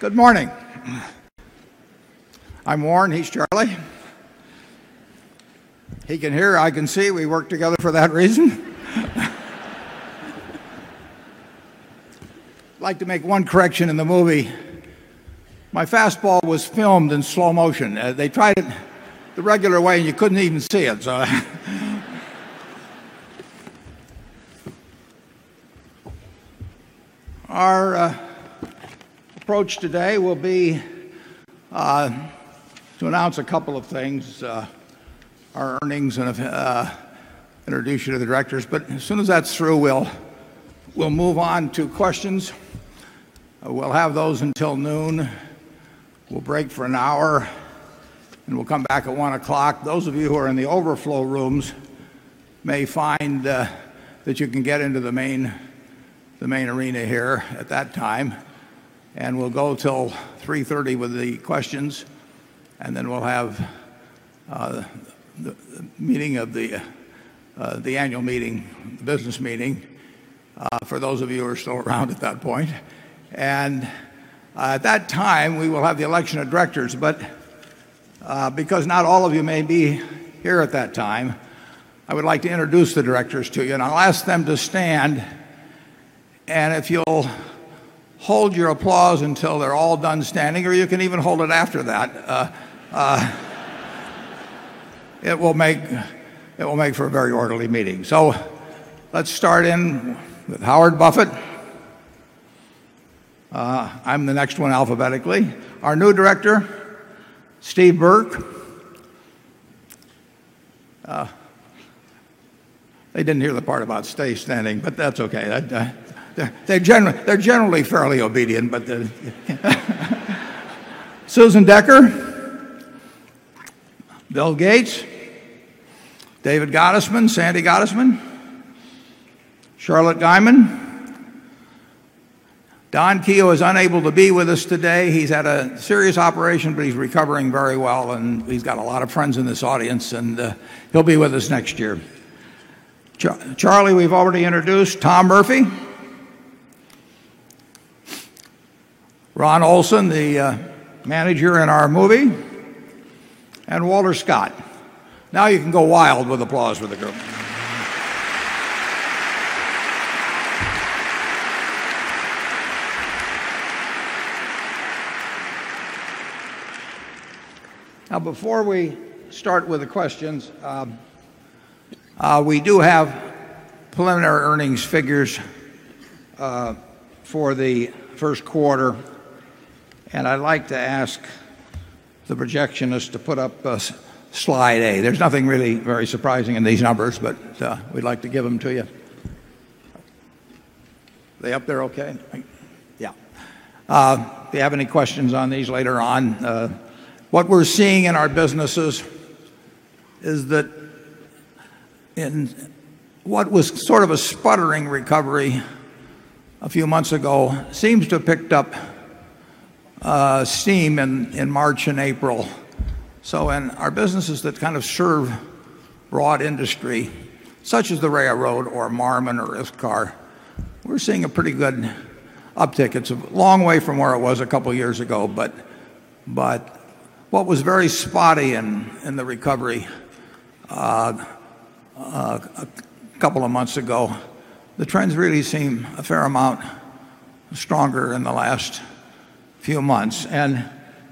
Good morning. I'm Warren. He's Charlie. He can hear. I can see. We work together for that reason. I'd like to make one correction in the movie. My fastball was filmed in slow motion. They tried it the regular way and you couldn't even see it. Our approach today will be to announce a couple of things, our earnings and introduce you to the directors. But as soon as that's through, we'll move on to questions. We'll have those until noon. We'll break for an hour, and we'll come back at 1 Those of you who are in the overflow rooms may find that you can get into the main arena here at that time. And we'll go till 3:30 with the questions. And then we'll have the meeting of the annual meeting, the business meeting, for those of you who are still around at that point. And at that time, we will have the election of directors. But because not all of you may be here at that time, I would like to introduce the directors to you. And I'll ask them to stand. And if you'll hold your applause until they're all done standing, or you can even hold it after that, it will make it will make for a very orderly meeting. So let's start in with Howard Buffett. I'm the next one alphabetically. Our new director, Steve Burke. They didn't hear the part about stay standing, but that's okay. They're generally fairly obedient. But Susan Decker, Bill Gates, David Gottesman, Sandy Gottesman, Charlotte Guymon. Don Keogh is unable to be with us today. He's had a serious operation, but he's recovering very well. And he's got a lot of friends in this audience, and he'll be with us next year. Charlie, we've already introduced Tom Murphy. Ron Olson, the manager in our movie. And Walter Scott. Now you can go wild with applause for the group. Now before we start with the questions, we do have preliminary earnings figures for the Q1. And I'd like to ask the projectionist to put up Slide A. There's nothing really very surprising in these numbers, but we'd like to give them to you. They up there okay? Yeah. If you have any questions on these later on, what we're seeing in our businesses is that what was sort of a sputtering recovery a few months ago seems to have picked up steam in March April. So in our businesses that kind of serve broad industry such as the railroad or Marmon or IFCAR, we're seeing a pretty good uptick. It's a long way from where it was a couple of years ago. But what was very spotty in the recovery a couple of months ago, the trends really seem a fair amount stronger in the last few months. And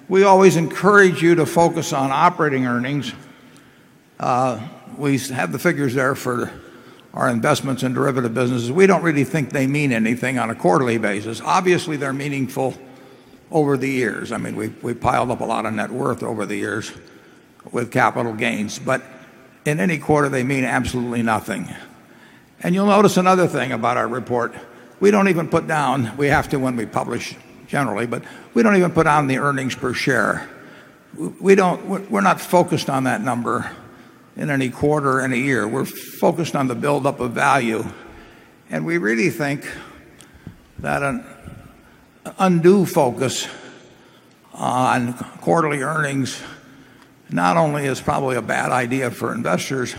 we always encourage you to focus on operating earnings. We have the figures there for our investments in derivative businesses. We don't really think they mean anything on a quarterly basis. Obviously, they're meaningful over the years. I mean, we piled up a lot of net worth over the years with capital gains. But in any quarter, they mean absolutely nothing. And you'll notice another thing about our report. We don't even put down we have to when we publish generally, but we don't even put down the earnings per share. We don't we're not focused on that number in any quarter, in a year. We're focused on the buildup of value. And we really think that an undue focus on quarterly earnings not only is probably a bad idea for investors,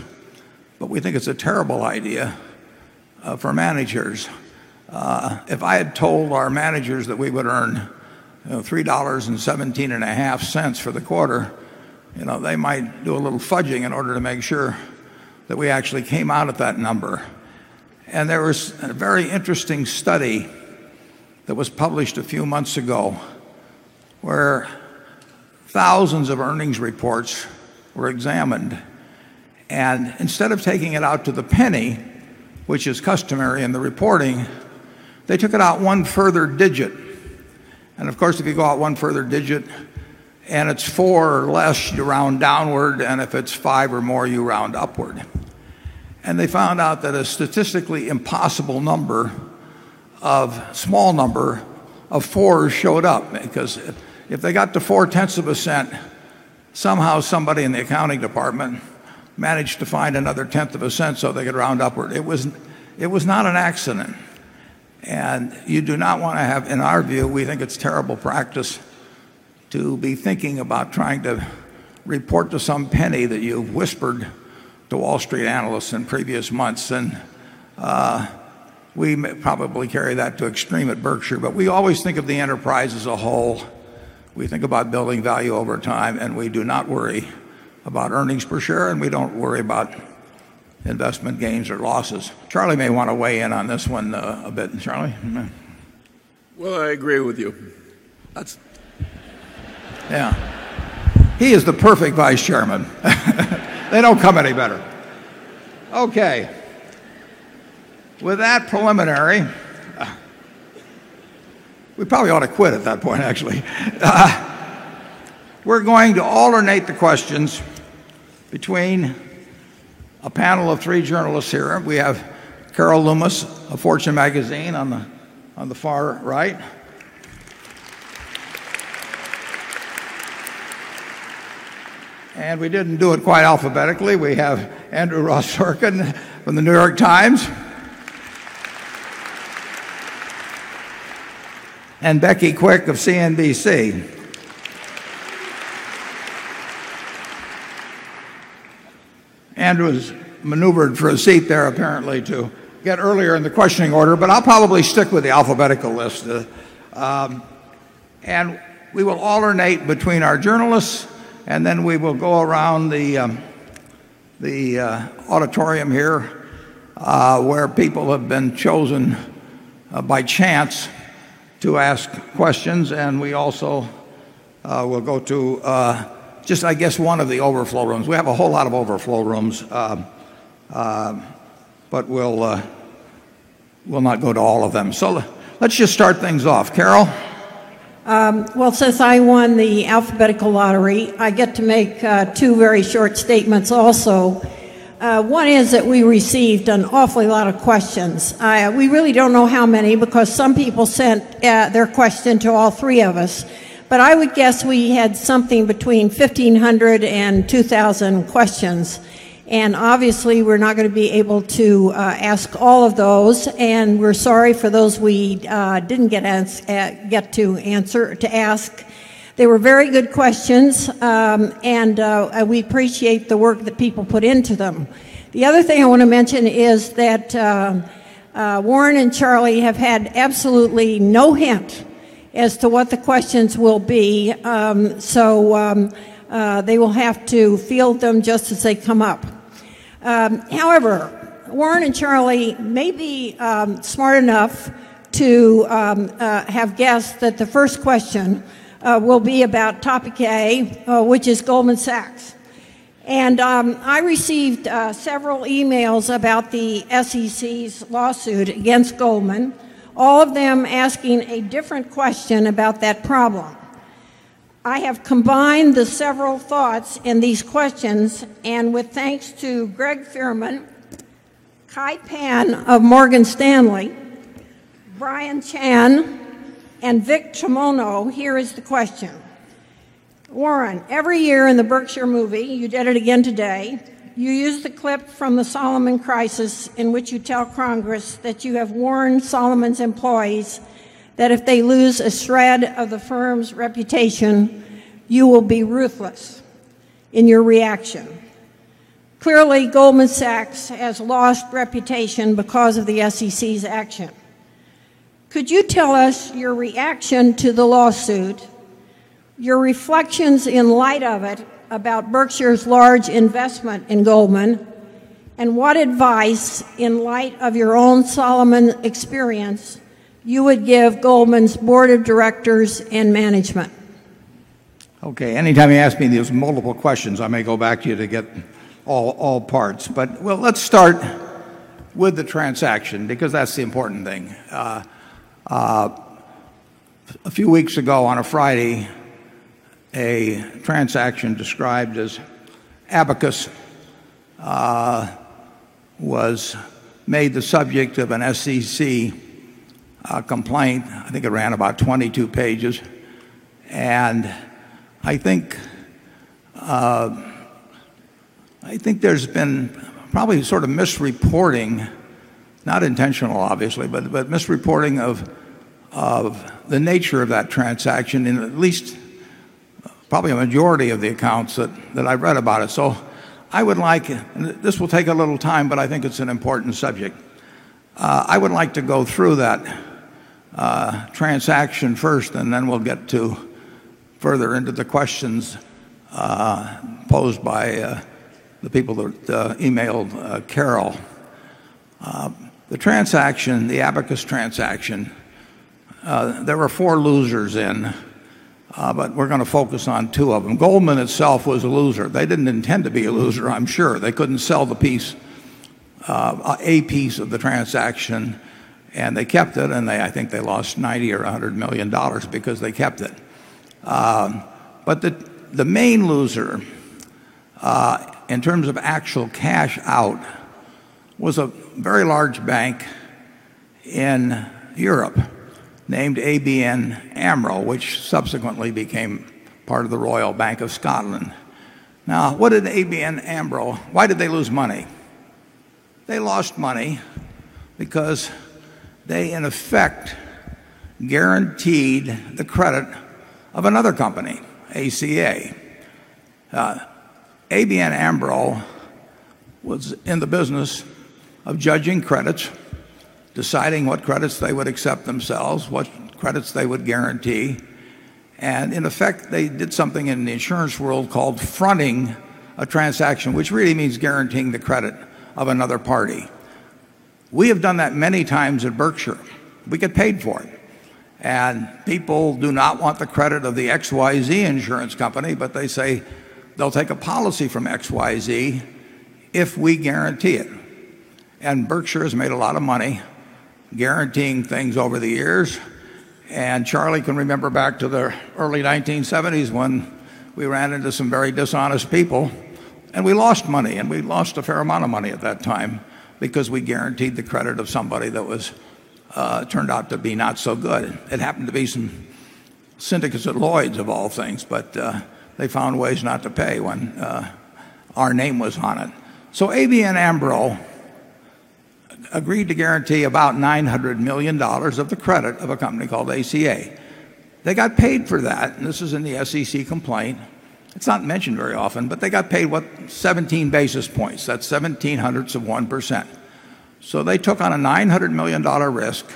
but we think it's a terrible idea for managers. If I had told our managers that we would earn $3.175 for the quarter, You know, they might do a little fudging in order to make sure that we actually came out at that number. And there was a very interesting study that was published a few months ago where thousands of earnings reports were examined. And instead of taking it out to the penny, which is customary in the reporting, they took it out one further digit. And of course, if you go out one further digit and it's 4 or less, you round downward. And if it's 5 or more, you round upward. And they found out that a statistically impossible number of small number of 4 showed up. Because if they got to 4 tenths of a cent, somehow somebody in the accounting department managed to find another tenth of a cent so they could round upward. It was not an accident. And you do not want to have in our view, we think it's terrible practice to be thinking about trying to report to some penny that you've whispered to Wall Street analysts in previous months. And we may probably carry that to extreme at Berkshire. But we always think of the enterprise as a whole. We think about building value over time and we do not worry about earnings per share and we don't worry about investment gains or losses. Charlie may want to weigh in on this one a bit. Charlie? Well, I agree with you. That's Yeah. He is the perfect Vice Chairman. They don't come any better. Okay. With that preliminary, we probably ought to quit at that point, actually. We're going to alternate the questions between a panel of 3 journalists here. We have Carol Loomis of Fortune Magazine on the far right. And we didn't do it quite alphabetically. We have Andrew Ross Shurkin from the New York Times. And Becky Quick of CNBC. Andrew has maneuvered for a seat there apparently to get earlier in the questioning order, but I'll probably stick with the alphabetical list. And we will alternate between our journalists and then we will go around the auditorium here, where people have been chosen by chance to ask questions. And we also will go to, just I guess one of the overflow rooms. We have a whole lot of overflow rooms. But we'll not go to all of them. So let's just start things off. Carol? Well, since I won the alphabetical lottery, I get to make 2 very short statements also. One is that we received an awfully lot of questions. We really don't know how many because some people sent their question to all 3 of us. But I would guess we had something between 15,021,000 questions. And obviously, we're not going to be able to ask all of those. And we are sorry for those we didn't get to answer to ask. They were very good questions. And we appreciate the work that people put into them. The other thing I want to mention is that Warren and Charlie have had absolutely no hint as to what the questions will be. So they will have to field them just as they come up. However, Warren and Charlie may be smart enough to have guessed that the first question will be about topic A, which is Goldman Sachs. And I received several emails about the SEC's law suit against Goldman, all of them asking a different question about that problem. I have combined the several thoughts in these questions. And with thanks to Greg Fuhrman, Kai Pan of Morgan Stanley, Brian Chan, and Vic Tumono, here is the question. Warren, every year in the Berkshire movie, you did it again today, you use the clip from the Solomon crisis in which you tell Congress that you have warned Solomon's employees that if they lose a shred of the firm's reputation, you will be ruthless in your reaction. Clearly, Goldman Sachs has lost reputation because of the SEC's action. Could you tell us your reaction to the lawsuit, your reflections in light of it about Berkshire's large investment in Goldman and what advice in light of your own Solomon experience you would give Goldman's Board of Directors and Management? Okay. Anytime you ask me these multiple questions, I may go back to you to get all parts. But let's start with the transaction because that's the important thing. A few weeks ago on a Friday, a transaction described as abacus was made the subject of an SEC complaint. I think it ran about 22 pages. And I think, I think there's been probably sort of misreporting, not intentional obviously, but misreporting of the nature of that transaction in at least probably a majority of the accounts that I read about it. So I would like this will take a little time, but I think it's an important subject. I would like to go through that transaction first, and then we'll get further into the questions posed by the people that emailed Carol. The transaction, the Abacus transaction, there were 4 losers in, but we're going to focus on 2 of them. Goldman itself was a loser. They didn't intend to be a loser, I'm sure. They couldn't sell the piece, a piece of the transaction. And they kept it. And I think they lost $90,000,000 or $100,000,000 because they kept it. But the main loser, in terms of actual cash out, was a very large bank in Europe named ABN AMRO, which subsequently became part of the Royal Bank of Scotland. Now what did ABN AMRO, why did they lose money? They lost money because they, in effect, guaranteed the credit of another company, ACA. ABN Ambrell was in the business of judging credits, deciding what credits they would accept themselves, what credits they would guarantee. And in effect, they did something in the insurance world called fronting a transaction, which really means guaranteeing the credit of another party. We have done that many times at Berkshire. We get paid for it. And people do not want the credit of the XYZ insurance company, but they say they'll take a policy from XYZ if we guarantee it. And Berkshire has made a lot of money guaranteeing things over the years. And Charlie can remember back to the early 1970s when we ran into some very dishonest people. And we lost money. And we lost a fair amount of money at that time because we guaranteed the credit of somebody that was turned out to be not so good. It happened to be some syndicates at Lloyd's of all things, but they found ways not to pay when our name was on it. So ABN AMRO agreed to guarantee about $900,000,000 of the credit of a company called ACA. They got paid for that and this is in the SEC complaint. It's not mentioned very often, but they got paid, what, 17 basis points. That's 1700s of 1%. So they took on a $900,000,000 risk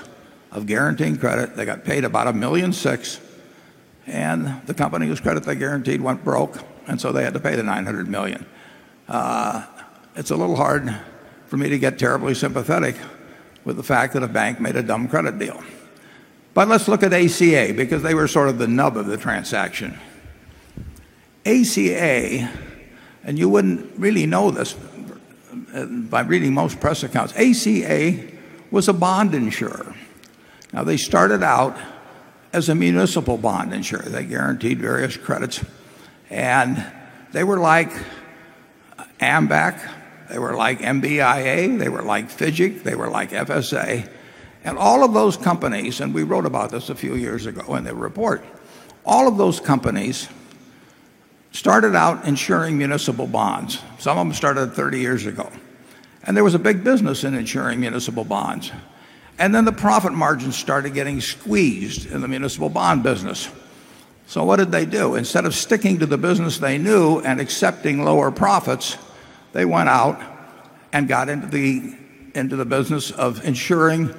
of guaranteeing credit. They got paid about $1,600,000 And the company whose credit they guaranteed went broke. And so they had to pay the 900,000,000 dollars It's a little hard for me to get terribly sympathetic with the fact that a bank made a dumb credit deal. But let's look at ACA because they were sort of the nub of the transaction. ACA and you wouldn't really know this by reading most press accounts, ACA was a bond insurer. Now they started out as a municipal bond insurer. They guaranteed various credits. And they were like Ambac. They were like MBIA. They were like FIDGIC. They were like FSA. And all of those companies and we wrote about this a few years ago in the report. All of those companies started out insuring municipal bonds. Some of them started 30 years ago. And there was a big business in insuring municipal bonds. And then the profit margins started getting squeezed in the municipal bond business. So what did they do? Instead of sticking to the business they knew and accepting lower profits, they went out and got into the business of ensuring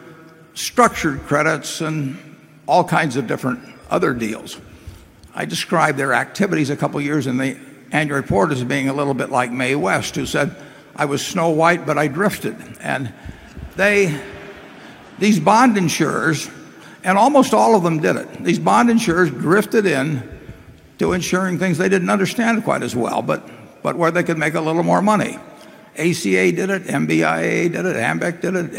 structured credits and all kinds of different other deals. I described their activities a couple of years in the annual report as being a little bit like Mae West who said, I was Snow White, but I drifted. And they these bond insurers and almost all of them did it. These bond insurers drifted in to ensuring things they didn't understand quite as well, but but where they could make a little more money. ACA did it. MBIA did it. Ambecc did it.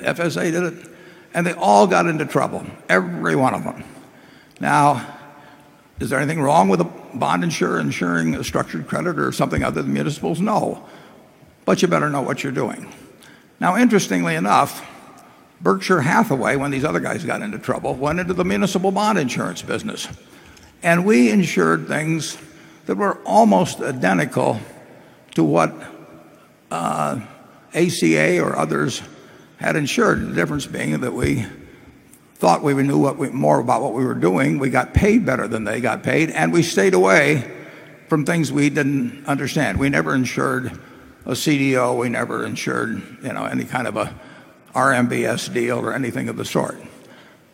FSA did it. And they all got into trouble. Every one of them. Now, is there anything wrong with a bond insurer ensuring a structured creditor or something other than municipals? No. But you better know what you're doing. Now interestingly enough, Berkshire Hathaway, when these other guys got into trouble, went into the municipal bond insurance business. And we insured things that were almost identical to what ACA or others had insured. The difference being that we thought we knew more about what we were doing. We got paid better than they got paid. And we stayed away from things we didn't understand. We never insured a CDO. We never insured any kind of RMBS deal or anything of the sort.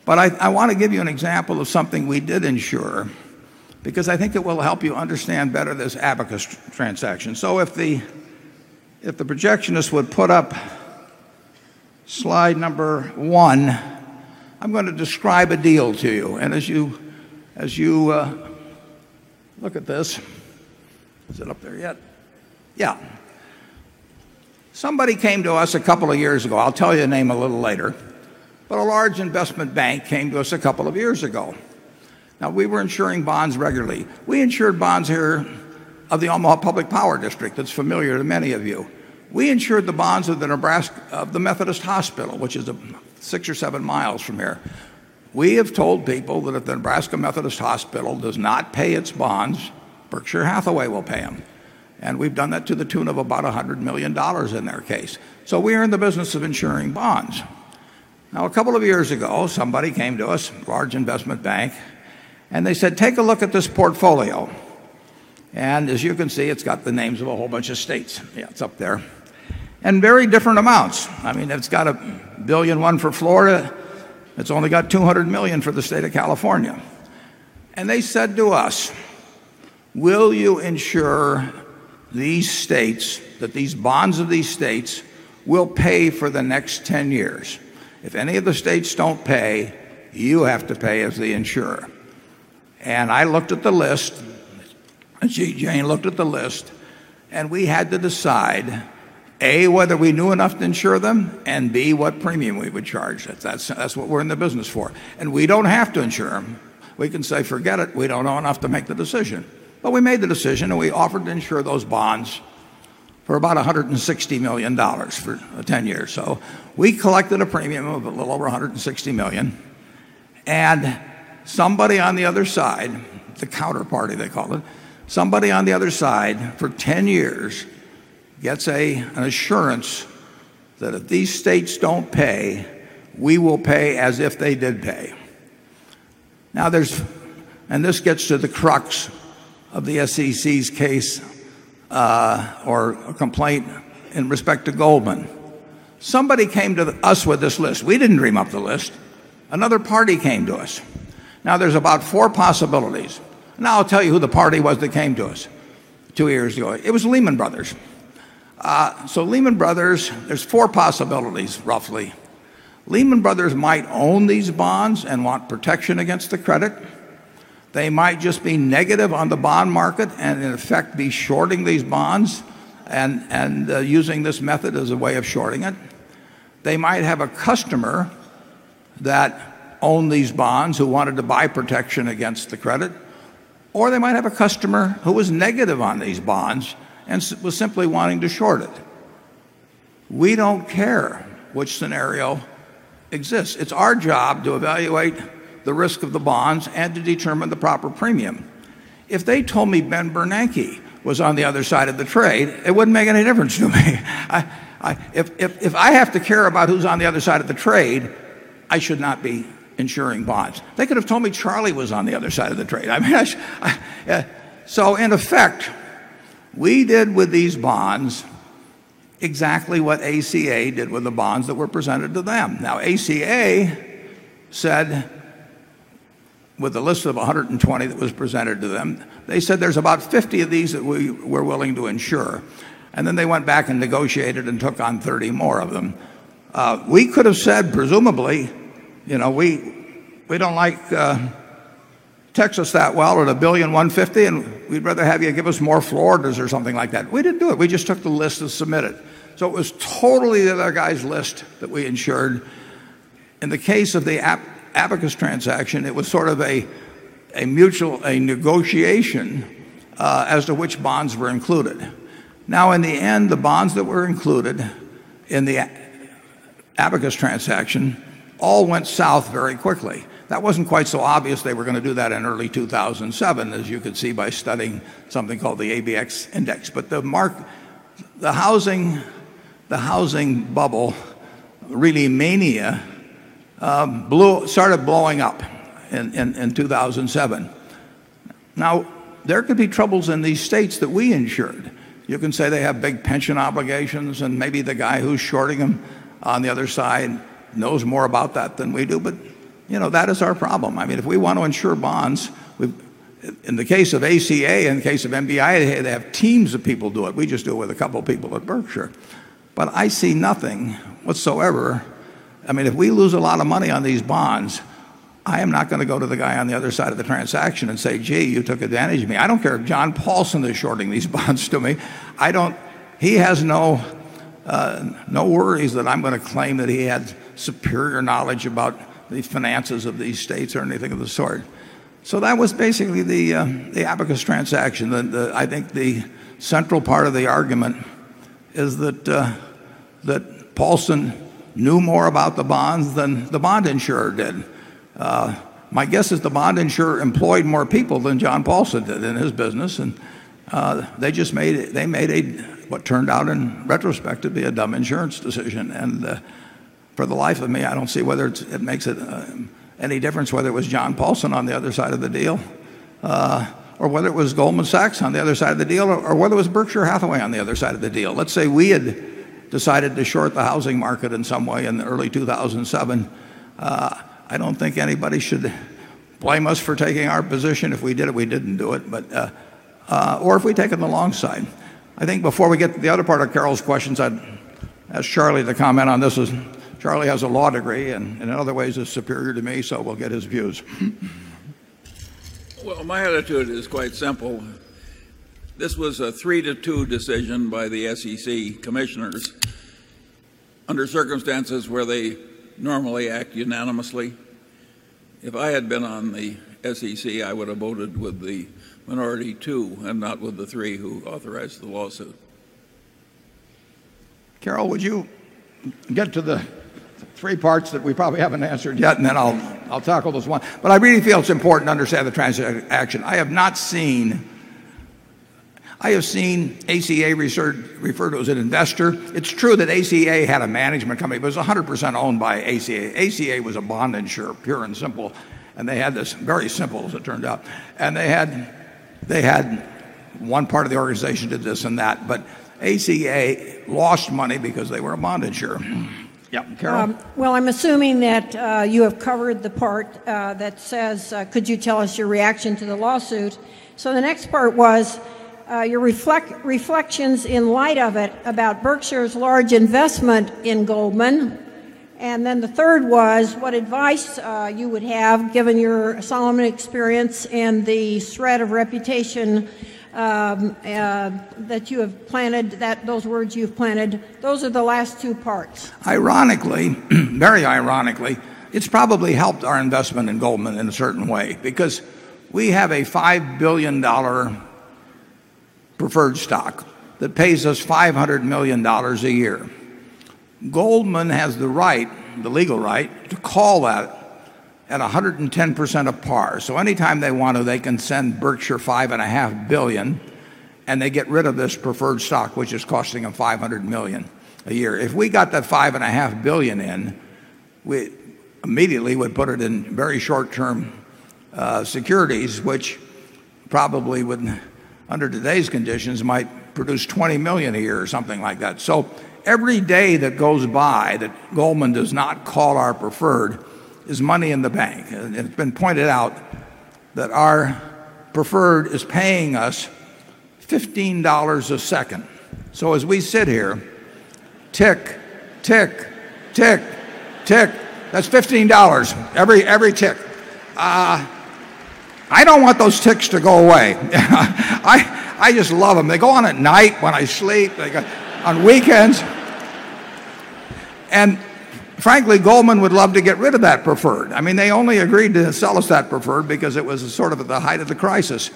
But I want to give you an example of something we did insure because I think it will help you understand better this Abacus transaction. So if the projectionist would put up slide number 1, I'm going to describe a deal to you. And as you look at this, Is it up there yet? Yeah. Somebody came to us a couple of years ago. I'll tell you the name a little later. But a large investment bank came to us a couple of years ago. Now we were insuring bonds regularly. We insured bonds here of the Omaha Public Power District that's familiar to many of you. We insured the bonds of the Nebraska of the Methodist Hospital, which is 6 or 7 miles from here. We have told people that if the Nebraska Methodist Hospital does not pay its bonds, Berkshire Hathaway will pay them. And we've done that to the tune of about $100,000,000 in their case. So we are in the business of insuring bonds. Now, a couple of years ago, somebody came to us, large investment bank, and they said, take a look at this portfolio. And as you can see, it's got the names of a whole bunch of states. Yes, it's up there. And very different amounts. I mean, it's got $1,100,000,000 for Florida. It's only got $200,000,000 for the state of California. And they said to us, will you ensure these states that these bonds of these states will pay for the next 10 years. If any of the states don't pay, you have to pay as the insurer. And I looked at the list. Jane looked at the list. And we had to decide, A, whether we knew enough to insure them and b, what premium we would charge. That's what we're in the business for. And we don't have to insure them. We can say, forget it, we don't owe enough to make the decision. But we made the decision and we offered to insure those bonds for about $160,000,000 for 10 years. So we collected a premium of a little over 100 and $60,000,000 And somebody on the other side, the counterparty they call it, somebody on the other side for 10 years gets an assurance that if these states don't pay, we will pay as if they did pay. Now there's and this gets to the crux of the SEC's case or complaint in respect to Goldman. Somebody came to us with this list. We didn't dream up the list. Another party came to us. Now there's about 4 possibilities. Now I'll tell you who the party was that came to us 2 years ago. It was Lehman Brothers. So Lehman Brothers there's 4 possibilities roughly. Lehman Brothers might own these bonds and want protection against the credit. They might just be negative on the bond market and, in effect, be shorting these bonds and using this method as a way of shorting it. They might have a customer that owned these bonds who wanted to buy protection against the credit, or they might have a customer who was negative on these bonds and was simply wanting to short it. We don't care which scenario exists. It's our job to evaluate the risk of the bonds and to determine the proper premium. If they told me Ben Bernanke was on the other side of the trade, it wouldn't make any difference to me. If I have to care about who's on the other side of the trade, I should not be insuring bonds. They could have told me Charlie was on the other side of the trade. So in effect, we did with these bonds exactly what ACA did with the bonds that were presented to them. Now ACA said with a list of 120 that was presented to them, they said there's about 50 of these that we're willing to insure. Then they went back and negotiated and took on 30 more of them. We could have said presumably, we don't like Texas that well at $1,150,000,000 and we'd rather have you give us more Florida's or something like that. We didn't do it. We just took the list and submit it. So it was totally the other guys list that we insured. In the case of the Abacus transaction, it was sort of a mutual negotiation as to which bonds were included. Now in the end, the bonds that were included in the Abacus transaction all went south very quickly. That wasn't quite so obvious. They were going to do that in early 2007, as you could see by studying something called the ABX index. But the mark the housing bubble, really mania, blew started blowing up in 2007. Now, there could be troubles in these states that we insured. You can say they have big pension obligations and maybe the guy who's shorting them on the other side knows more about that than we do. But that is our problem. I mean, if we want to ensure bonds, in the case of ACA, in the case of MBI, they have teams of people do it. We just do it with a couple of people at Berkshire. But I see nothing whatsoever. I mean, if we lose a lot of money on these bonds, I am not going to go to the guy on the other side of the transaction and say, gee, you took advantage of me. I don't care if John Paulson is shorting these bonds to me. I don't he has no no worries that I'm gonna claim that he had superior knowledge about the finances of these states or anything of the sort. So that was basically the, the Abacus transaction. The the I think the central part of the argument is that Paulson knew more about the bonds than the bond insurer did. My guess is the bond insurer employed more people than John Paulson did in his business. And they just made they made what turned out in retrospect to be a dumb insurance decision. And for the life of me, I don't see whether it makes any difference whether it was John Paulson on the other side of the deal or whether it was Goldman Sachs on the other side of the deal or whether it was Berkshire Hathaway on the other side of the deal. Let's say we had decided to short the housing market in some way in the early 2007. I don't think anybody should blame us for taking our position. If we did it, we didn't do it. But, or if we take it alongside. I think before we get to the other part of Carol's questions, I'd ask Charlie to comment on this. Charlie has a law degree and in other ways is superior to me, so we'll get his views. Well, my attitude quite simple. This was a 3 to 2 decision by the SEC commissioners under circumstances where they normally act unanimously. If I had been on the SEC, I would have voted with the minority too and not with the 3 who authorized the lawsuit. Carol, would you get to the 3 parts that we probably haven't answered yet and then I'll tackle this one. But I really feel it's important to understand the transaction. I have not seen I have seen ACA referred to as an investor. It's true that ACA had a management company. It was 100% owned by ACA. ACA was a bond insurer, pure and simple. They had this very simple as it turned out. And they had one part of the organization did this and that. But ACA lost money because they were a bond insurer. Well, I'm assuming that you have covered the part that says, could you tell us your reaction to the lawsuit? So the next part was your reflections in light of it about Berkshire's large investment in Goldman. And then the third was what advice you would have given your Solomon experience and the threat of reputation that you have planted that those words you've planted. Those are the last two parts. Ironically, very ironically, it's probably helped our investment in Goldman in a certain way because we have a $5,000,000,000 preferred stock that pays us $500,000,000 a year. Goldman has the right, the legal right, to call that at 110 percent of par. So anytime they want to, they can send Berkshire $5,500,000,000 And they get rid of this preferred stock, which is costing them 500,000,000 dollars a year. If we got that $5,500,000,000 in, we immediately would put it in very short term securities, which probably wouldn't under today's conditions might produce $20,000,000 a year or something like that. So every day that goes by that Goldman does not call our preferred is money in the bank. And it's been pointed out that our preferred is paying us $15 a second. So as we sit here, tick, tick, tick, tick. That's $15 every tick. I don't want those ticks to go away. I just love them. They go on at night when I sleep. They go on weekends. And frankly, Goldman would love to get rid of that preferred. I mean, they only agreed to sell us that preferred because it was sort of at the height of the crisis.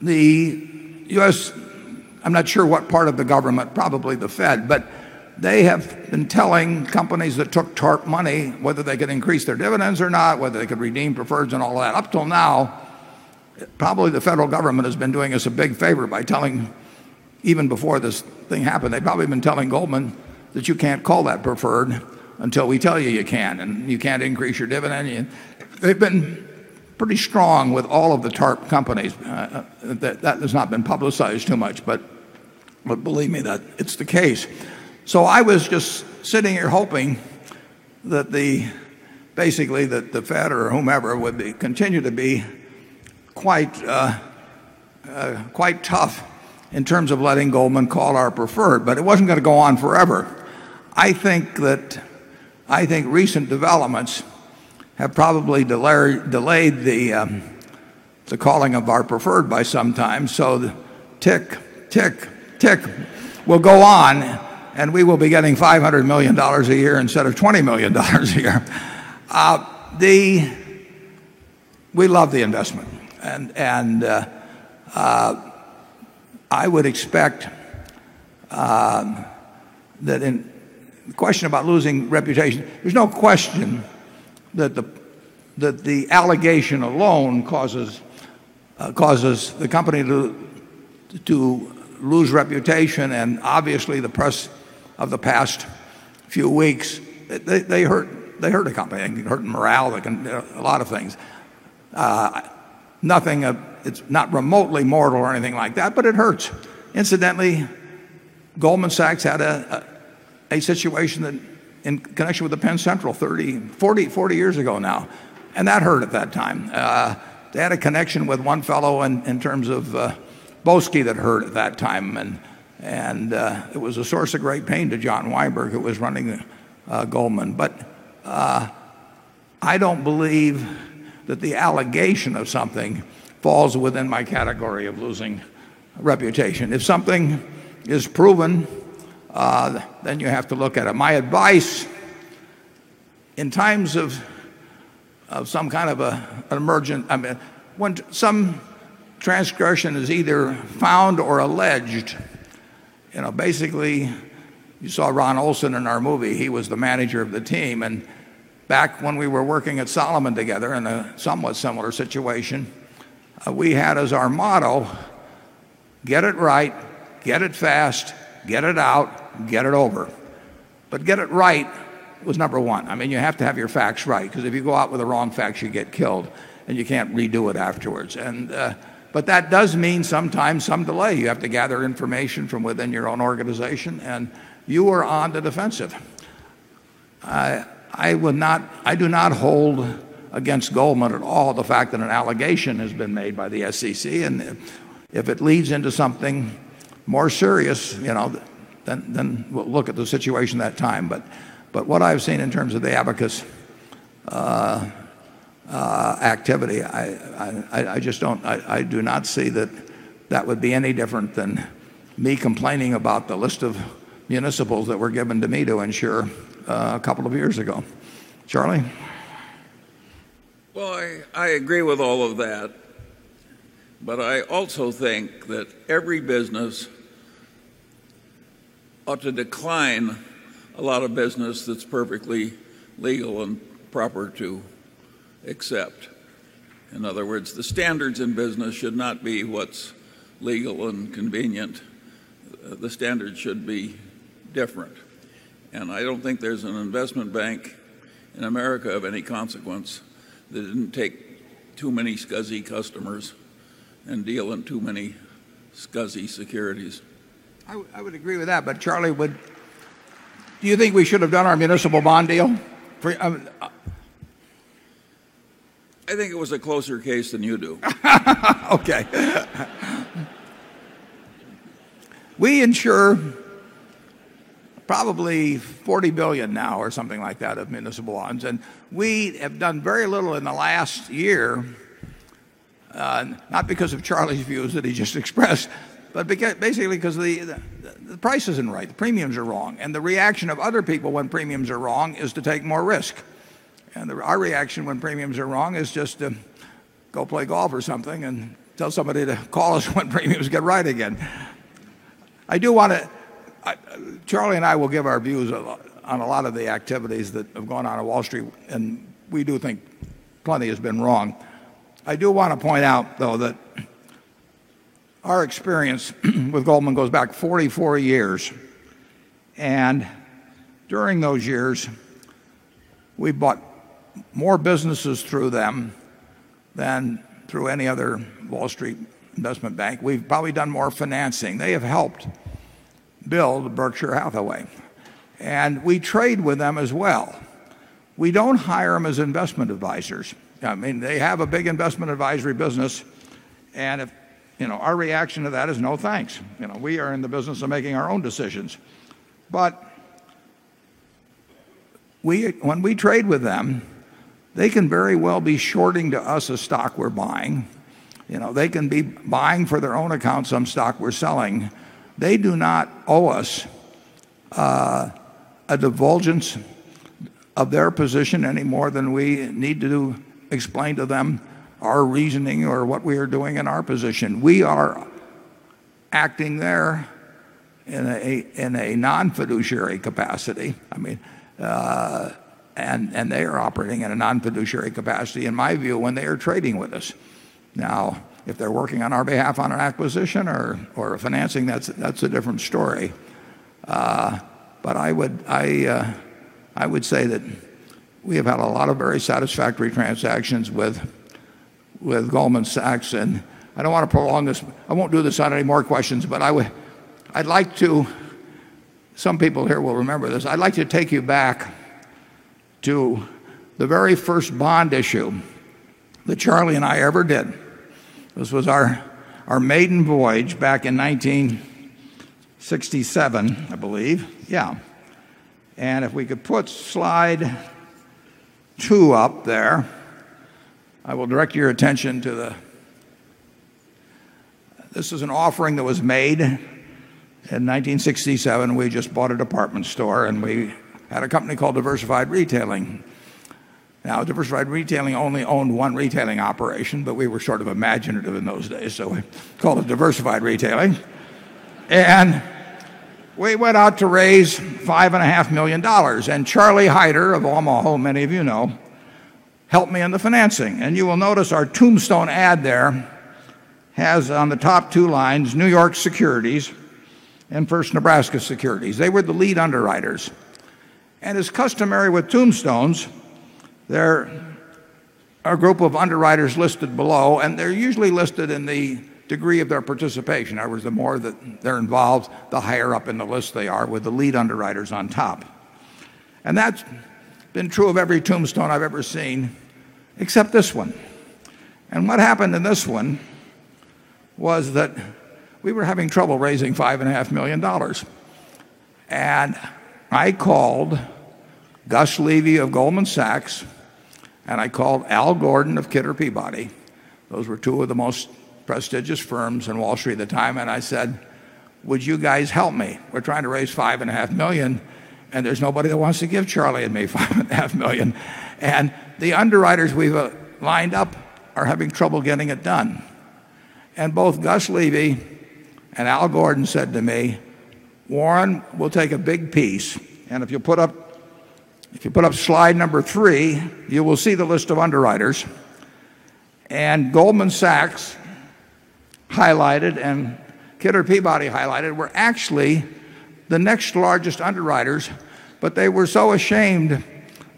The US I'm not sure what part of the government, probably the Fed. But they have been telling companies that took TARP money whether they could increase their dividends or not, whether they could redeem preferreds and all that up till now. Probably the federal government has been doing us a big favor by telling even before this thing happened, they've probably been telling Goldman that you can't call that preferred until we tell you you can. And you can't increase your dividend. They've been pretty strong with all of the TARP companies. That has not been publicized too much. But believe me, that it's the case. So I was just sitting here hoping that the basically that the Fed or whomever would be continue to be quite tough in terms of letting Goldman call our preferred. But it wasn't going to go on forever. I think that I think recent developments have probably delayed the calling of our preferred by some time. So tick, tick, tick will go on and we will be getting $500,000,000 a year instead of $20,000,000 a year. We love the investment. And I would expect that in the question about losing reputation, there's no question that the allegation alone causes causes the company to lose reputation. And obviously, the press of the past few weeks, they hurt they hurt a company. They hurt morale. They can do a lot of things. Nothing It's not remotely mortal or anything like that, but it hurts. Incidentally, Goldman Sachs had a situation that in connection with the Penn Central 30, 40, 40 years ago now. And that hurt at that time. They had a connection with 1 fellow in terms of Boesky that heard at that time. And it was a source of great pain to John Wyberg who was running Goldman. But I don't believe that the allegation of something falls within my category of losing reputation. If something is proven, then you have to look at it. My advice in times of some kind of an emergent I mean, when some transgression is either found or alleged, basically, you saw Ron Olson in our movie. He was the manager of the team. And back when we were working at Solomon together in a somewhat similar situation, we had as our motto, get it right, get it fast, get it out, get it over. But get it right was number 1. I mean, you have to have your facts right. Because if you go out with the wrong facts, you get killed. And you can't redo it afterwards. And, but that does mean sometimes some delay. You have to gather information from within your own organization. And you are on the defensive. I will not I do not hold against Goldman at all the fact that an allegation has been made by the SEC. And if it leads into something more serious, then we'll look at the situation that time. But what I've seen in terms of the abacus activity, I just don't I do not see that that would be any different than me complaining about the list of municipals that were given to me to ensure a couple of years ago. Charlie? Well, I agree with all of that. But I also think that every business ought to decline a lot of business that's perfectly legal and proper to accept. In other words, the standards in business should not be what's legal and convenient. The standard should be different. And I don't think there's an investment bank in America of any consequence that didn't take too many scuzzy customers and deal in too many scuzzy securities. I would agree with that. But Charlie, would do you think we should have done our municipal bond deal? I think it was a closer case than you do. Okay. We insure probably $40,000,000,000 now or something like that of municipal ones. And we have done very little in the last year, not because of Charlie's views that he just expressed, but basically because the price isn't right. The premiums are wrong. And the reaction of other people when premiums are wrong is to take more risk. And our reaction when premiums are wrong is just to go play golf or something and tell somebody to call us when premiums get right again. I do want to Charlie and I will give our views on a lot of the activities that have gone on at Wall Street, and we do think plenty has been wrong. I do want to point out though that our experience with Goldman goes back 44 years. And during those years, we bought more businesses through them than through any other Wall Street Investment Bank. We've probably done more financing. They have helped build Berkshire Hathaway. And we trade with them as well. We don't hire them as investment advisors. I mean, they have a big investment advisory business. And you know, our reaction to that is no thanks. You know, we are in the business of making our own decisions. But we when we trade with them, they can very well be shorting to us a stock we're buying. You know, they can be buying for their own account some stock we're selling. They do not owe us, a divulgence of their position any more than we need to explain to them our reasoning or what we are doing in our position. We are acting there in a non fiduciary capacity. I mean, and they are operating in a non fiduciary capacity in my view when they are trading with us. Now if they're working on our behalf on our acquisition or financing, that's a different story. But I would say that we have had a lot of very satisfactory transactions with Goldman Sachs. And I don't want to prolong this. I won't do this on any more questions. But I'd like to some people here will remember this. I'd like to take you back to the very first bond issue that Charlie and I ever did. This was our maiden voyage back in 1967, I believe. Yeah. And if we could put Slide 2 up there, I will direct your attention to the this is an offering that was made in 1967. We just bought a department store and we had a company called Diversified Retailing. Now Diversified Retailing only owned one retailing operation, but we were sort of imaginative in those days. So we called it Diversified Retailing. And we went out to raise $5,500,000 And Charlie Hyder of Omaha, many of you know, helped me in the financing. And you will notice our tombstone ad there has on the top two lines, New York Securities and First Nebraska Securities. They were the lead underwriters. And as customary with tombstones, there are a group of underwriters listed below. And they're usually listed in the degree of their participation. That was the more that they're involved, the higher up in the list they are with the lead underwriters on top. And that's been true of every tombstone I've ever seen, except this one. And what happened in this one was that we were having trouble raising $5,500,000 And I called Gus Levy of Goldman Sachs and I called Al Gordon of Kidder Peabody. Those were 2 of the most prestigious firms in Wall Street at the time. And I said, would you guys help me? We're trying to raise $5,500,000 and there's nobody that wants to give Charlie and me $5,500,000 And the underwriters we've lined up are having trouble getting it done. And both Gus Levy and Al Gordon said to me, Warren will take a big piece. And if you put up if you put up slide number 3, you will see the list of underwriters. And Goldman Sachs highlighted and Kidder Peabody highlighted were actually the next largest underwriters. But they were so ashamed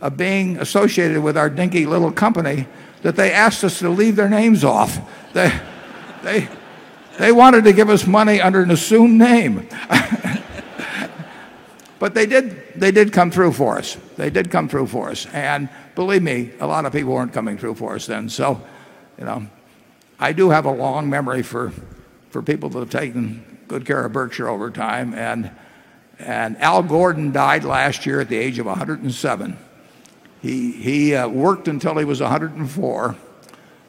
of being associated with our dinky little company that they asked us to leave their names off. They they They wanted to give us money under an assumed name. But they did come through for us. They did come through for us. And believe me, a lot of people weren't coming through for us then. So, you know, I do have a long memory for for people who have taken good care of Berkshire over time. And and Al Gordon died last year at the age of 107. He worked until he was 104.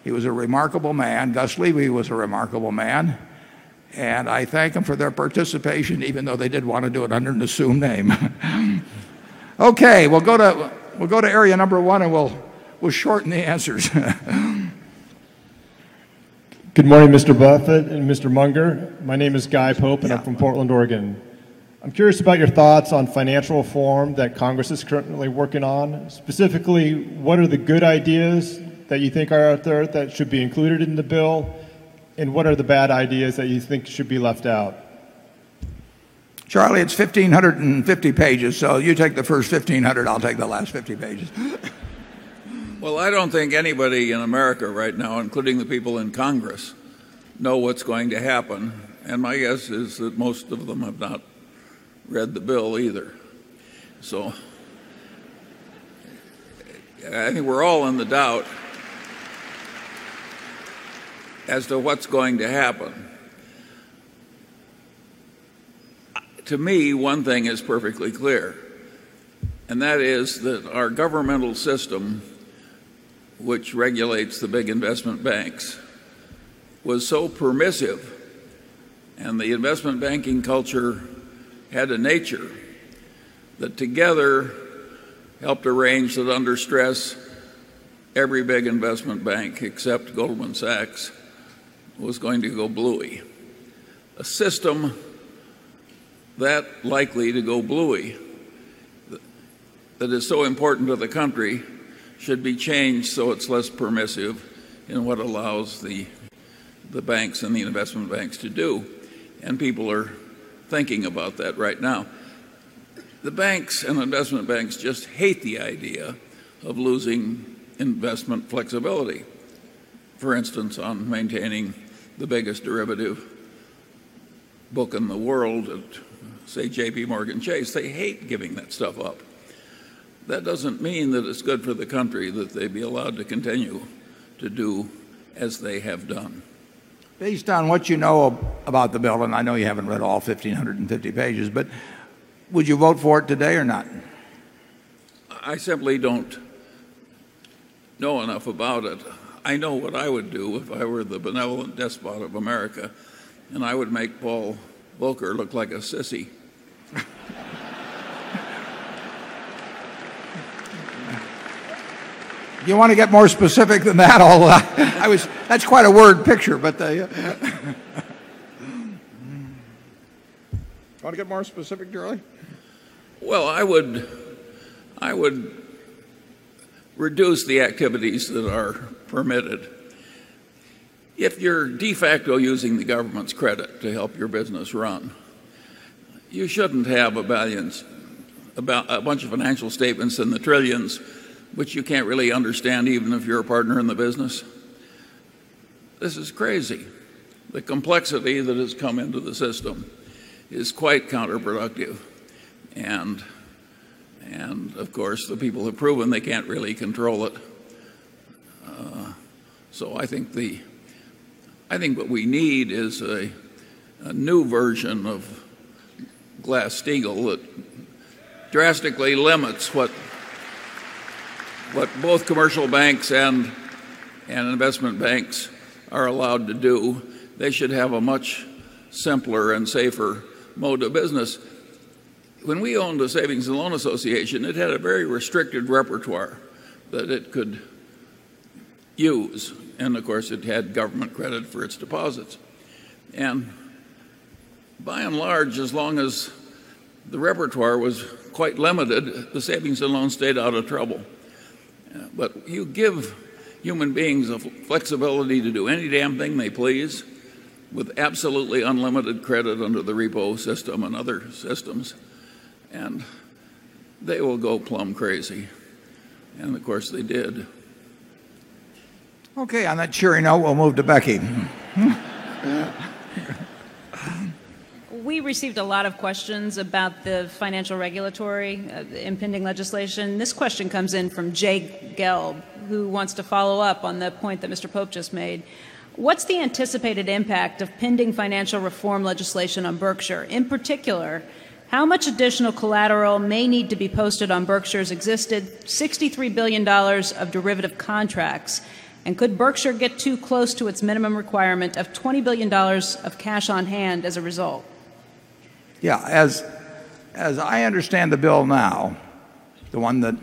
He was a remarkable man. Gus Levy was a remarkable man. And I thank him for their participation even though they did want to do it under an assumed name. Okay. We'll go to area number 1 and we'll shorten the answers. Good morning, mister Buffet and mister Munger. My name is Guy Pope, and I'm from Portland, Oregon. I'm curious about your thoughts on financial reform that Congress is currently working on. Specifically, what are the good ideas that you think are out there that should be included in the bill? And what are the bad ideas that you think should be left out? Charlie, it's 1550 pages. So you take the first 1500, I'll take the last 50 pages. Well, I don't think anybody in America right now including the people in Congress know what's going to happen and my guess is that most of them have not read the bill either. So, I think we're all in the doubt as to what's going to happen. To me, one thing is perfectly clear. And that is that our governmental system, which regulates the big investment banks, was so permissive and the investment banking culture had a nature that together helped arrange that under stress every big investment bank except Goldman Sachs was going to go bluey. A system that likely to go bluey, that is so important to the country should be changed so it's less permissive in what allows the banks and the investment banks to do. And people are thinking about that right now. The banks and investment banks just hate the idea of losing investment flexibility. For instance, on maintaining the biggest derivative book in the world, say, JPMorgan Chase. They hate giving that stuff up. That doesn't mean that it's good for the country that they'd be allowed to continue to do as they have done. Based on what you know about the bill, and I know you haven't read all 1550 pages, but would you vote for it today or not? I simply don't know enough about it. I know what I would do if I were the benevolent despot of America and I would make Paul Volcker look like a sissy. You want to get more specific than that? I'll that's quite a word picture, but Want to get more specific, Jerry? Well, I would reduce the activities that are permitted. If you're de facto using the government's credit to help your business run, you shouldn't have a balance bunch of financial statements in the trillions which you can't really understand even if you're a partner in the business. This is crazy. The complexity that has come into the system is quite counterproductive. And of course, the people have proven they can't really control it. So I think the I think what we need is a new version of Glass Steagall that drastically limits what both commercial banks and investment banks are allowed to do, they should have a much simpler and safer mode of business. When we owned the Savings and Loan Association it had a very restricted repertoire that it could use. And of course it had government credit for its deposits. And by and large as long as the repertoire was quite limited, the savings alone stayed out of trouble. But you give human beings the flexibility to do any damn thing they please with absolutely unlimited credit under the repo system and other systems and they will go plum crazy. And of course they did. Okay. On that cheering, now we'll move to Becky. We received a lot of questions about the financial regulatory impending legislation. This question comes in from Jay Gelb, who wants to follow-up on the point that Mr. Pope just made. What's the anticipated impact of pending financial reform legislation on Berkshire? In particular, how much additional collateral may need to be posted on Berkshire's existed $63,000,000,000 of derivative contracts? And could Berkshire get too close to its minimum requirement of $20,000,000,000 of cash on hand as a result? Yeah. As I understand the bill now, the one that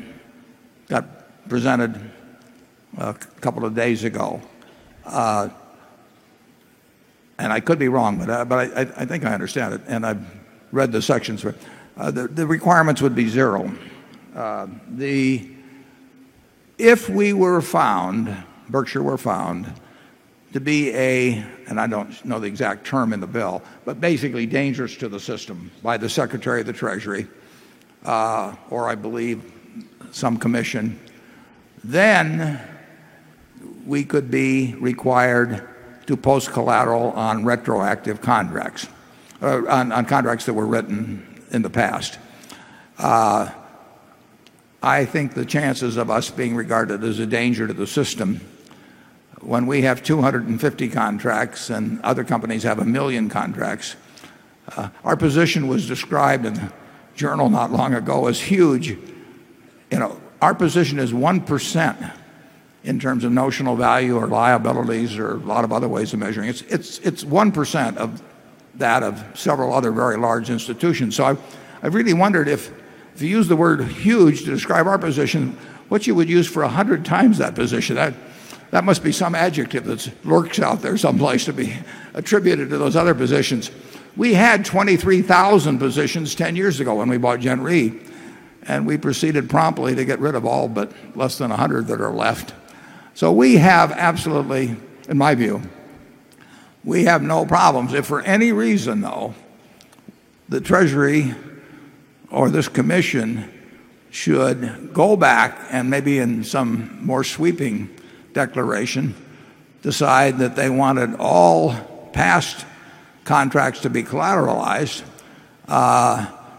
got presented a couple of days ago, And I could be wrong, but I think I understand it. And I've read the sections. The requirements would be 0. If we were found, Berkshire were found to be a and I don't know the exact term in the bill, but basically dangerous to the system by the Secretary of the Treasury or I believe some commission, then we could be required to post collateral on retroactive contracts or on contracts that were written in the past. I think the chances of us being regarded as a danger to the system when we have 250 contracts and other companies have 1,000,000 contracts. Our position was described in the journal not long ago as huge. Our position is 1% in terms of notional value or liabilities or a lot of other ways of measuring. It. It's 1% of that of several other very large institutions. So I really wondered if you use the word huge to describe our position, what you would use for 100 times that position. That must be some adjective that works out there someplace to be attributed to those other positions. We had 23,000 positions 10 years ago when we bought Gen Re. And we proceeded promptly to get rid of all but less than 100 that are left. So we have absolutely in my view, we have no problems. If for any reason though, the Treasury or this Commission should go back and maybe in some more sweeping declaration decide that they wanted all past contracts to be collateralized,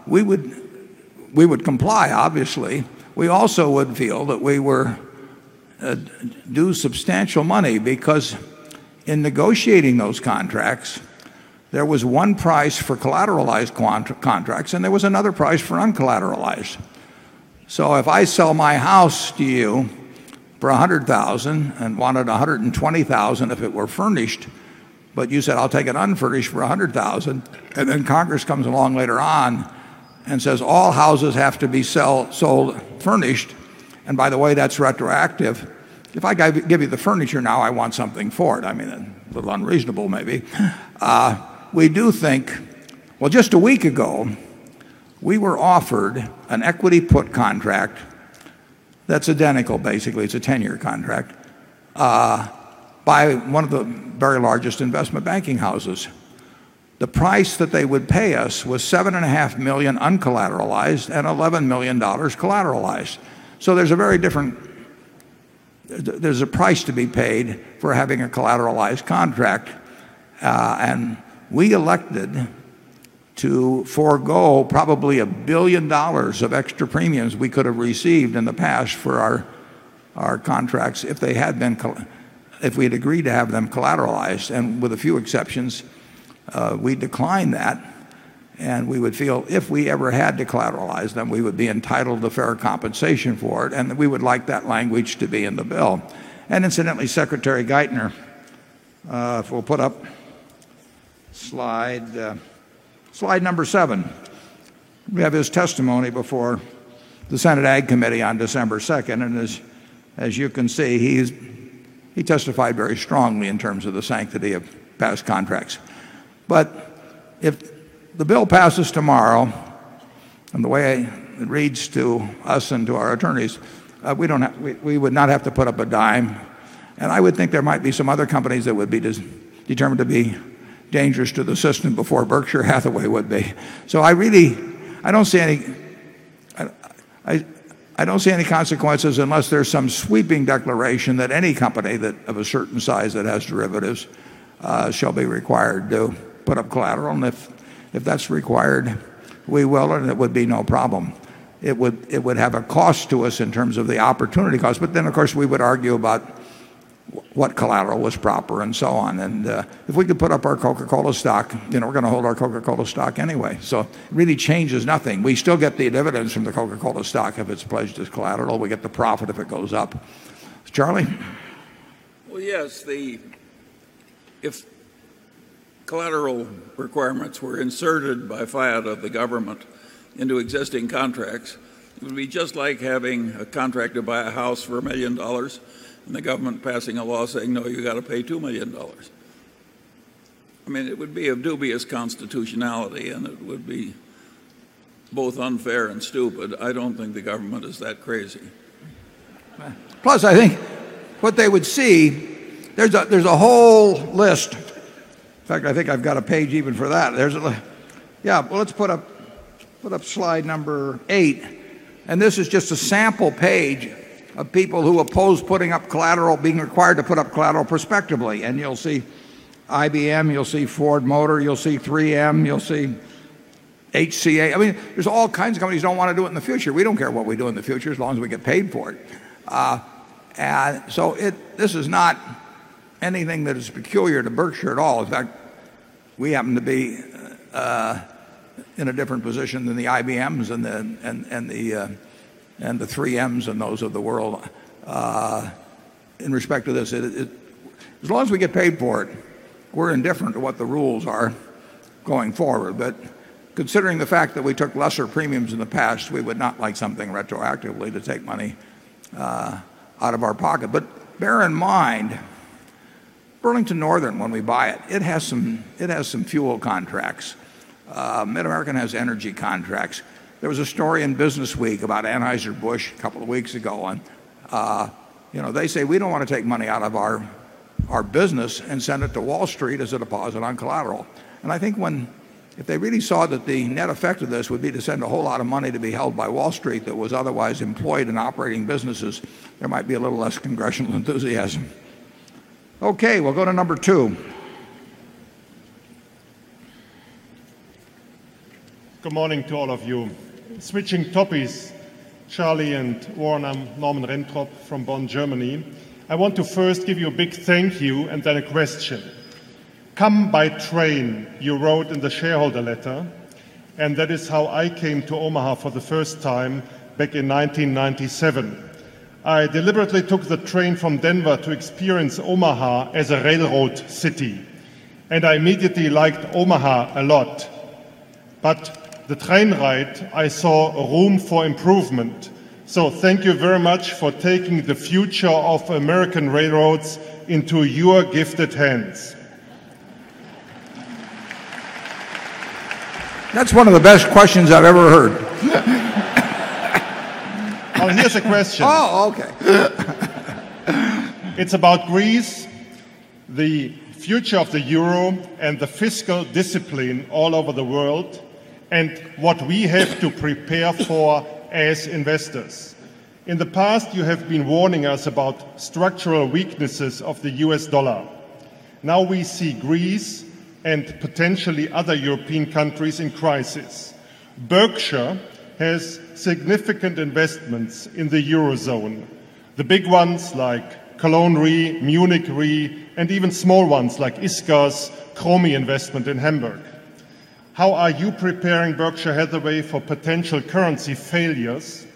we would comply, obviously. We also would feel that we were due substantial money because in negotiating those contracts, there was one price for collateralized contracts and there was another price for uncollateralized. So if I sell my house to you for $100,000 and wanted $120,000 if it were furnished, but you said I'll take it unfurnished for $100,000 and then Congress comes along later on and says all houses have to be sold furnished. And by the way, that's retroactive. If I give you the furniture now, I want something for it. I mean, a little unreasonable maybe. We do think well, just a week ago, we were offered an equity put contract that's identical basically, it's a 10 year contract, by one of the very largest investment banking houses. The price that they would pay us was $7,500,000 uncollateralized and $11,000,000 collateralized. So there's a very different there's a price to be paid for having a collateralized contract. And we elected to forego probably $1,000,000,000 of extra premiums we could have received in the past for our contracts if they had been if we had agreed to have them collateralized. And with a few exceptions, we declined that. And we would feel if we ever had to collateralize them, we would be entitled to fair compensation for it. And we would like that language to be in the bill. And incidentally, Secretary Geithner, if we'll put up slide number 7. We have his testimony before the senate ag committee on December 2nd and as you can see, he's he testified very strongly in terms of the sanctity of past contracts. But if the bill passes tomorrow, and the way it reads to us and to our attorneys, we don't we would not have to put up a dime. And I would think there might be some other companies that would be determined to be dangerous to the system before Berkshire Hathaway would be. So I really I don't see any I don't see any consequences unless there's some sweeping declaration that any company that of a certain size that has derivatives shall be required to put up collateral. And if that's required, we will and it would be no problem. It would have a cost to us in terms of the opportunity cost. But then of course we would argue about what collateral was proper and so on. And if we could put up our Coca Cola stock, you know, we're going to hold our Coca Cola stock anyway. So really changes nothing. We still get the dividends from the Coca Cola stock if it's pledged as collateral. We get the profit if it goes up. Charlie? Well, yes. If collateral requirements were inserted by fiat of the government into existing contracts, it would be just like having a contract to buy a house for $1,000,000 and the government passing a law saying, no, you got to pay $2,000,000 I mean, it would be a dubious constitutionality and it would be both unfair and stupid. I don't think the government is that crazy. Plus, I think what they would see, there's a whole list. In fact, I think I've got a page even for that. Yeah, well, let's put up slide number 8. And this is just a sample page of people who oppose putting up collateral being required to put up collateral prospectively. And you'll see IBM, you'll see Ford Motor, you'll see 3 ms, you'll see HCA. I mean, there's all kinds of companies don't want to do it in the future. We don't care what we do in the future as long as we get paid for it. And so it this is not anything that is peculiar to Berkshire at all. In fact, we happen to be in a different position than the IBMs and the 3 Ms and those of the world. In respect to this, as long as we get paid for it, we're indifferent to what the rules are going forward. But considering the fact that we took lesser premiums in the past, we would not like something retroactively to take money out of our pocket. But bear in mind, Burlington Northern, when we buy it, it has some fuel contracts. Mid American has energy contracts. There was a story in Business Week about Anheuser Busch a couple of weeks ago. And they say we don't want to take money out of our business and send it to Wall Street as a deposit on collateral. And I think when if they really saw that the net effect of this would be to send a whole lot of money to be held by Wall Street that was otherwise employed in operating businesses, there might be a little less congressional enthusiasm. Okay. We'll go to number 2. Good morning to all of you. Switching topics, Charlie and Warner Norman Renkropp from Bonn, Germany. I want to first give you a big thank you and then a question. Come by train you wrote in the shareholder letter and that is how I came to Omaha for the first time back in 1997. I deliberately took the train from Denver to experience Omaha as a railroad city. And I immediately liked Omaha a lot. But the train ride I saw a room for improvement. So thank you very much for taking the future of American railroads into your gifted hands. That's one of the best questions I've ever heard. Here's a question. Okay. It's about Greece, the future of the euro and the fiscal discipline all over the world and what we have to prepare for as investors. In the past you have been warning us about structural weaknesses of the U. S. Dollar. Now we see Greece and potentially other European countries in crisis. Berkshire has significant investments in the Eurozone. The big ones like Cologne Re, Munich Re and even small ones like Iskas, Cromi Investment in Hamburg. How are you preparing Berkshire Hathaway for potential currency failures?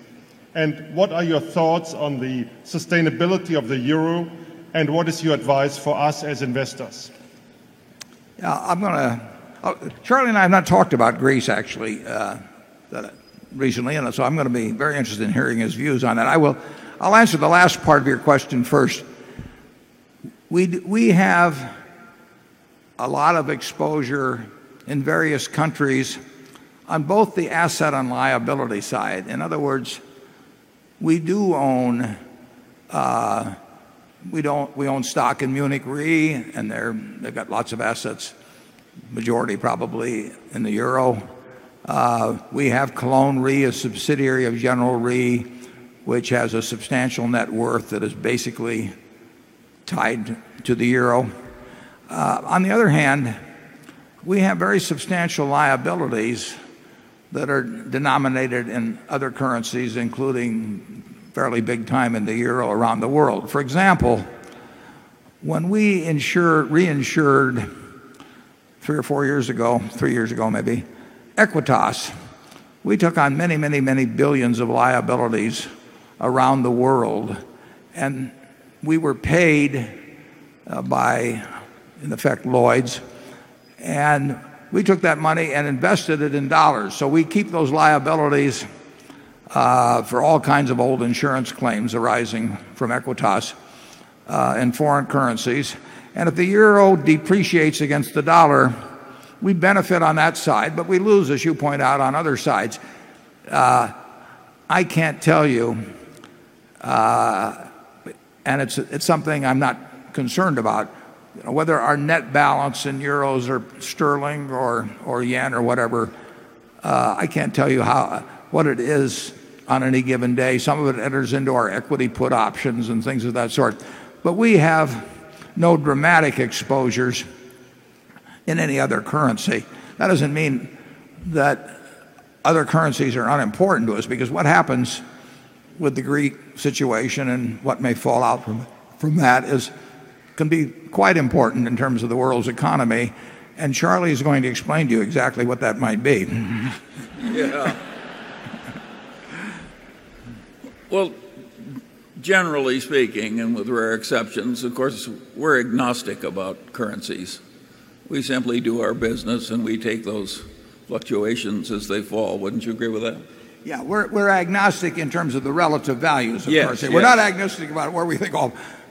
And what are your thoughts on the sustainability of the euro? And what is your advice for us as investors? Yes. I'm going to Charlie and I have not talked about Greece actually recently. And so I'm going to be very interested in hearing his views on that. I will I'll answer the last part of your question first. We have a lot of exposure in various countries on both the asset and liability side. In other words, we do own, we own stock in Munich Re and they've got lots of assets, majority probably in the euro. We have Cologne Re, a subsidiary of General Re, which has a substantial net worth that is basically tied to the euro. On the other hand, we have very substantial liabilities that are denominated in other currencies, including fairly big time in the euro around the world. For example, when we insure reinsured 3 or 4 years ago, 3 years ago maybe, Equitas, we took on many, many, many billions of liabilities around the world. And we were paid by, in effect, Lloyd's. And we took that money and invested it in dollars. So we keep those liabilities, for all kinds of old insurance claims arising from Equitas and foreign currencies. And if the euro depreciates against the dollar, we benefit on that side. But we lose, as you point out, on other sides. I can't tell you, and it's something I'm not concerned about, Whether our net balance in euros or sterling or yen or whatever, I can't tell you how what it is on any given day. Some of it enters into our equity put options and things of that sort. But we have no dramatic exposures in any other currency. That doesn't mean that other currencies are unimportant to us because what happens with the Greek situation and what may fall out from that is can be quite important in terms of the world's economy. And Charlie is going to explain to you exactly what that might be. Well, generally speaking and with rare exceptions, of course, we're agnostic about currencies. We simply do our business and we take those fluctuations as they fall. Wouldn't you agree with that? Yes. We're agnostic in terms of the relative values, of course. We're not agnostic about where we think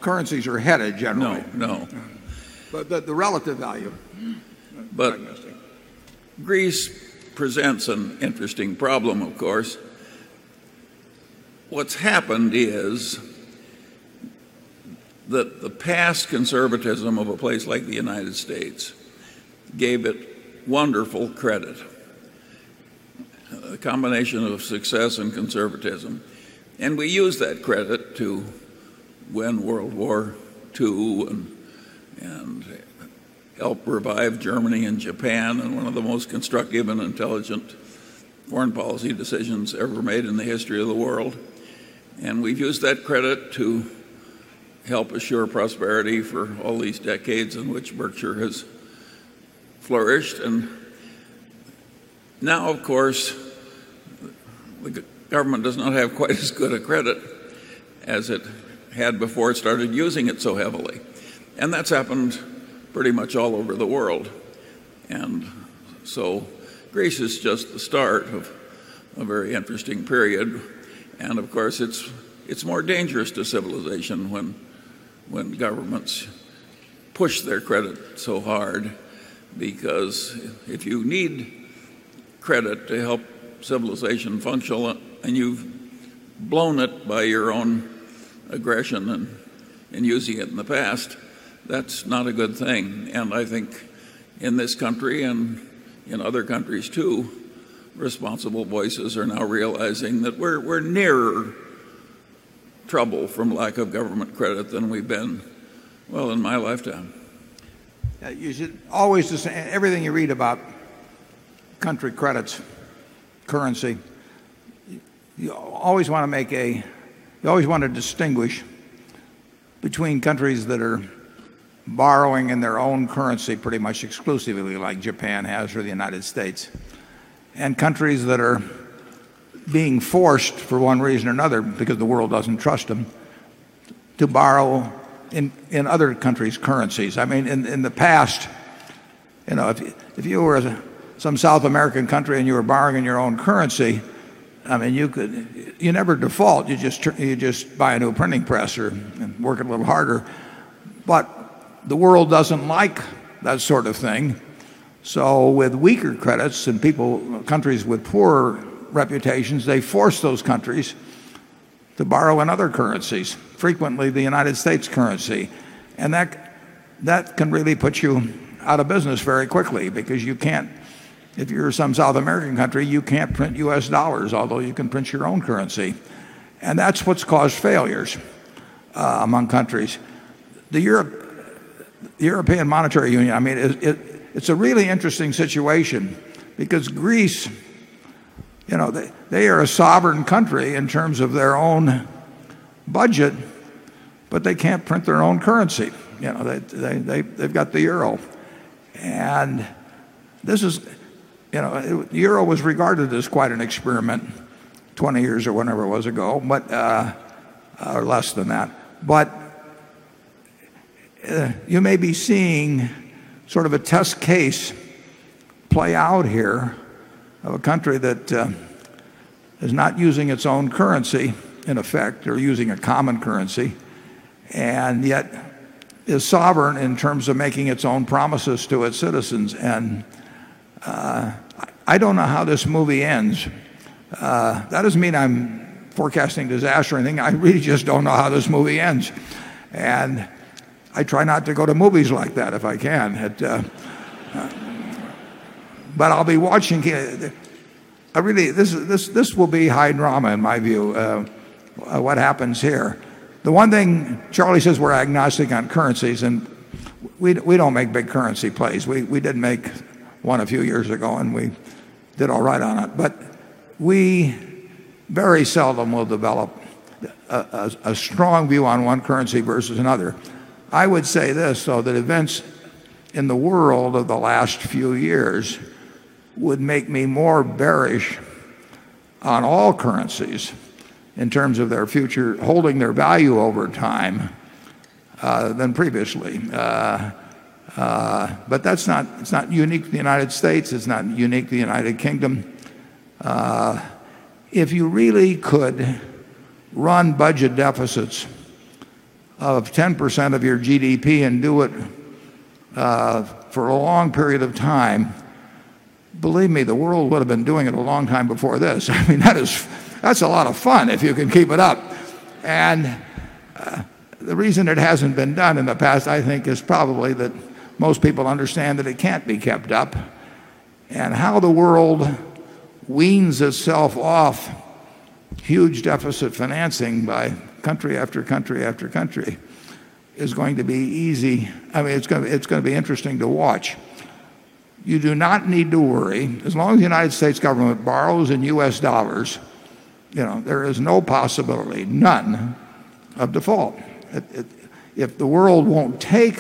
all currencies are headed generally. No. No. But the relative value. But Greece presents an interesting problem of course. What's happened is that the past conservatism of a place like the United States gave it wonderful credit. A combination of success and conservatism. And we used that credit to win World War II and help revive Germany and Japan and one of the most constructive and intelligent foreign policy decisions ever made in the history of the world. And we've used that credit to help assure prosperity for all these decades in which Berkshire has flourished. And now of course the government does not have quite as good a credit as it had before it started using it so heavily. And that's happened pretty much all over the world. And so, Greece is just the start of a very interesting period and of course it's more dangerous to civilization when governments push their credit so hard because if you need credit to help civilization function and you've blown it by your own aggression and using it in the past, that's not a good thing. And I think in this country and in other countries too, responsible voices are now realizing that we're nearer trouble from lack of government credit than we've been, well, in my lifetime. Is it always the same everything you read about country credits, currency, You always want to make a you always want to distinguish between countries that are borrowing in their own currency pretty much exclusively like Japan has or the United States and countries that are being forced for one reason or another because the world doesn't trust them to borrow in other countries currencies. I mean, in the past, if you were some South American country and you were borrowing your own currency, I mean, you could you never default. You just buy a new printing press and work a little harder. But the world doesn't like that sort of thing. So with weaker credits and people countries with poor reputations, they force those countries to borrow in other currencies, frequently the United States currency. And that that can really put you out of business very quickly because you can't if you're some South American country, you can't print US dollars, although you can print your own currency. And that's what's caused failures among countries. The European Monetary Union, I mean it's a really interesting situation because Greece, you know, they are a sovereign country in terms of their own budget, but they can't print their own currency. You know, they've got the euro. And this is, you know, the euro was regarded as quite an experiment 20 years or whenever it was ago, but, less than that. But you may be seeing sort of a test case play out here of a country that is not using its own currency in effect, or using a common currency. And yet is sovereign in terms of making its own promises to its citizens. And I don't know how this movie ends. That doesn't mean I'm forecasting disaster or anything. I really just don't know how this movie ends. And I try not to go to movies like that if I can. But I'll be watching I really this will be high drama in my view, what happens here. The one thing Charlie says we're agnostic on currencies and we don't make big currency plays. We did make one a few years ago and we did all right on it. But we very seldom will develop a strong view on one currency versus another. I would say this, so that events in the world of the last few years would make me more bearish on all currencies in terms of their future holding their value over time than previously. But that's not it's not unique to the United States. It's not unique to the United Kingdom. If you really could run budget deficits of 10% of your GDP and do it, for a long period of time, believe me, the world would have been doing it a long time before this. I mean, that is that's a lot of fun if you can keep it up. And the reason it hasn't been done in the past, I think, is probably that most people understand that it can't be kept up. And how the world weans itself off huge deficit financing by country after country after country is going to be easy. I mean, it's going to be interesting to watch. You do not need to worry. As long as the United States government borrows in US dollars, you know, there is no possibility, none, of default. If the world won't take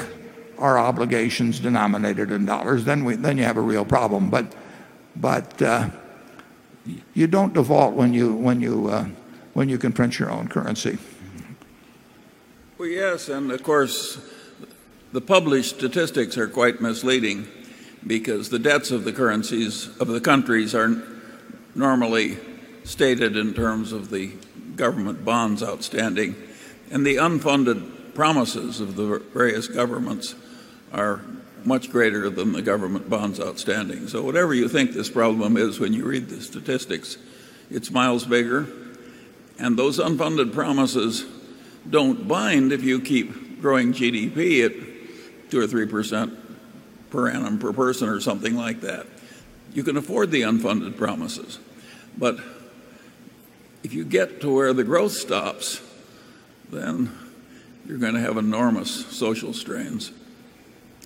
our obligations denominated in dollars, then we then you have a real problem. But but, you don't default when you when you when you can print your own currency. Well, yes. And of course, the published statistics are quite misleading because the debts of the currencies of the countries are normally stated in terms of the government bonds outstanding and the unfunded promises of the various governments are much greater than the government bonds outstanding. So whatever you think this problem is when you read the statistics, it's miles bigger and those unfunded promises don't bind if you keep growing GDP at 2% or 3% per annum per person or something like that. You can afford the unfunded promises. But if you get to where the growth stops, then you're going to have enormous social strains.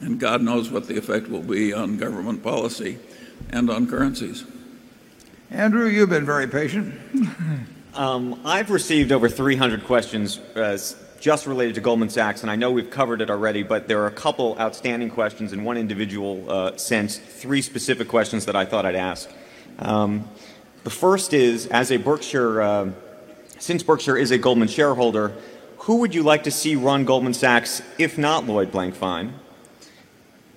And God knows what the effect will be on government policy and on currencies. Andrew, you've been very patient. I've received over 300 questions just related to Goldman Sachs, and I know we've covered it already, but there are a couple outstanding questions in one individual sense, 3 specific questions that I thought I'd ask. The first is, as a Berkshire since Berkshire is a Goldman shareholder, who would you like to see run Goldman Sachs if not Lloyd Blankfein?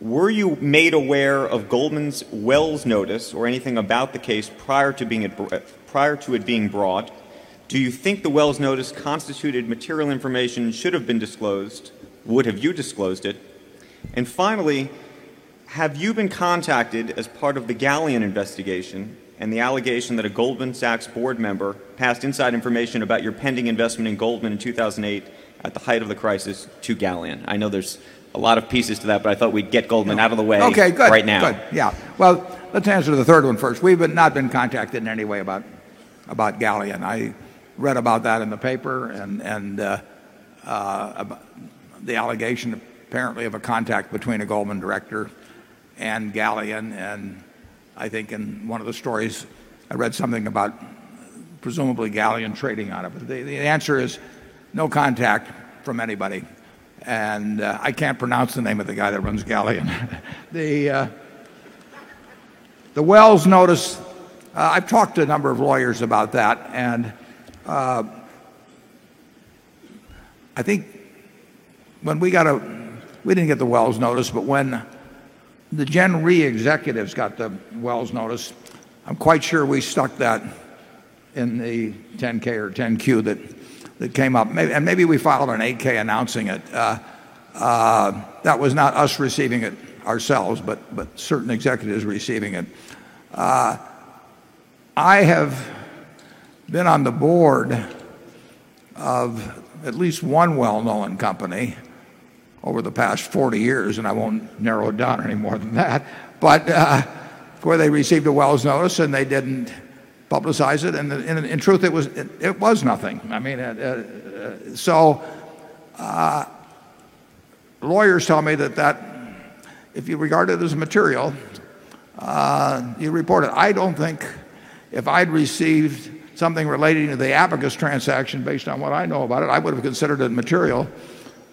Were you made aware of Goldman's Wells notice or anything about the case prior to being prior to it being brought? Do you think the Wells notice constituted material information should have been disclosed? Would have you disclosed it? And finally, have you been contacted as part of the Galleon investigation and the allegation that a Goldman Sachs board member passed inside information about your pending investment in Goldman in 2,008 at the height of the crisis to Galion. I know there's a lot of pieces to that, but I thought we'd get Goldman out of the way right now. Okay. Good. Yes. Well, let's answer the third one first. We've not been contacted in any way about Galleon. I read about that in the paper and the allegation apparently of a contact between a Goldman director and Galien. And I think in one of the stories I read something about presumably Gallien trading on it. The answer is no contact from anybody. And I can't pronounce the name of the guy that runs Gallium. The Wells notice, I've talked to a number of lawyers about that. And I think when we got a we didn't get the wells notice, but when the Gen Re executives got the wells notice, I'm quite sure we stuck that in the 10 ks or 10 Q that came up. And maybe we filed an 8 ks announcing it. That was not us receiving it ourselves, but certain executives receiving it. I have been on the board of at least one well known company over the past 40 years. And I won't narrow it down any more than that. But where they received a Wells notice and they didn't publicize it. And in truth, it was nothing. I mean, so lawyers tell me that that if you regard it as material, you report it. I don't think if I'd received something relating to the Abacus transaction based on what I know about it, I would have considered it material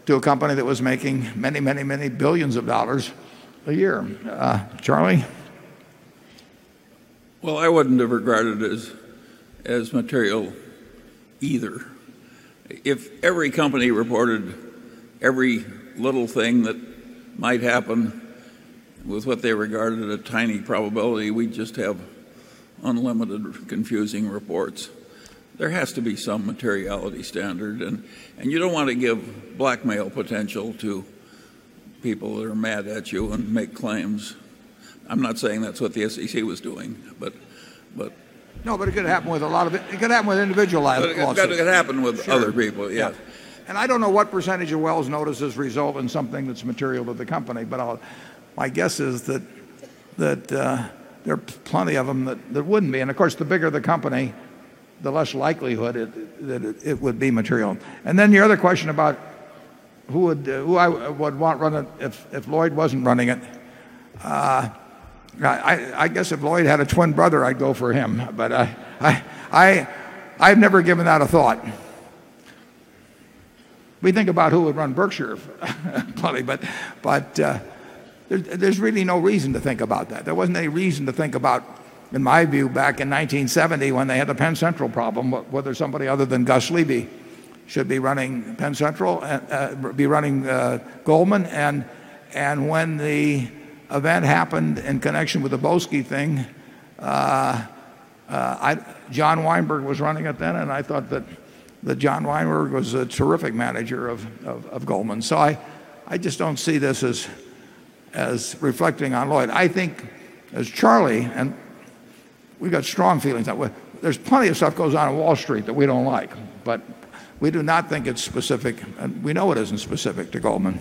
to a company that was making many, many, many 1,000,000,000 of dollars a year. Charlie? Well, I wouldn't have regarded it as as material either. If every company reported every little thing that might happen with what they regarded as a tiny probability, we'd just have unlimited confusing reports. There has to be some materiality standard and you don't want to give blackmail potential to people that are mad at you and make claims. I'm not saying that's what the SEC was doing. But No. But it could happen with a lot of it could happen with individualized losses. But it could happen with other people. Yes. And I don't know what percentage of Wells notices result in something that's material to the company. But my guess is that there are plenty of them that wouldn't be. And of course, the bigger the company, the less likelihood that it would be material. And then the other question about who would who I would want run it if Lloyd wasn't running it. I guess if Lloyd had a twin brother, I'd go for him. But I've never given out a thought. We think about who would run Berkshire probably, but there's really no reason to think about that. There wasn't any reason to think about, in my view, back in 1970 when they had a Penn Central problem, whether somebody other than Gus Levy should be running Penn Central be running Goldman. And and when the event happened in connection with the Bosque thing, John Weinberg was running it then. And I thought that John Weinberg was a terrific manager of of of Goldman. So I I just don't see this as as reflecting on Lloyd. I think as Charlie and we've got strong feelings that way. There's plenty of stuff goes on Wall Street that we don't like. But we do not think it's specific and we know it isn't specific to Goldman.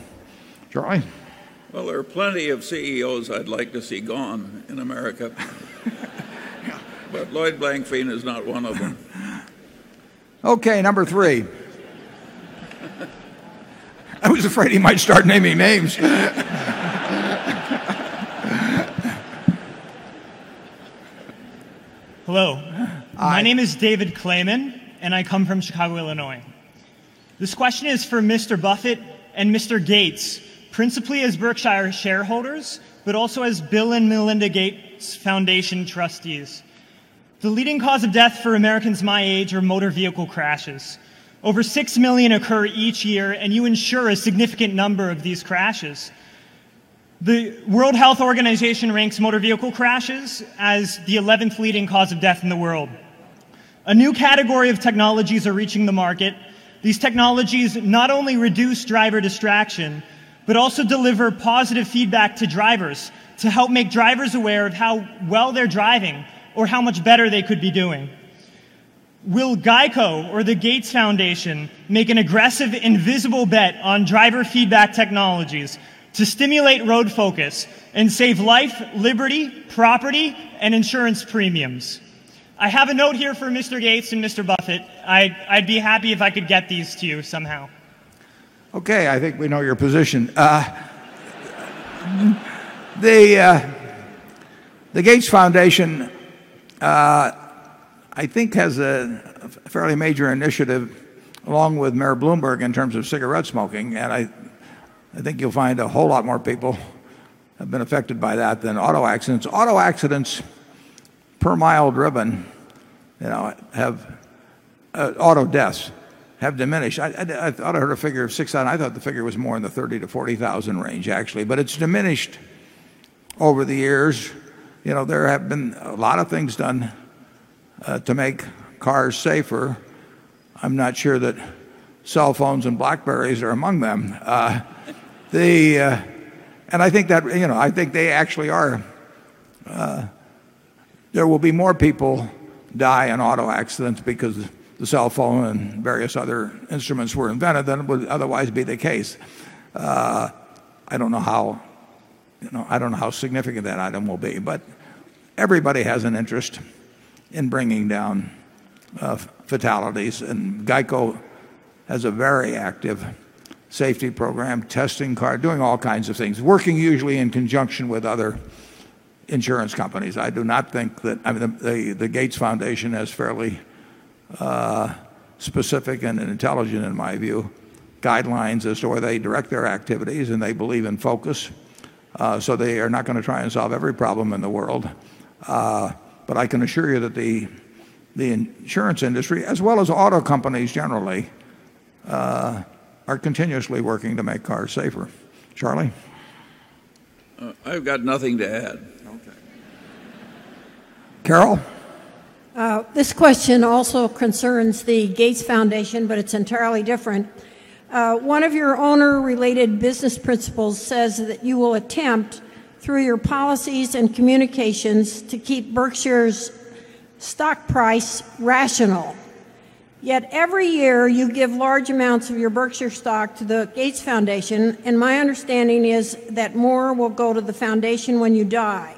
Gerard? Well, there are plenty of CEOs I'd like to see gone in America, But Lloyd Blankfein is not one of them. Okay. Number 3. I was afraid he might start naming names. Hello. My name is David Clayman, and I come from Chicago, Illinois. This question is for Mr. Buffet and Mr. Gates, principally as Berkshire shareholders, but also as Bill and Melinda Gates Foundation trustees. The leading cause of death for Americans my age are motor vehicle crashes. Over 6,000,000 occur each year, and you ensure a significant number of these crashes. The World Health Organization ranks motor vehicle crashes as the 11th leading cause of death in the world. A new category of technologies are reaching the market. These technologies not only reduce driver distraction, but also deliver positive feedback to drivers to help make drivers aware of how well they're driving or how much better they could be doing. Will GEICO or the Gates Foundation make an aggressive invisible bet on driver feedback technologies to stimulate road focus and save life, liberty, property, and insurance premiums. I have a note here for Mr. Gates and Mr. Buffett. I'd be happy if I could get these to you somehow. Okay. I think we know your position. The Gates Foundation, I think, has a fairly major initiative along with Mayor Bloomberg in terms of cigarette smoking. And I think you'll find a whole lot more people have been affected by that than auto accidents. Auto accidents per mile driven have auto deaths have diminished. I thought I heard a figure of 6,000,000. I thought the figure was more in the 30,000 to 40,000 range actually. But it's diminished over the years. There have been a lot of things done to make cars safer. I'm not sure that cell phones and blackberries are among them. And I think that they actually are there will be more people die in auto accidents because the cell phone and various other instruments were invented than it would otherwise be the case. I don't know how significant that item will be. But everybody has an interest in bringing down fatalities. And GEICO has a very active safety program, testing card, doing all kinds of things, working usually in conjunction with other insurance companies. I do not think that I mean, the Gates Foundation has fairly specific and intelligent in my view, guidelines as to where they direct their activities and they believe in focus. So they are not going to try and solve every problem in the world. But I can assure you that the insurance industry as well as auto companies generally are continuously working to make cars safer. Charlie? I've got nothing to add. Carol? This question also concerns the Gates Foundation, but it's entirely different. One of your owner related business principles says that you will attempt through your policies and communications to keep Berkshire's stock price rational. Yet every year, you give large amounts of your Berkshire stock to the Gates Foundation. And my understanding is that more will go to the foundation when you die.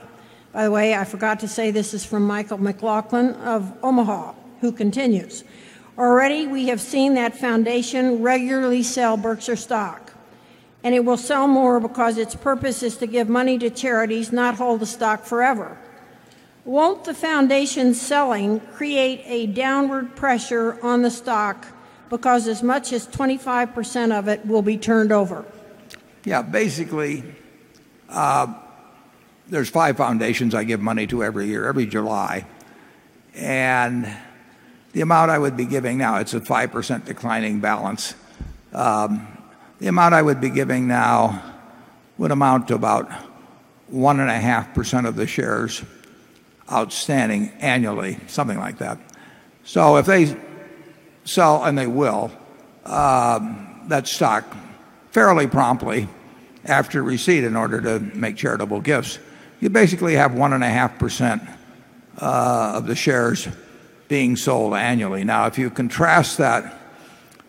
By the way, I forgot to say this is from Michael McLaughlin of Omaha, who continues, Already, we have seen that foundation regularly sell Berkshire stock. And it will sell more because its purpose is to give money to charities, not hold the stock forever. Won't the foundation selling create a downward pressure on the stock because as much as 25% of it will be turned over? Yes. Basically, there's 5 foundations I give money to every year, every July. And the amount I would be giving now, it's a 5% declining balance. The amount I would be giving now would amount to about 1.5% of the shares outstanding annually, something like that. So if they sell and they will, that stock fairly promptly after receipt in order to make charitable gifts, you basically have 1.5% of the shares being sold annually. Now if you contrast that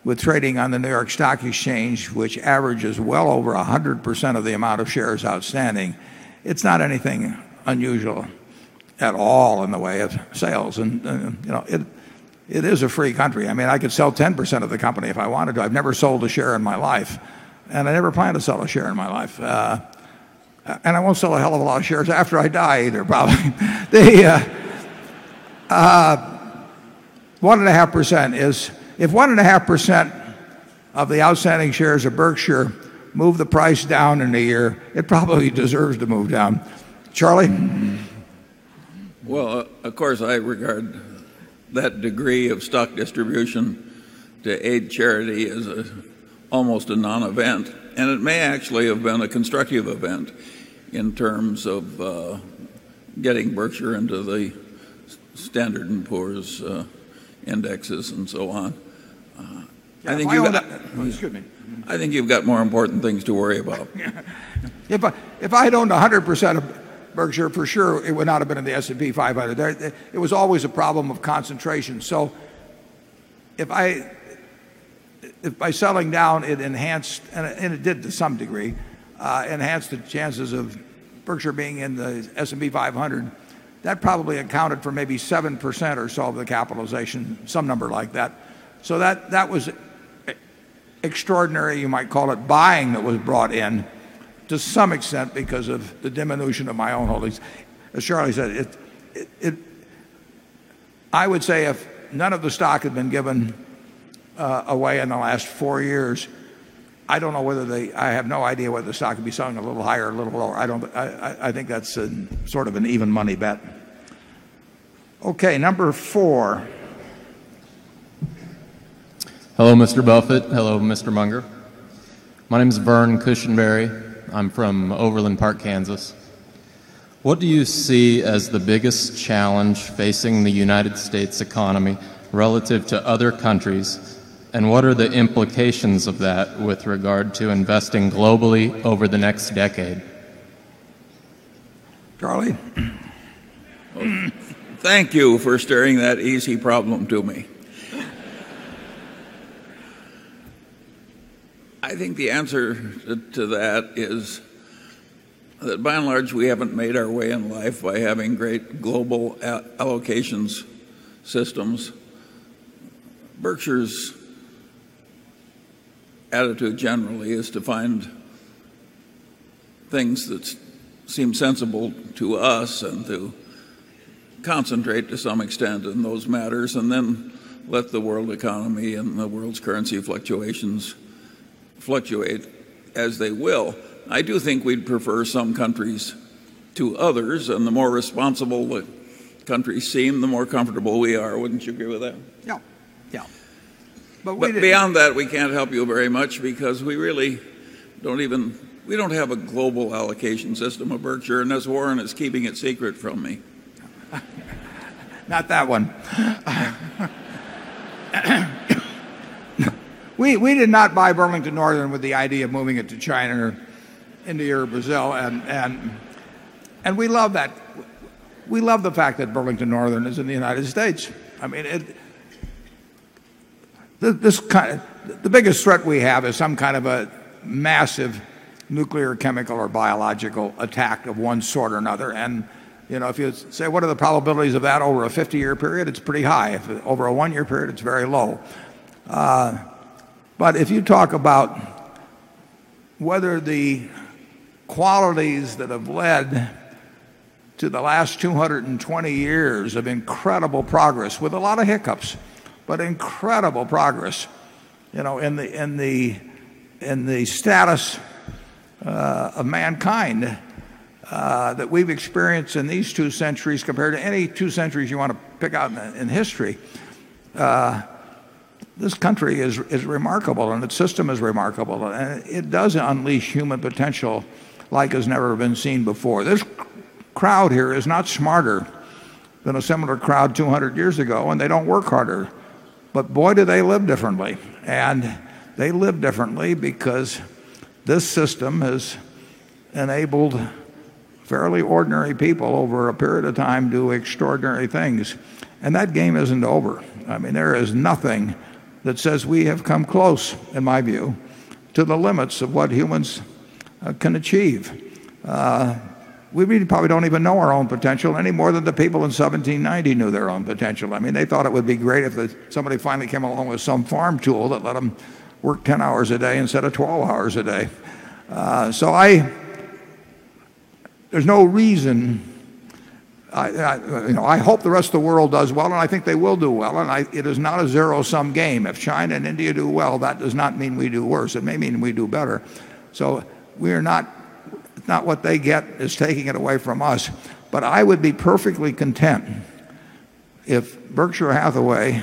with trading on the New York Stock Exchange, which averages well over 100% of the amount of shares outstanding, It's not anything unusual at all in the way of sales. And it is a free country. I mean I could sell 10% of the company if I want I've never sold a share in my life. And I never plan to sell a share in my life. And I won't sell a hell of a lot of shares after I die either, Bob. 1.5% is if 1.5% of the outstanding shares of Berkshire move the price down in a year, it probably deserves to move down. Charlie? Well, of course, I regard that degree of stock distribution to aid charity as almost a nonevent and it may actually have been a constructive event in terms of getting Berkshire into the Standard and Poor's indexes and so on. I think you've got more important things to worry about. If I had owned 100% of Berkshire for sure it would not have been in the S and P five. It was always a problem of concentration. So if I if by selling down it enhanced and it did to some degree, enhanced the chances of Berkshire being in the S and P 500 that probably accounted for maybe 7% or so of the capitalization, some number like that. So that was extraordinary, you might call it buying that was brought in to some extent because of the diminution of my own holdings. As Charlie said, I would say if none of the stock had been given away in the last 4 years, I don't know whether they I have no idea whether the stock could be selling a little higher or a little lower. I don't I think that's sort of an even money bet. Okay. Number 4. Hello, Mr. Buffet. Hello, Mr. Munger. My name is Vern Cushinberry. I'm from Overland Park, Kansas. What do you see as the biggest challenge facing the United States economy relative to other countries? And what are the implications of that with regard to investing globally over the next decade? Charlie, thank you for steering that easy problem to me. I think the answer to that is that by and large we haven't made our way in life by having great global allocations systems. Berkshire's attitude generally is to find things that seem sensible to us and to concentrate to some extent in those matters and then let the world economy and the world's currency fluctuations fluctuate as they will. I do think we'd prefer some countries to others and the more responsible countries seem, the more comfortable we are. Wouldn't you agree with that? Yes. But beyond that we can't help you very much because we really don't even we don't have a global allocation system of Berkshire and as Warren is keeping it secret from me. Not that one. We did not buy Burlington Northern with the idea of moving it to China or or India or Brazil. And we love that. We love the fact that Burlington Northern is in the United States. I mean, this kind of the biggest threat we have is some kind of a massive nuclear, chemical or biological attack of one sort or another. And you know, if you say what are the probabilities of that over a 50 year period, it's pretty high. Over a 1 year period, it's very low. But if you talk about whether the qualities that have led to the last 220 years of incredible progress with a lot of hiccups, but incredible progress in the status of mankind that we've experienced in these 2 centuries compared to any 2 centuries you want to pick out in history. This country is remarkable and its system is remarkable. And it does unleash human potential like it's never been seen before. This crowd here is not smarter than a similar crowd 200 years ago and they don't work harder. But boy, do they live differently. And they live differently because this system has enabled fairly ordinary people over a period of time do extraordinary things. And that game isn't over. I mean, there is nothing that says we have come close, in my view, to the limits of what humans can achieve. We probably don't even know our own potential any more than the people in 1790 knew their own potential. I mean, they thought it would be great if somebody finally came along with some farm tool that let them work 10 hours a day instead of 12 hours a day. So I there's no reason I hope the rest of the world does well and I think they will do well. And it is not a zero sum game. If China and India do well, that does not mean we do worse. It may mean we do better. So we are not not what they get is taking it away from us. But I would be perfectly content if Berkshire Hathaway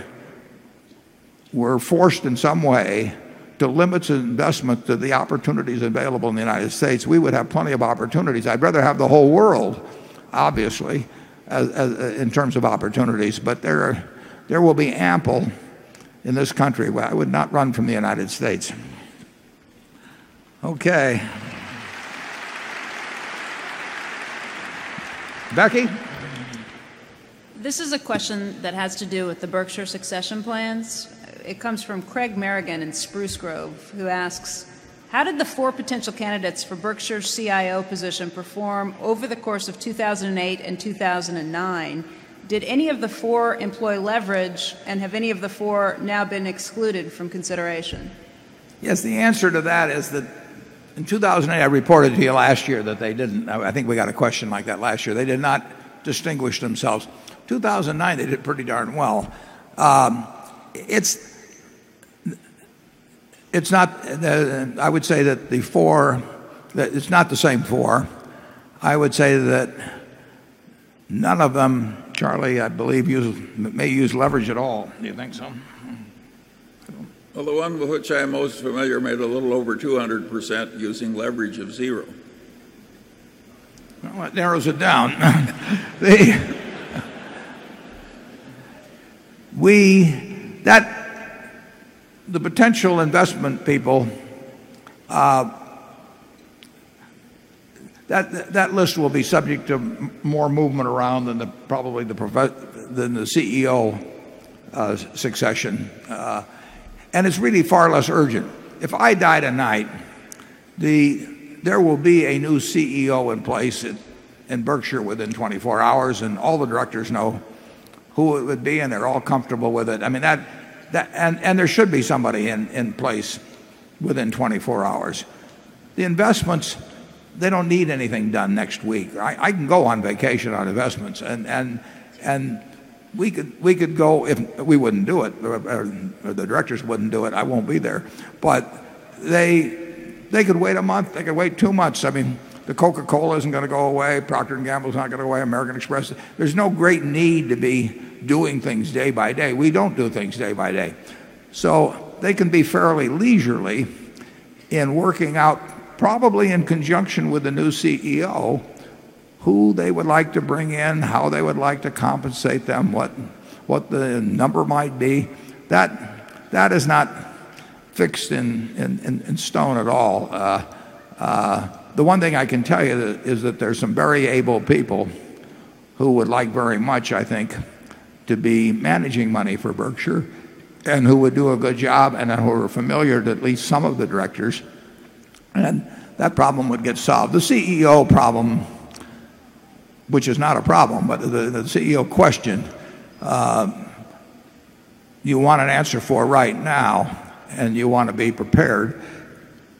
were forced in some way to limit his investment to the opportunities available in the United States, we would have plenty of opportunities. I'd rather have the whole world obviously in terms of opportunities. But there there will be ample in this country where I would not run from the United States. Okay. Becky? This is a question that has to do with the Berkshire succession plans. It comes from Craig Merrigan in Spruce Grove who asks, how did the 4 potential candidates for Berkshire CIO position perform over the course of 2,008 and 2,009? Did any of the 4 employee leverage? And have any of the 4 now been excluded from consideration? Yes. The answer to that is that in 2008, I reported here last year that they didn't I think we got a question like that last year. They did not distinguish themselves. 2009, they did pretty darn well. It's not I would say that before that it's not the same 4. I would say that none of them, Charlie, I believe may use leverage at all. Do you think so? Well, the one with which I am most familiar made a little over 200% using leverage of 0. Well, that narrows it down. The potential investment people, that list will be subject to more movement around than the probably the CEO succession. And it's really far less urgent. If I die tonight, the there will be a new CEO in place in Berkshire within 24 hours. And all the directors know who it would be and they're all comfortable with it. I mean, that and there should be somebody in place within 24 hours. The investments, they don't need anything done next week. I can go on vacation on investments. And we could we could go if we wouldn't do it. The directors wouldn't do it. I won't be there. But they they could wait a month. They could wait 2 months. I mean, the Coca Cola isn't going to go away. Procter and Gamble is not going away. American Express. There's no great need to be doing things day by day. We don't do things day by day. So they can be fairly leisurely in working out, probably in conjunction with a new CEO, who they would like to bring in, how they would like to compensate them, what the number might be. That is not fixed in stone at all. The one thing I can tell you is that there's some very able people who would like very much I think to be managing money for Berkshire and who would do a good job and who are familiar to at least some of the directors. And that problem would get solved. The CEO problem, which is not a problem, but the CEO question, you want an answer for right now and you want to be prepared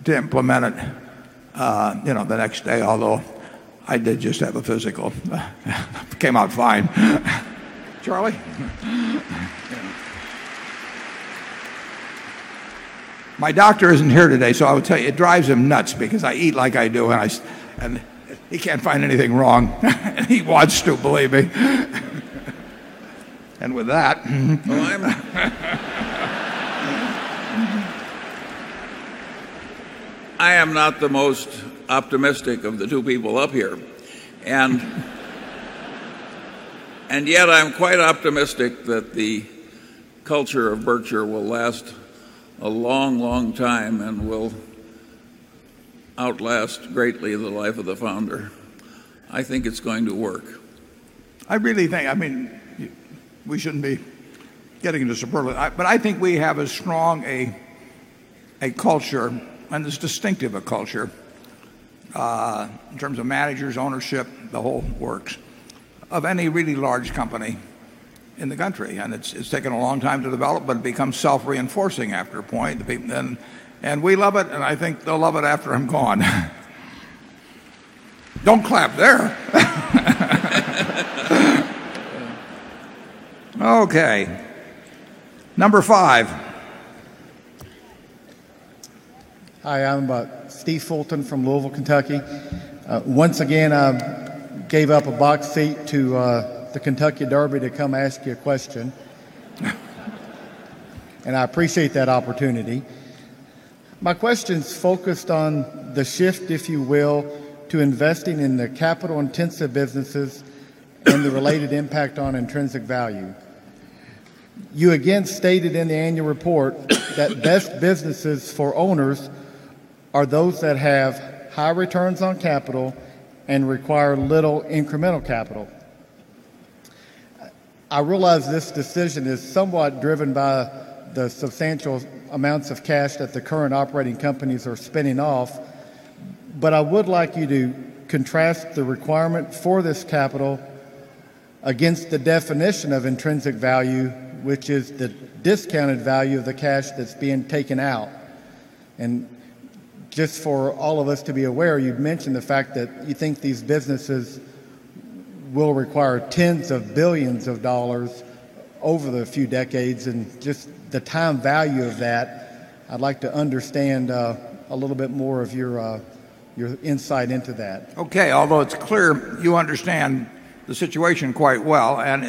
to implement it the next day, although I did just have a physical. It came out fine. Charlie? My doctor isn't here today, so I would tell you, it drives him nuts because I eat like I do and he can't find anything wrong. He wants to believe me. And with that, I am not the most optimistic of the 2 people up here And yet I'm quite optimistic that the culture of Berkshire will last a long, long time and will outlast greatly the life of the founder. I think it's going to work. I really think, I mean, we shouldn't be getting into superlatives. But I think we have a strong, a culture and it's distinctive a culture, in terms of managers, ownership, the whole works of any really large company in the country. And it's taken a long time to develop, but it becomes self reinforcing after a point. And we love it, and I think they'll love it after I'm gone. Don't clap there. Okay. Number 5. Hi. I'm Steve Fulton from Louisville, Kentucky. Once again, I gave up a box seat to the Kentucky Derby to come ask you a question, and I appreciate that opportunity. My question is focused on the shift, if you will, to investing in the capital intensive businesses and the related impact on intrinsic value. You again stated in the annual report that best businesses for owners are those that have high returns on capital and require little incremental capital. I realize this decision is somewhat driven by the substantial amounts of cash that the current operating companies are spinning off, but I would like you to contrast the requirement for this capital against the definition of intrinsic value, which is the discounted value of the cash that's being taken out. And just for all of us to be aware, you've mentioned the fact that you think these businesses will require tens of 1,000,000,000 of dollars over the few decades and just the time value of that, I'd like to understand a little bit more of your insight into that. Okay. Although it's clear you understand the situation quite well and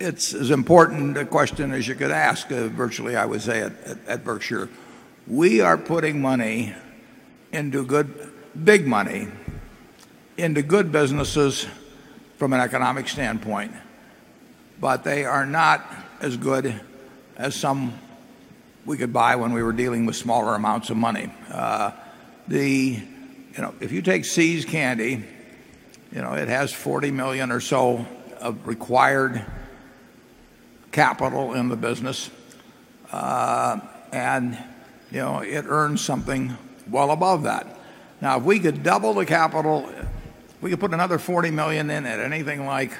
it's as important a question as you could ask virtually I would say at Berkshire. We are putting money into good big money into good businesses from an economic standpoint. But they are not as good as some we could buy when we were dealing with smaller amounts of money. The if you take See's Candy, it has $40,000,000 or so of required capital in the business. And it earns something well above that. Now, if we could double the capital, we could put another $40,000,000 in at anything like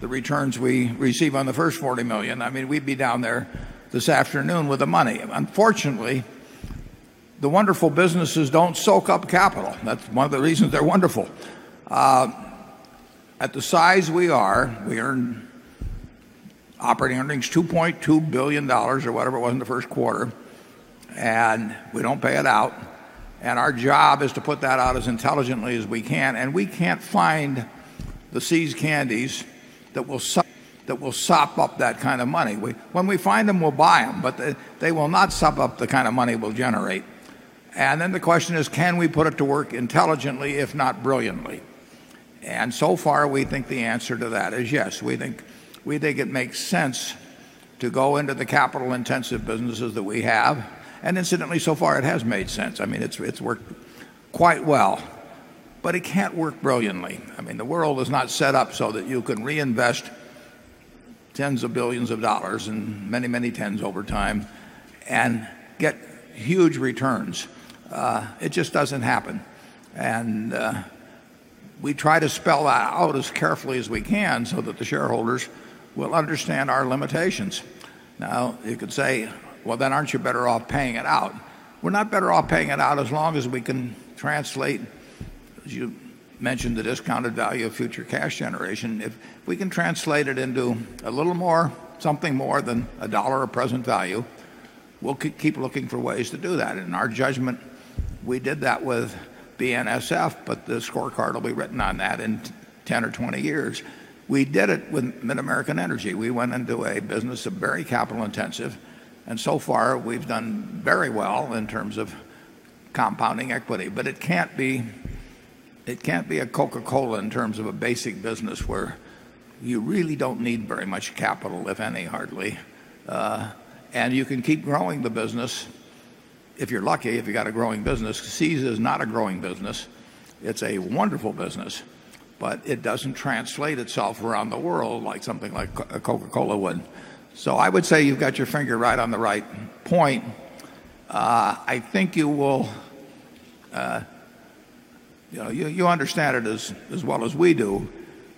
the returns we receive on the first $40,000,000 I mean, we'd be down there this afternoon with the money. Unfortunately, the wonderful businesses don't soak up capital. That's one of the reasons they're wonderful. At the size we are, we are operating earnings $2,200,000,000 or whatever it was in the Q1, And we don't pay it out. And our job is to put that out as intelligently as we can. And we can't find the See's Candies that will sop up that kind of money. When we find them, we'll buy them. But they will not sop up the kind of money we'll generate. And then the question is, can we put it to work intelligently, if not brilliantly? And so far, we think the answer to that is yes. We think it makes sense to go into the capital intensive businesses that we have. And incidentally, so far, it has made sense. I mean, it's worked quite well. But it can't work brilliantly. I mean, the world is not set up so that you can reinvest tens of 1,000,000,000 of dollars and many, many tens over time and get huge returns. It just doesn't happen. And we try to spell that out as carefully as we can so that shareholders will understand our limitations. Now, you could say, well, then aren't you better off paying it out? We're not better off paying it out as long as we can translate, as you mentioned, the discounted value of future cash generation. If we can translate it into a little more, something more than $1 of present value, we'll keep looking for ways to do that. In our judgment, we did that with BNSF, but the scorecard will be written on that in 10 or 20 years. We did it with MidAmerican Energy. We went into a business of very capital intensive. And so far we've done very well in terms of compounding equity. But it can't be it can't be a Coca Cola in terms of a basic business where you really don't need very much capital if any hardly. And you can keep growing the business if you're lucky, if you got a growing business. C's is not a growing business. It's a wonderful business, but it doesn't translate itself around the world like something like Coca Cola would. So, I think you will you know, you understand it as as well as we do.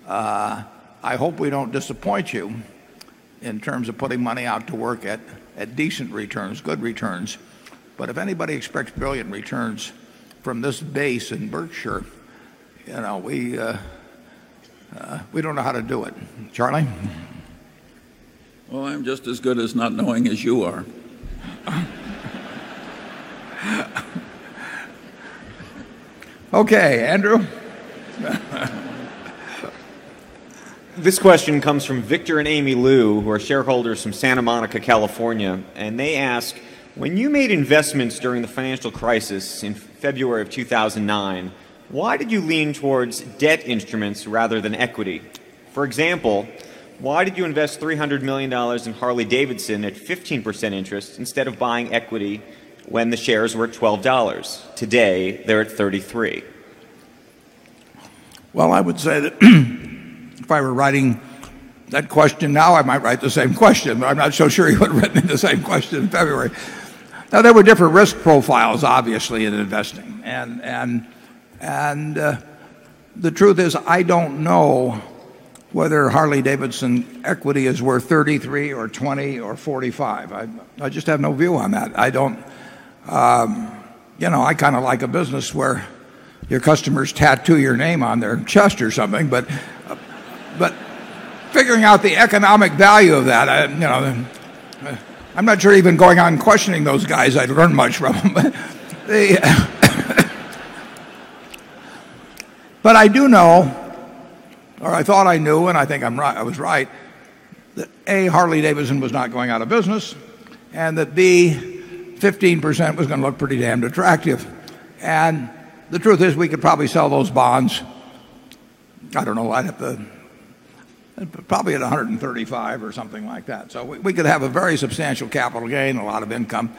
I hope we don't disappoint you in terms of putting money out to work at at decent returns, good returns. But if anybody expects 1,000,000,000 returns from this base in Berkshire, you know, we, we don't know how to do it. Charlie? Well, I'm just as good as not knowing as you are. Okay, Andrew? This question comes from Victor and Amy Lou, who are shareholders from Santa Monica, California. And they ask, when you made investments during the financial crisis in February of 2009, why did you lean towards debt instruments rather than equity? For example, why did you invest $300,000,000 in Harley Davidson at 15% interest instead of buying equity when the shares were $12 Today, they're at 33. Well, I would say that if I were writing that question now, I might write the same question. I'm not so sure you could have written the same question in February. Now there were different risk profiles obviously in investing. And the truth is I don't know whether Harley Davidson Equity is worth 33 or 20 or 45. I just have no view on that. I don't I kind of like a business where your customers tattoo your name on their chest or something. But figuring out the economic value of that, I'm not sure even going on questioning those guys, I'd learn much from them. But I do know, or I thought I knew, and I think I'm right I was right, that, a, Harley Davidson was not going out of business and that, b, 15% was going to look pretty damn attractive. And the truth is we could probably sell those bonds, I don't know why, probably at 135 or something like that. So we could have a very substantial capital gain, a lot of income.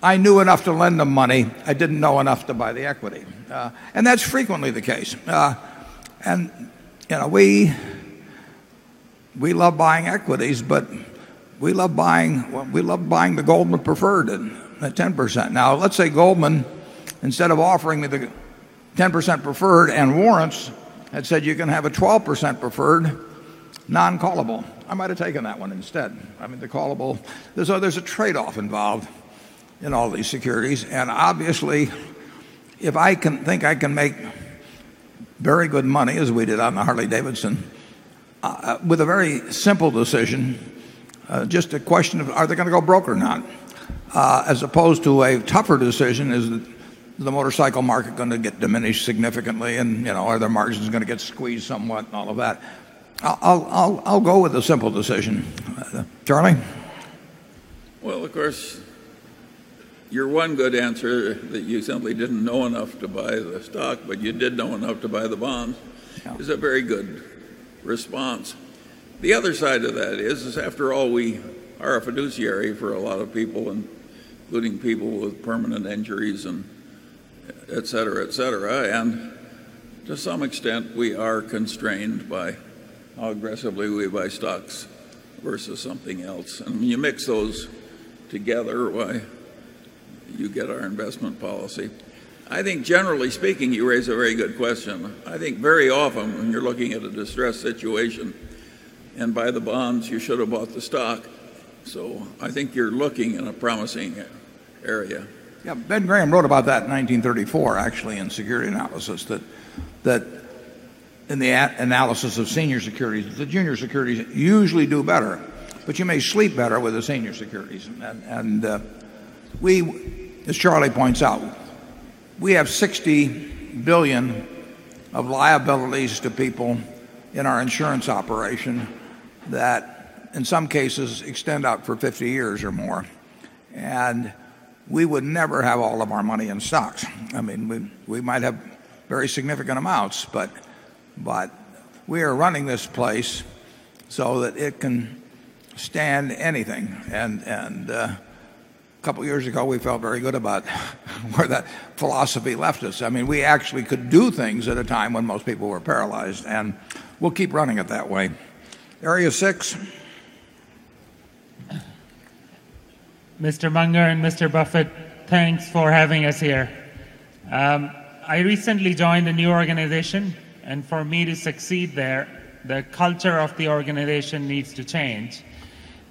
I knew enough to lend them money. I didn't know enough to buy the equity. And that's frequently the case. And we love buying equities, but we love buying the Goldman preferred at 10%. Now let's say Goldman, instead of offering me the 10% preferred and warrants, had said you can have a 12% preferred, non callable. I might have taken that one instead. I mean, the callable there's a trade off involved in all these securities. And, obviously, if I can think I can make very good money as we did on the Harley Davidson with a very simple decision, Just a question of are they going to go broke or not? As opposed to a tougher decision, is the motorcycle market going to get diminished significantly and are the margins going to get squeezed somewhat and all of that. I'll go with a simple decision. Charlie? Well, of course, your one good answer that you simply didn't know enough to buy the stock, but you did know enough to buy the bonds is a very good response. The other side of that is after all we are a fiduciary for a lot of people, including people with permanent injuries and etcetera, etcetera. And to some extent, we are constrained by how aggressively we buy stocks versus something else. And when you mix those together, you get our investment policy. I think generally speaking, you raise a very good question. I think very often when you're looking at a distressed situation and buy the bonds, you should have bought the stock. So I think you're looking in a promising area. Yes. Ben Graham wrote about that in 1934 actually in security analysis that in the analysis of senior securities, the junior securities usually do better, but you may sleep better with the senior securities. And we as Charlie points out, we have $60,000,000,000 of liabilities to people in our insurance operation that in some cases extend out for 50 years or more. And we would never have all of our money in stocks. I mean, we might have very significant amounts, but we are running this place so that it can stand anything. And a couple of years ago, we felt very good about where that philosophy left us. I mean, we actually could do things at a time when most people were paralyzed. And we'll keep running it that way. Area 6? Mr. Munger and Mr. Buffet, thanks for having us here. I recently joined a new organization and for me to succeed there, the culture of the organization needs to change.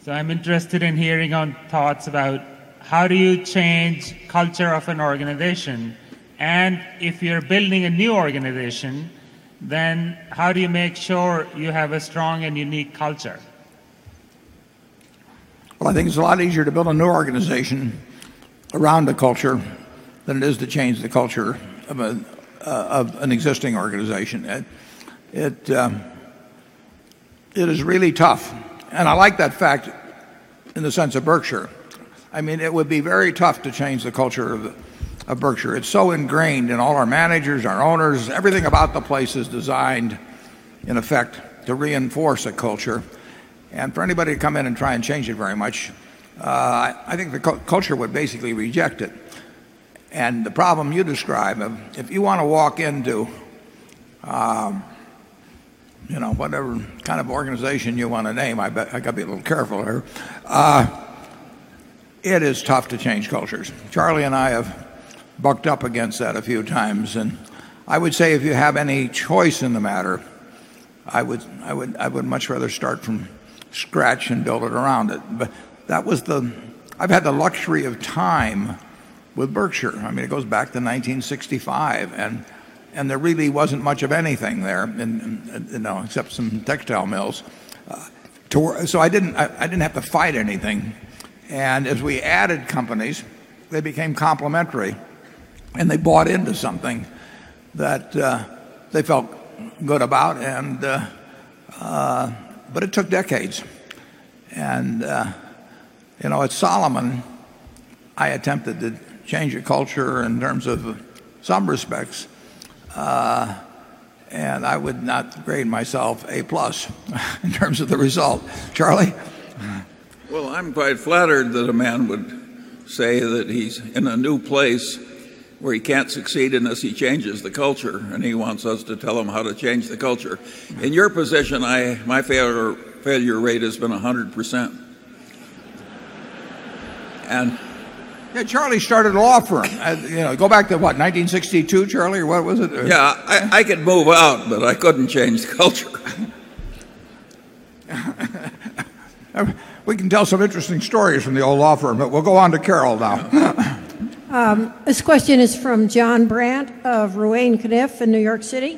So I'm interested in hearing on thoughts about how do you change culture of an organization? And if you're building a new organization, then how do you make sure you have a strong and unique culture? Well, I think it's a lot easier to build a new organization around the culture than it is to change the culture of an existing organization. It is really tough. And I like that fact in the sense of Berkshire. I mean, it would be very tough to change the culture of Berkshire. It's so ingrained in all our managers, our owners, everything about the place is designed in effect to reinforce a culture. And for anybody to come in and try and change it very much, I think the culture would basically reject it. And the problem you described, if you want to walk into whatever kind of organization you want to name, I've got to be a little careful here. It is tough to change cultures. Charlie and I have bucked up against that a few times. And I would say if you have any choice in the matter, I would much rather start from scratch and build it around it. But that was the I've had the luxury of time with Berkshire. I mean, it goes back to 1965. And there really wasn't much of anything there except some textile mills. So I didn't have to fight anything. And as we added companies, they became complementary and they bought into something that they felt good about. And, but it took decades. And, you know, at Solomon, I attempted to change a culture in terms of some respects. And I would not grade myself A plus in terms of the result. Charlie? Well, I'm quite flattered that a man would say that he's in a new place where he can't succeed unless he changes the culture and he wants us to tell him how to change the culture. In your position my failure rate has been 100%. And Charlie started a law firm. Go back to what, 1962, Charlie, or what was it? Yes. I could move out, but I couldn't change culture. We can tell some interesting stories from the old law firm, but we'll go on to Carol now. This question is from John Brandt of Ruane Kniff in New York City.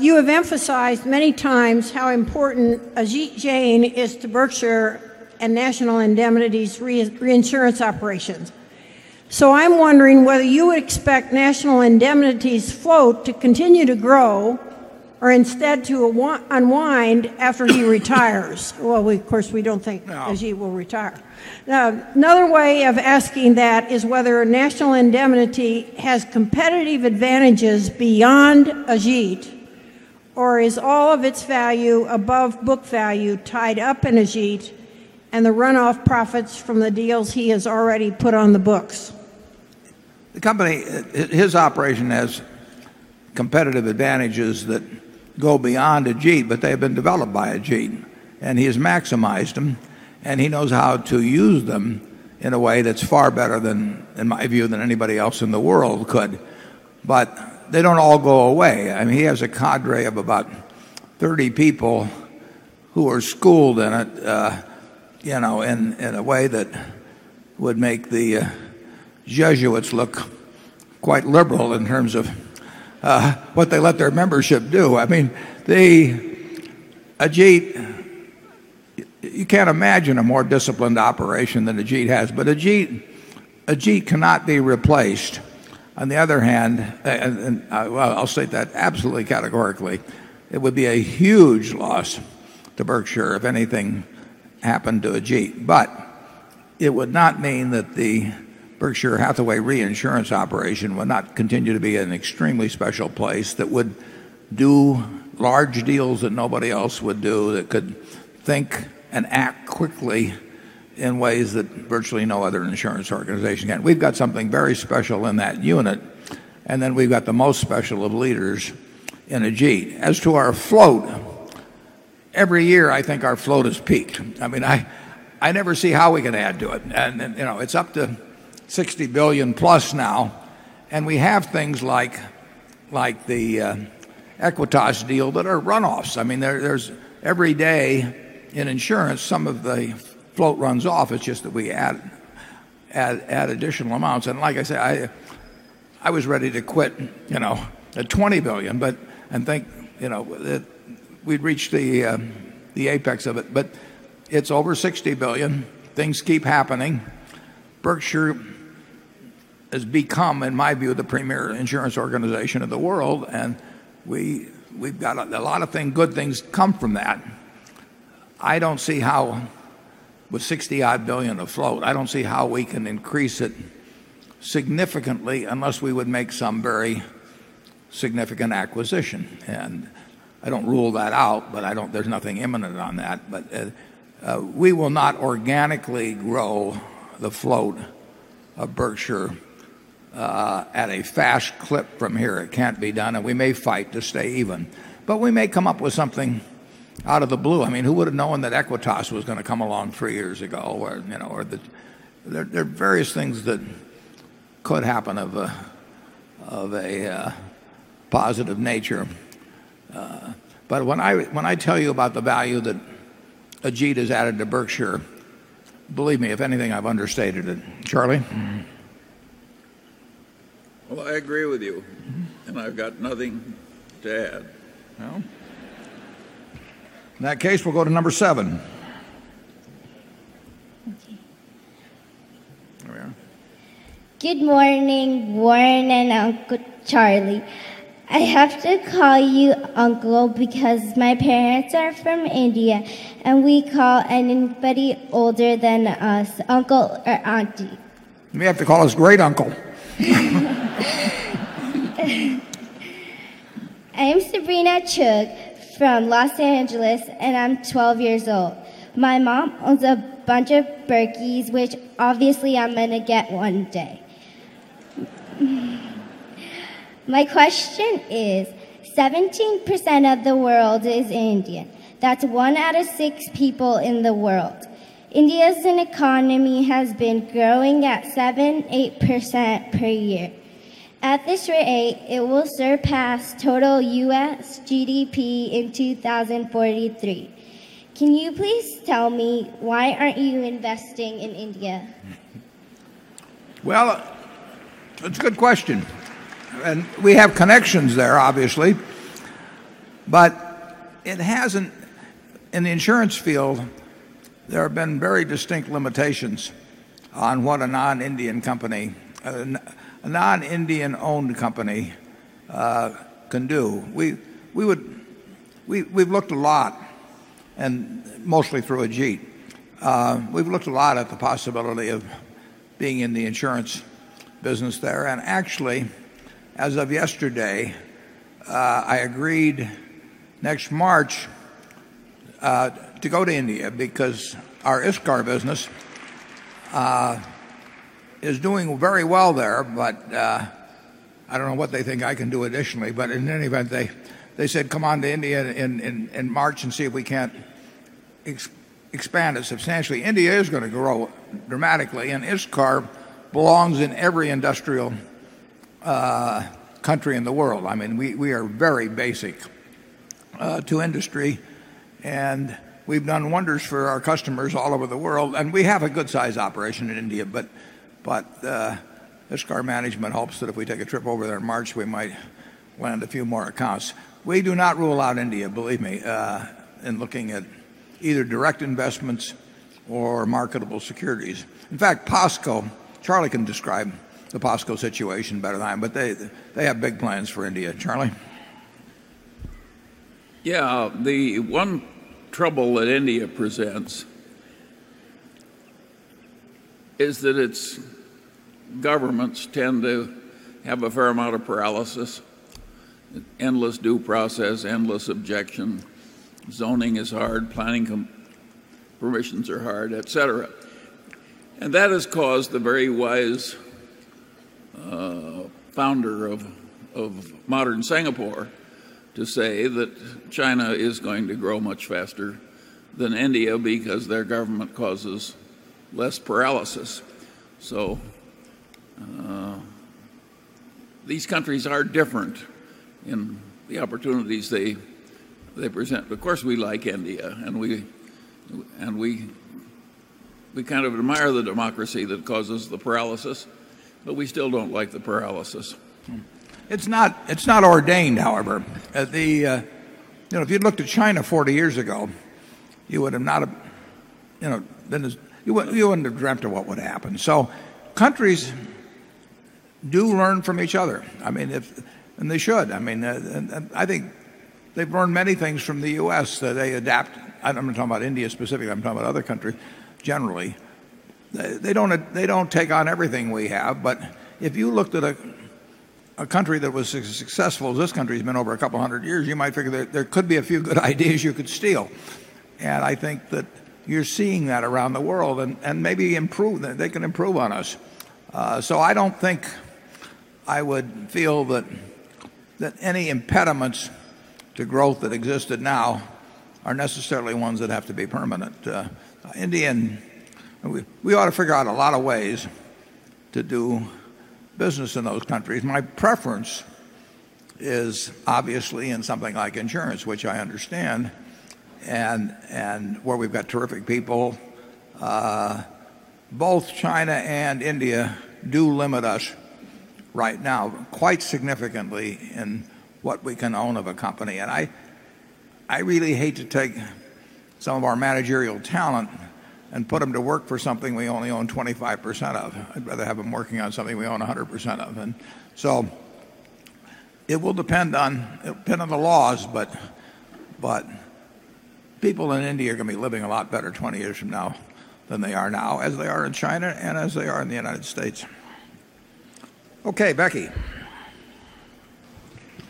You have emphasized many times how important Ajit Jain is to Berkshire and National Indemnity's reinsurance operations. So I'm wondering whether you expect National Indemnity's float to continue to grow or instead to unwind after he retires? Well, of course, we don't think that he will retire. Another way of asking that is whether National Indemnity has competitive advantages beyond Ajit Or is all of its value above book value tied up in Ajit and the runoff profits from the deals he has already put on the books? The company, his operation has competitive advantages that go beyond Agit, but they have been developed by Agit. And he has maximized them. And he knows how to use them in a way that's far better than, in my view, than anybody else in the world could. But they don't all go away. I mean, he has a cadre of about 30 people who are schooled in it, you know, in a way that would make the Jesuits look quite liberal in terms of what they let their membership do. I mean, the Ajit you can't imagine a more disciplined operation than Ajit Ajeet has. But Ajeet cannot be replaced. On the other hand, and I'll say that absolutely categorically, it would be a huge loss to Berkshire if anything happened to a Jeep. But it would not mean that the Berkshire Hathaway reinsurance operation will not continue to be an extremely special place that would do large deals that nobody else would do that could think and act quickly in ways that virtually no other insurance organization can. We've got something very special in that unit. And then we've got the most special of leaders in a G. As to our float, every year I think our float has peaked. I mean I never see how we can add to it. And it's up to $60,000,000,000 plus now. And we have things like the Equitas deal that are runoffs. I mean, there's every day in insurance, some of the float runs off. It's just that we add additional amounts. And like I said, I was ready to quit at $20,000,000,000 but and think we'd reach the apex of it. But it's over $60,000,000,000 Things keep happening. Berkshire has become, in my view, the premier insurance organization of the world. And we've got a lot of things good things come from that. I don't see how with $60,000,000,000 afloat, I don't see how we can increase it significantly unless we would make some very significant acquisition. And I don't rule that out, but I don't there's nothing imminent on that. But we will not organically grow the float of Berkshire at a fast clip from here. It can't be done. And we may fight to stay even. But we may come up with something out of the blue. I mean, who would have known that Equitas was going to come along 3 years ago? Or there are various things that could happen of a of a positive nature. But when I when I tell you about the value that Ajit has added to Berkshire, believe me, if anything, I've understated it. Charlie? Well, I agree with you. And I've got nothing to add. You know? In that case, we'll go to number 7. Okay. There we are. Good morning, Warren and Uncle Charlie. I have to call you uncle because my parents are from India, and we call anybody older than us uncle or auntie. You may have to call us great uncle. I am Sabrina Chug from Los Angeles and I'm 12 years old. My mom owns a bunch of Berkey's, which obviously I'm going to get one day. My question is, 17% of the world is Indian. That's 1 out of 6 people in the world. India's economy has been growing at 7, 8% per year. At this rate, it will surpass total US GDP in 2,043. Can you please tell me why aren't you investing in India? Well, it's a good question. And we have connections there obviously. But it hasn't in the insurance field, there have been very distinct limitations on what a non Indian company a non Indian owned company can do. We've looked a lot and mostly through Ajit. We've looked a lot at the possibility of being in the insurance business there. And actually, as of yesterday, I agreed next March to go to India because our ISCAR business is doing very well there. But I don't know what they think I can do additionally. But in any event, they said, come on to India in in in March and see if we can expand it substantially. India is going to grow dramatically and ISCARB belongs in every industrial country in the world. I mean, we are very basic to industry And we've done wonders for our customers all over the world. And we have a good sized operation in India, but Escarg management hopes that if we take a trip over there in March, we might land a few more accounts. We do not rule out India, believe me, in looking at either direct investments or marketable securities. In fact, POSCO, Charlie can describe the POSCO situation better than I am, but they have big plans for India. Charlie? Yeah. The one trouble that India presents is that its governments tend to have a fair amount of paralysis, endless due process, endless objection, zoning is hard, planning permissions are hard, etcetera. And that has caused the very wise, founder of modern Singapore to say that China is going to grow much faster than India because their government causes less paralysis. So these countries are different in the opportunities they present. Of course, we like India and we kind of admire the democracy that causes the paralysis, but we still don't like the paralysis. It's not ordained, however. If you'd looked at China 40 years ago, you would have not you know, then this you wouldn't you wouldn't have dreamt of what would happen. So countries do learn from each other. I mean, if and they should. I mean, I think they've learned many things from the U. S. That they adapt. I'm not talking about India specifically. I'm talking about other countries generally. They don't take on everything we have. But if you looked at a country that was successful, this country has been over a couple of 100 years, you might figure there could be a few good ideas you could steal. And I think that you're seeing that around the world and maybe improve that they can improve on us. So I don't think I would feel that any impediments to growth that existed now are necessarily ones that have to be permanent. Indian, we ought to figure out a lot of ways to do business in those countries. My preference is obviously in something like insurance, which I understand. And and where we've got terrific people. Both China and India do limit us right now quite significantly in what we can own of a company. And I really hate to take some of our managerial talent and put them to work for something we only own 25% of. I'd rather have them working on something we own 100 percent of. And so it will depend on the laws, but people in India are going to be living a lot better 20 years from now than they are now as they are in China and as they are in the United States. Okay. Becky.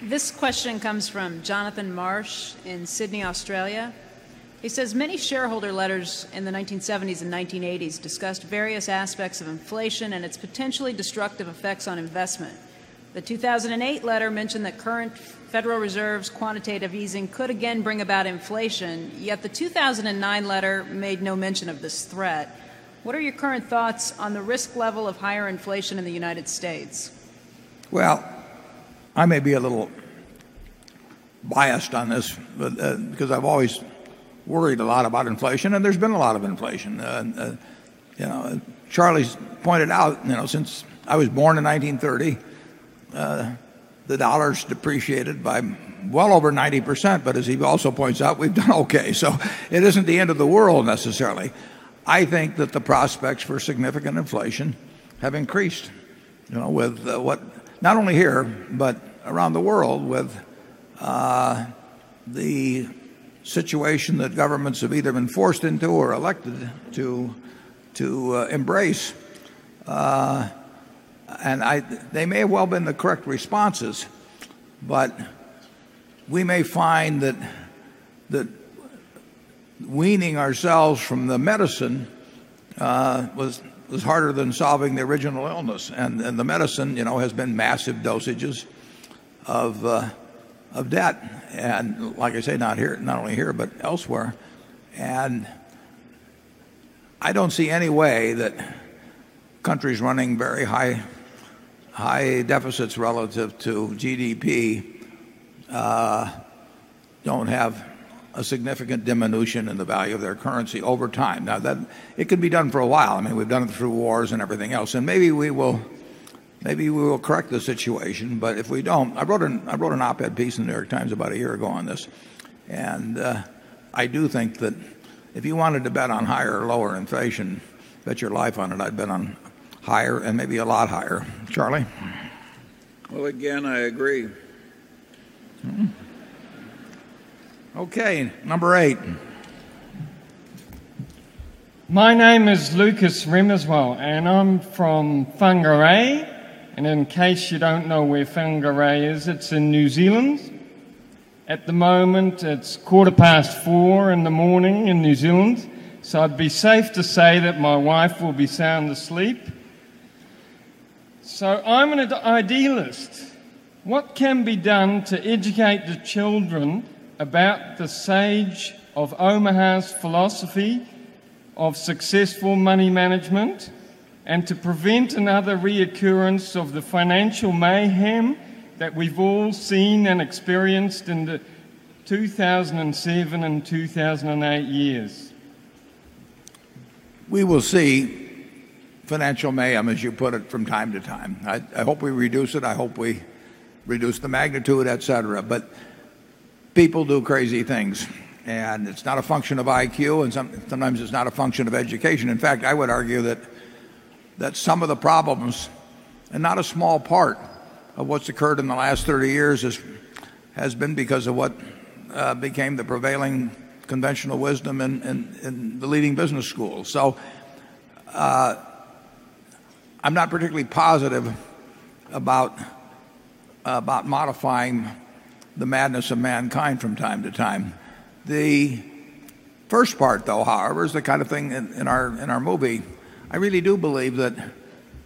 This question comes from Jonathan Marsh in Sydney, Australia. He says many shareholder letters in the 1970s 1980s discussed various aspects of inflation and its potentially destructive effects on investment. The 2,008 letter mentioned that current Federal Reserve's quantitative easing could again bring about inflation, yet the 2,009 letter made no mention of this threat. What are your current thoughts on the risk level of higher inflation in the United States? Well, I may be a little biased on this because I've always worried a lot about inflation and there's been a lot of inflation. Charlie's pointed out since I was born in 1930, the dollars depreciated by well over 90%. But as he also points out, we've done okay. So it isn't the end of the world necessarily. I think that the prospects for significant inflation have increased with what not only here, but around the world with the situation that governments have either been forced into or elected to to embrace. And I they may have well been the correct responses, but we may find that that weaning ourselves from the medicine, was was harder than solving the original illness. And and the medicine, you know, has been massive dosages of of debt. And like I say, not here not only here but elsewhere. And I don't see any way that countries running very high high deficits relative to GDP don't have a significant diminution in the value of their currency over time. Now that it could be done for a while. I mean we've done it through wars New York Times about a year ago on this. And I do think that if you wanted to bet on And, I do think that if you wanted to bet on higher or lower inflation, bet your life on it, I'd bet on higher and maybe a lot higher. Charlie? Well, again, I agree. Okay. Number 8. My name is Lucas Remmerswell and I'm from Fungarei. And in case you don't know where Whangarei is, it's in New Zealand. At the moment, it's quarter past 4 in the morning in New Zealand. So I'd be safe to say that my wife will be sound asleep. So I'm an idealist. What can be done to educate the children about the Sage of Omaha's philosophy of successful money management and to prevent another reoccurrence of the financial mayhem that we've all seen and experienced in the 2,007 and 2,008 years? We will see financial mayhem as you put it from time to time. I hope we reduce it. I hope we reduce the magnitude, etcetera. But people do crazy things and it's not a function of IQ and sometimes it's not a function of education. In fact, I would argue that some of the problems and not a small part of what's occurred in the last 30 years has been because of what became the prevailing conventional wisdom in the leading business school. So I'm not particularly positive about modifying the madness of mankind from time to time. The first part though, however, is the kind of thing in our movie. I really do believe that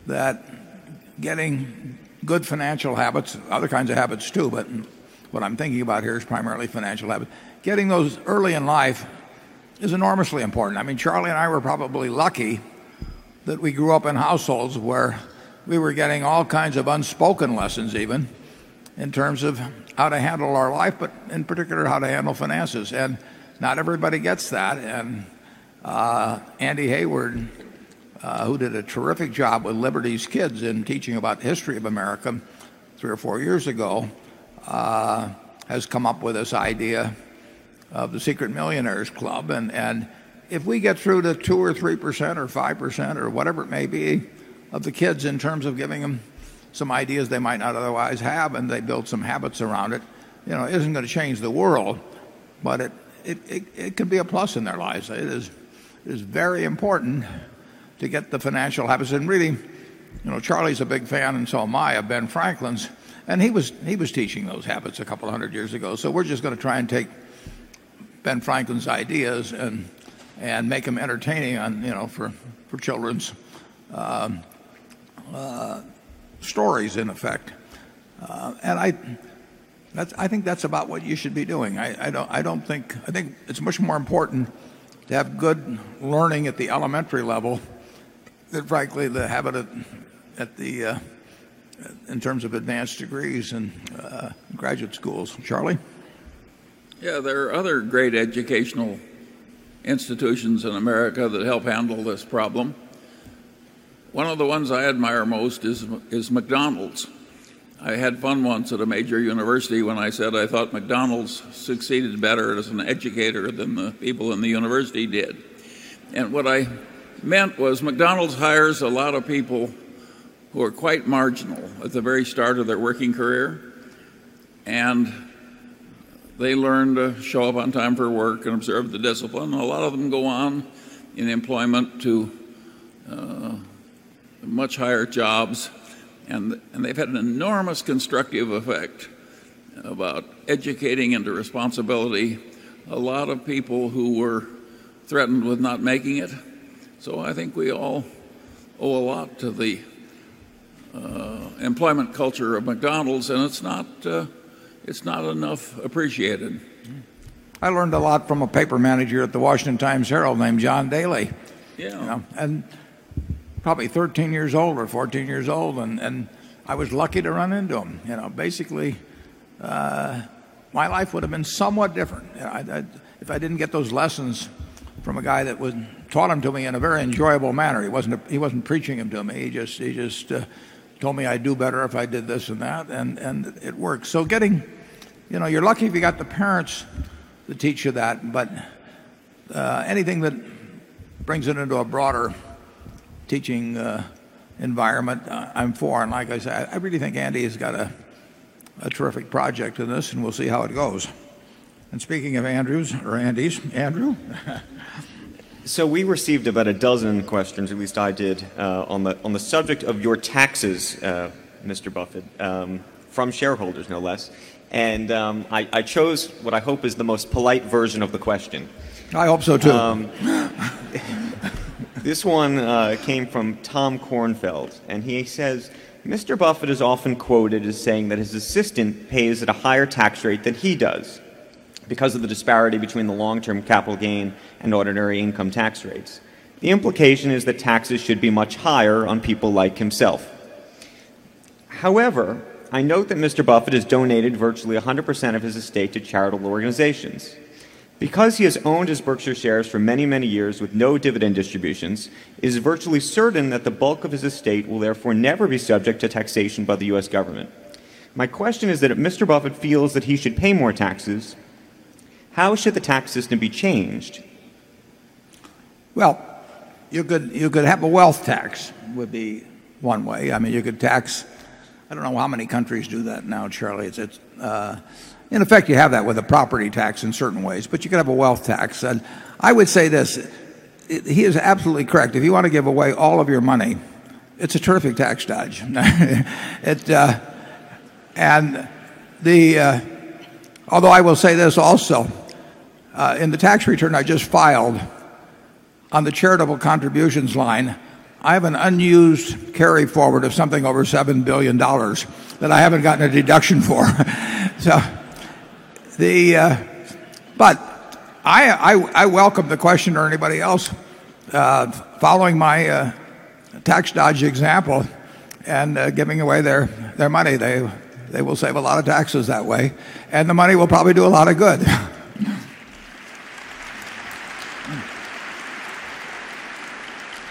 that getting good financial habits and other kinds of habits too. But what I'm thinking about here is primarily financial habits. Getting those early in life is enormously important. I mean, Charlie and I were probably lucky that we grew up in households where we were getting all kinds of unspoken lessons even in terms of how to handle our life, but in particular, how to handle finances. And not everybody gets that. And, Andy Hayward, who did a terrific job with Liberty's kids in teaching about history of America 3 or 4 years ago, has come up with this idea of the Secret Millionaire's Club. And if we get through to 2% or 3% or 5% or whatever it may be of the kids in terms of giving them some ideas they might not otherwise have and they build some habits around it isn't going to change the world, but it could be a plus in their lives. It is very important to get the financial habits. And really, Charlie is a big fan and saw Maya, Ben Franklin's. And he was he was teaching those habits a couple of 100 years ago. So we're just going to try and take Ben Franklin's ideas and and make them entertaining on you know for children's stories in effect. And I think that's about what you should be doing. I don't think I think it's much more important to have good learning at the elementary level that frankly the habit at the in terms of advanced degrees and graduate schools. Charlie? Yeah. There are other great educational institutions in America that help handle this problem. One of the ones I admire most is McDonald's. I had fun once at a major university when I said I thought McDonald's succeeded better as an educator than the people in the university did. And what I meant was McDonald's hires a lot of people who are quite marginal at the very start of their working career and they learn to show up on time for work and observe the discipline. A lot of them go on in employment to much higher jobs and they've had an enormous constructive effect about educating and the responsibility a lot of people who were threatened with not making it. So I think we all owe a lot to the employment culture of McDonald's and it's not it's not enough appreciated. I learned a lot from a paper manager at the Washington Times Herald named John Daly. Yeah. And probably 13 years old or 14 years old. And and I was lucky to run into him. You know, basically, my life would have been somewhat different if I didn't get those lessons from a guy that taught them to me in a very enjoyable manner. He wasn't preaching them to me. He just told me I'd do better if I did this and that and it works. So getting you're lucky if you got the parents to teach you that. But anything that brings it into a broader teaching environment, I'm for. And like I said, I really think Andy has got a terrific project in this and we'll see how it goes. And speaking of Andrews or Andes, Andrew? So we received about a dozen questions, at least I did, on the subject of your taxes, Mr. Buffet, from shareholders no less. And, I chose what I hope is the most polite version of the question. I hope so too. This one came from Tom Kornfeld, and he says, Mr. Buffet is often quoted as saying that his assistant pays at a higher tax rate than he does because of the disparity between the long term capital gain and ordinary income tax rates. The implication is that taxes should be much higher on people like himself. However, I note that Mr. Buffett has donated virtually 100% of his estate to charitable organizations. Because he has owned his Berkshire shares for many, many years with no dividend distributions, it is virtually certain that the bulk of his estate will therefore never be subject to taxation by the U. S. Government. My question is that if mister Buffett feels that he should pay more taxes, how should the tax system be changed? Well, you could have a wealth tax would be one way. I mean, you could tax I don't know how many countries do that now, Charlie. In effect, you have that with a property tax in certain ways, but you could have a wealth tax. And I would say this, he is absolutely correct. If you want to give away all of your money, it's a terrific tax dodge. It and the, although I will say this also, in the tax return I just filed on the charitable contributions line, I have an unused carry forward of something over $7,000,000,000 that I haven't gotten a deduction for. So the but I welcome the question or anybody else. Following my tax dodge example and giving away their money. They will save a lot of taxes that way. And the money will probably do a lot of good.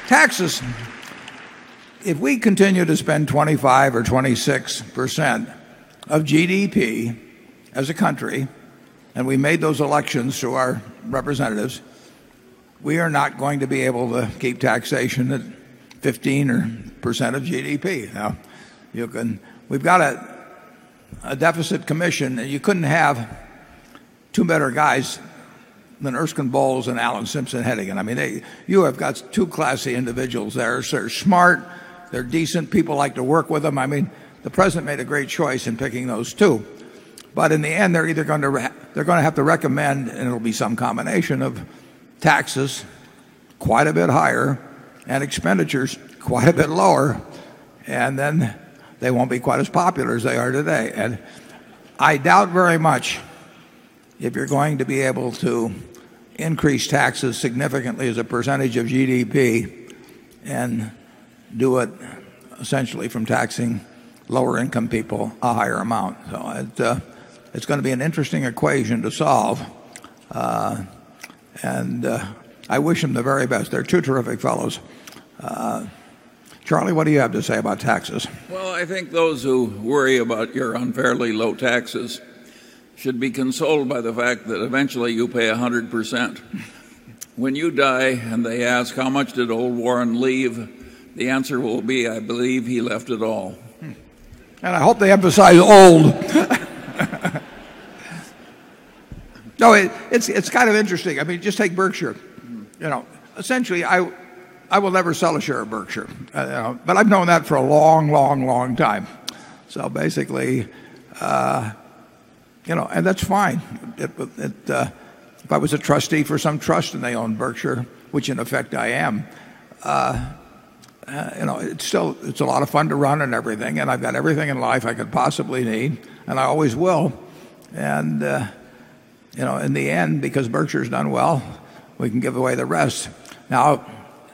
Taxes, if we continue to spend 25% or 26% of GDP as a country and we made those elections to our representatives, we are not going to be able to keep taxation at 15% of GDP. Now You can we've got a deficit commission that you couldn't have 2 better guys than Erskine Bowles and Allen Simpson Hettingen. I mean, you have got 2 classy individuals there. They're smart. They're decent. People like to work with them. I mean, the President made a great choice in picking those 2. But in the end, they're either going to they're going to have to recommend and it will be some combination of taxes quite a bit higher and expenditures quite a bit lower, and then they won't be quite as popular as they are today. And I doubt very much if you're going to be able to increase taxes significantly as a percentage of GDP and do it essentially from taxing lower income people a higher amount. So it's going to be an interesting equation to solve. And I wish them the very best. They're 2 terrific fellows. Charlie, what do you have to say about taxes? Well, I think those who worry about your unfairly low taxes should be consoled by the fact that eventually you pay 100%. When you die and they ask how much did old Warren leave, the answer will be I believe he left it all. And I hope they emphasize old. No, it's kind of interesting. I mean, just take Berkshire. Essentially, I will never sell a share of Berkshire. But I've known that for a long, long, long time. So basically, you know, and that's fine. If I was a trustee for some trust and they own Berkshire, which in effect I am, You know, it's still it's a lot of fun to run and everything. And I've got everything in life I could possibly need and I always will. And you know in the end because Berkshire's done well, we can give away the rest. Now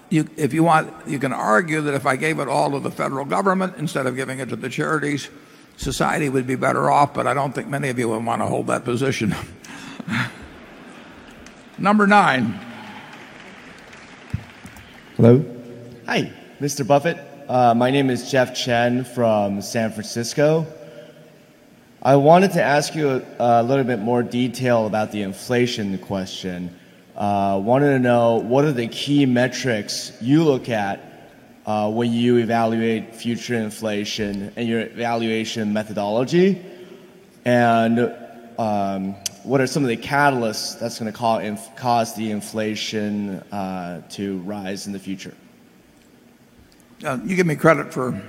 if you want you can argue that if I gave it all to the federal government instead of giving it to the charities, society would be better off. But I don't think many of you will want to hold that position. Number 9. Hello. Hi, Mr. Buffet. My name is Jeff Chen from San Francisco. I wanted to ask you a little bit more detail about the inflation question. Wanted to know what are the key metrics you look at when you evaluate future inflation and your evaluation methodology? And what are some of the catalysts that's going to cause the inflation to rise in the future? You give me credit for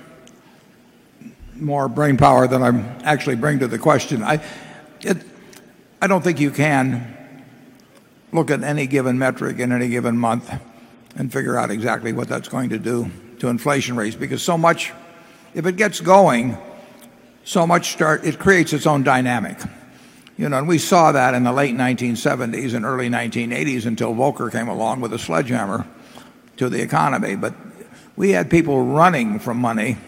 more brainpower than I actually bring to the question. I don't think you can look at any given metric in any given month and figure out exactly what that's going to do to inflation rates. Because so much if it gets going, so much start it creates its own dynamic. And we saw that in the late 1970s early 1980s until Volcker came along with a sledgehammer to the economy. But we had people running from money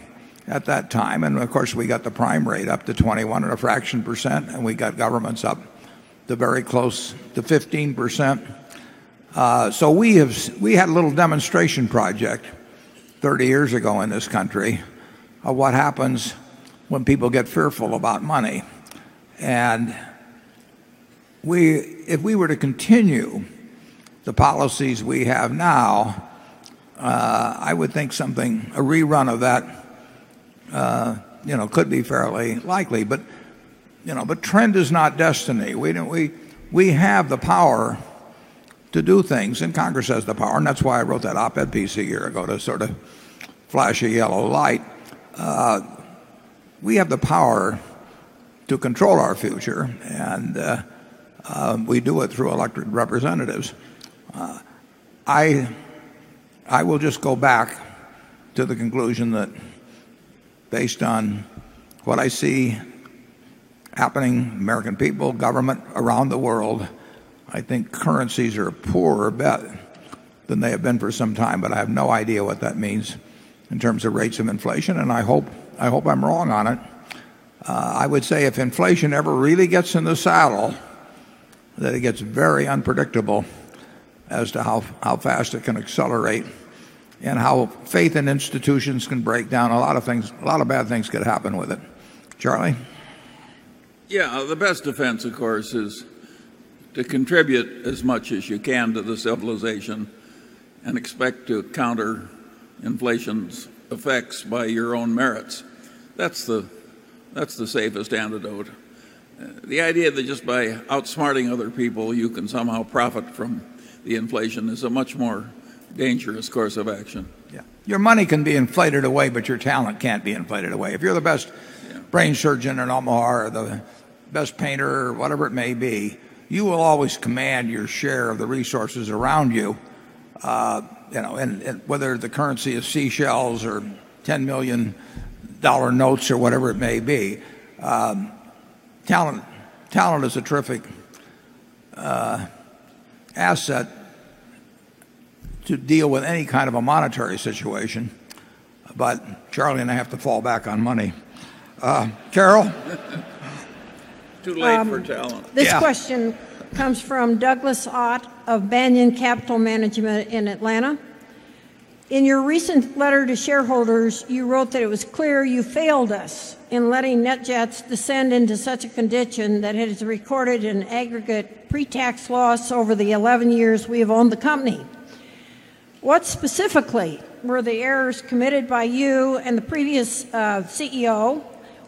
at that time. And of course, we got the prime rate up to 21 and a fraction percent and we got governments up to very close to 15%. So we have we had a little demonstration project 30 years ago in this country of what happens when people get fearful about money. And we if we were to continue the policies we have now, I would think something a rerun of that, you know, could be fairly likely. But, you know, but trend is not destiny. We don't we we have the power to do things and Congress has the power. And that's why I wrote that op ed piece a year ago to sort of flash a yellow light. We have the power to control our future and we do it through elected representatives. I will just go back to the conclusion that based on what I see happening American people, government around the world, I think currencies are poorer, better than they have been for some time. But I have no idea what that means in terms of rates of inflation. And I hope I hope I'm wrong on it. I would say if inflation ever really gets in the saddle, that it gets very unpredictable as to how fast it can accelerate and how faith and institutions can break down a lot of things, a lot of bad things could happen with it. Charlie? Yeah. The best defense, of course, is to contribute as much as you can to the civilization and expect to counter inflation's effects by your own merits. That's the safest antidote. The idea that just by outsmarting other people you can somehow profit from the inflation is a much more dangerous course of action. Your money can be inflated away, but your talent can't be inflated away. If you're the best brain surgeon in Omar or the best painter or whatever it may be, you will always command your share of the resources around you, and whether the currency is seashells or $10,000,000 notes or whatever it may be, talent is a terrific asset to deal with any kind of a monetary situation, But Charlie and I have to fall back on money. Terrell? Too late for talent. This question comes from Douglas Ott of Banyan Capital Management in Atlanta. In your recent letter to shareholders, you wrote that it was clear you failed us in letting NetJets descend into such a condition that it is recorded in aggregate pretax loss over the 11 years we have owned the company. What specifically were the errors committed by you and the previous CEO?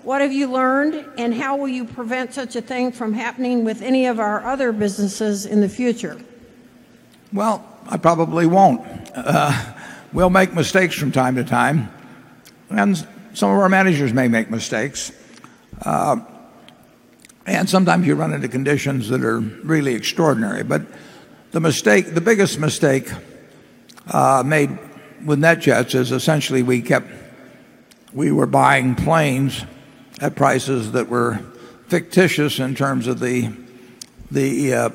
What have you learned? And how will you prevent such a thing from happening with any of our other businesses in the future? Well, I probably won't. We'll make mistakes from time to time. And some of our managers may make mistakes. And sometimes you run into conditions that are really extraordinary. But the mistake the biggest mistake made with net jets is essentially we kept we were buying planes at prices that were fictitious in terms of the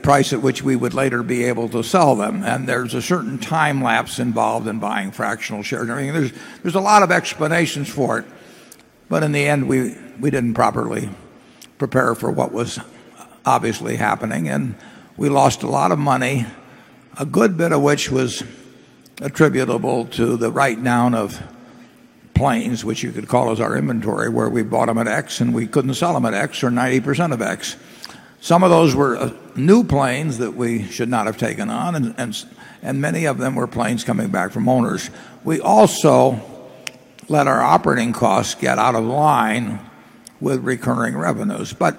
price at which we would later be able to sell them. And there's a certain time lapse involved in buying fractional shares. There's a lot of explanations for it. But in the end, we didn't properly prepare for what was obviously happening. And we lost a lot of money, a good bit of which was attributable to the write down of planes, which you could call as our inventory where we bought them at X and we couldn't sell them at X or 90% of X. Some of those were new planes that we should not have taken on and many of them were planes coming back from owners. We also let our operating costs get out of line with recurring revenues. But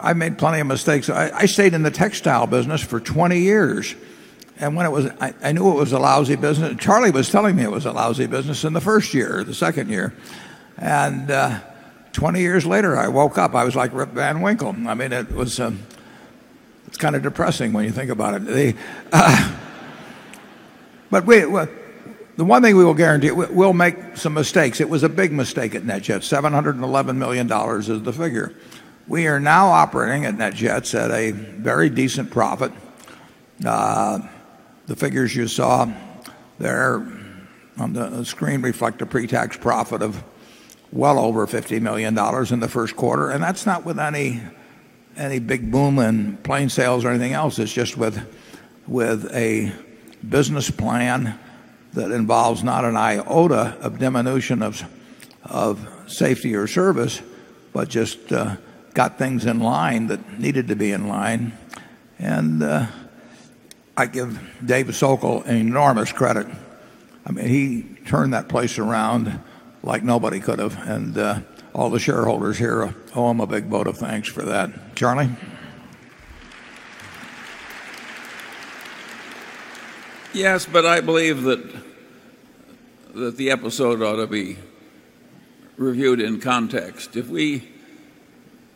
I made plenty of mistakes. I stayed in the textile business for 20 years. And when it was I knew it was a lousy business. Charlie was telling me it was a lousy business in the 1st year, the 2nd year. And 20 years later, I woke up. I was like Rip Van Winkle. I mean, it was it's kind of depressing when you think about it. But the one thing we will guarantee we'll make some mistakes. It was a big mistake at NetJets. Dollars 711,000,000 is the figure. We are now operating at NetJets at a very decent profit. The figures you saw there on the screen reflect a pretax profit of well over $50,000,000 in the Q1. And that's not with any big boom in plane sales or anything else. It's just with a business plan that involves not an iota of diminution of safety or service, but just got things in line that needed to be in line. And I give David Sokol enormous credit. I mean, he turned that place around like nobody could have. And all the shareholders here owe him a big vote of thanks for that. Charlie? Yes, but I believe that the episode ought to be reviewed in context. If we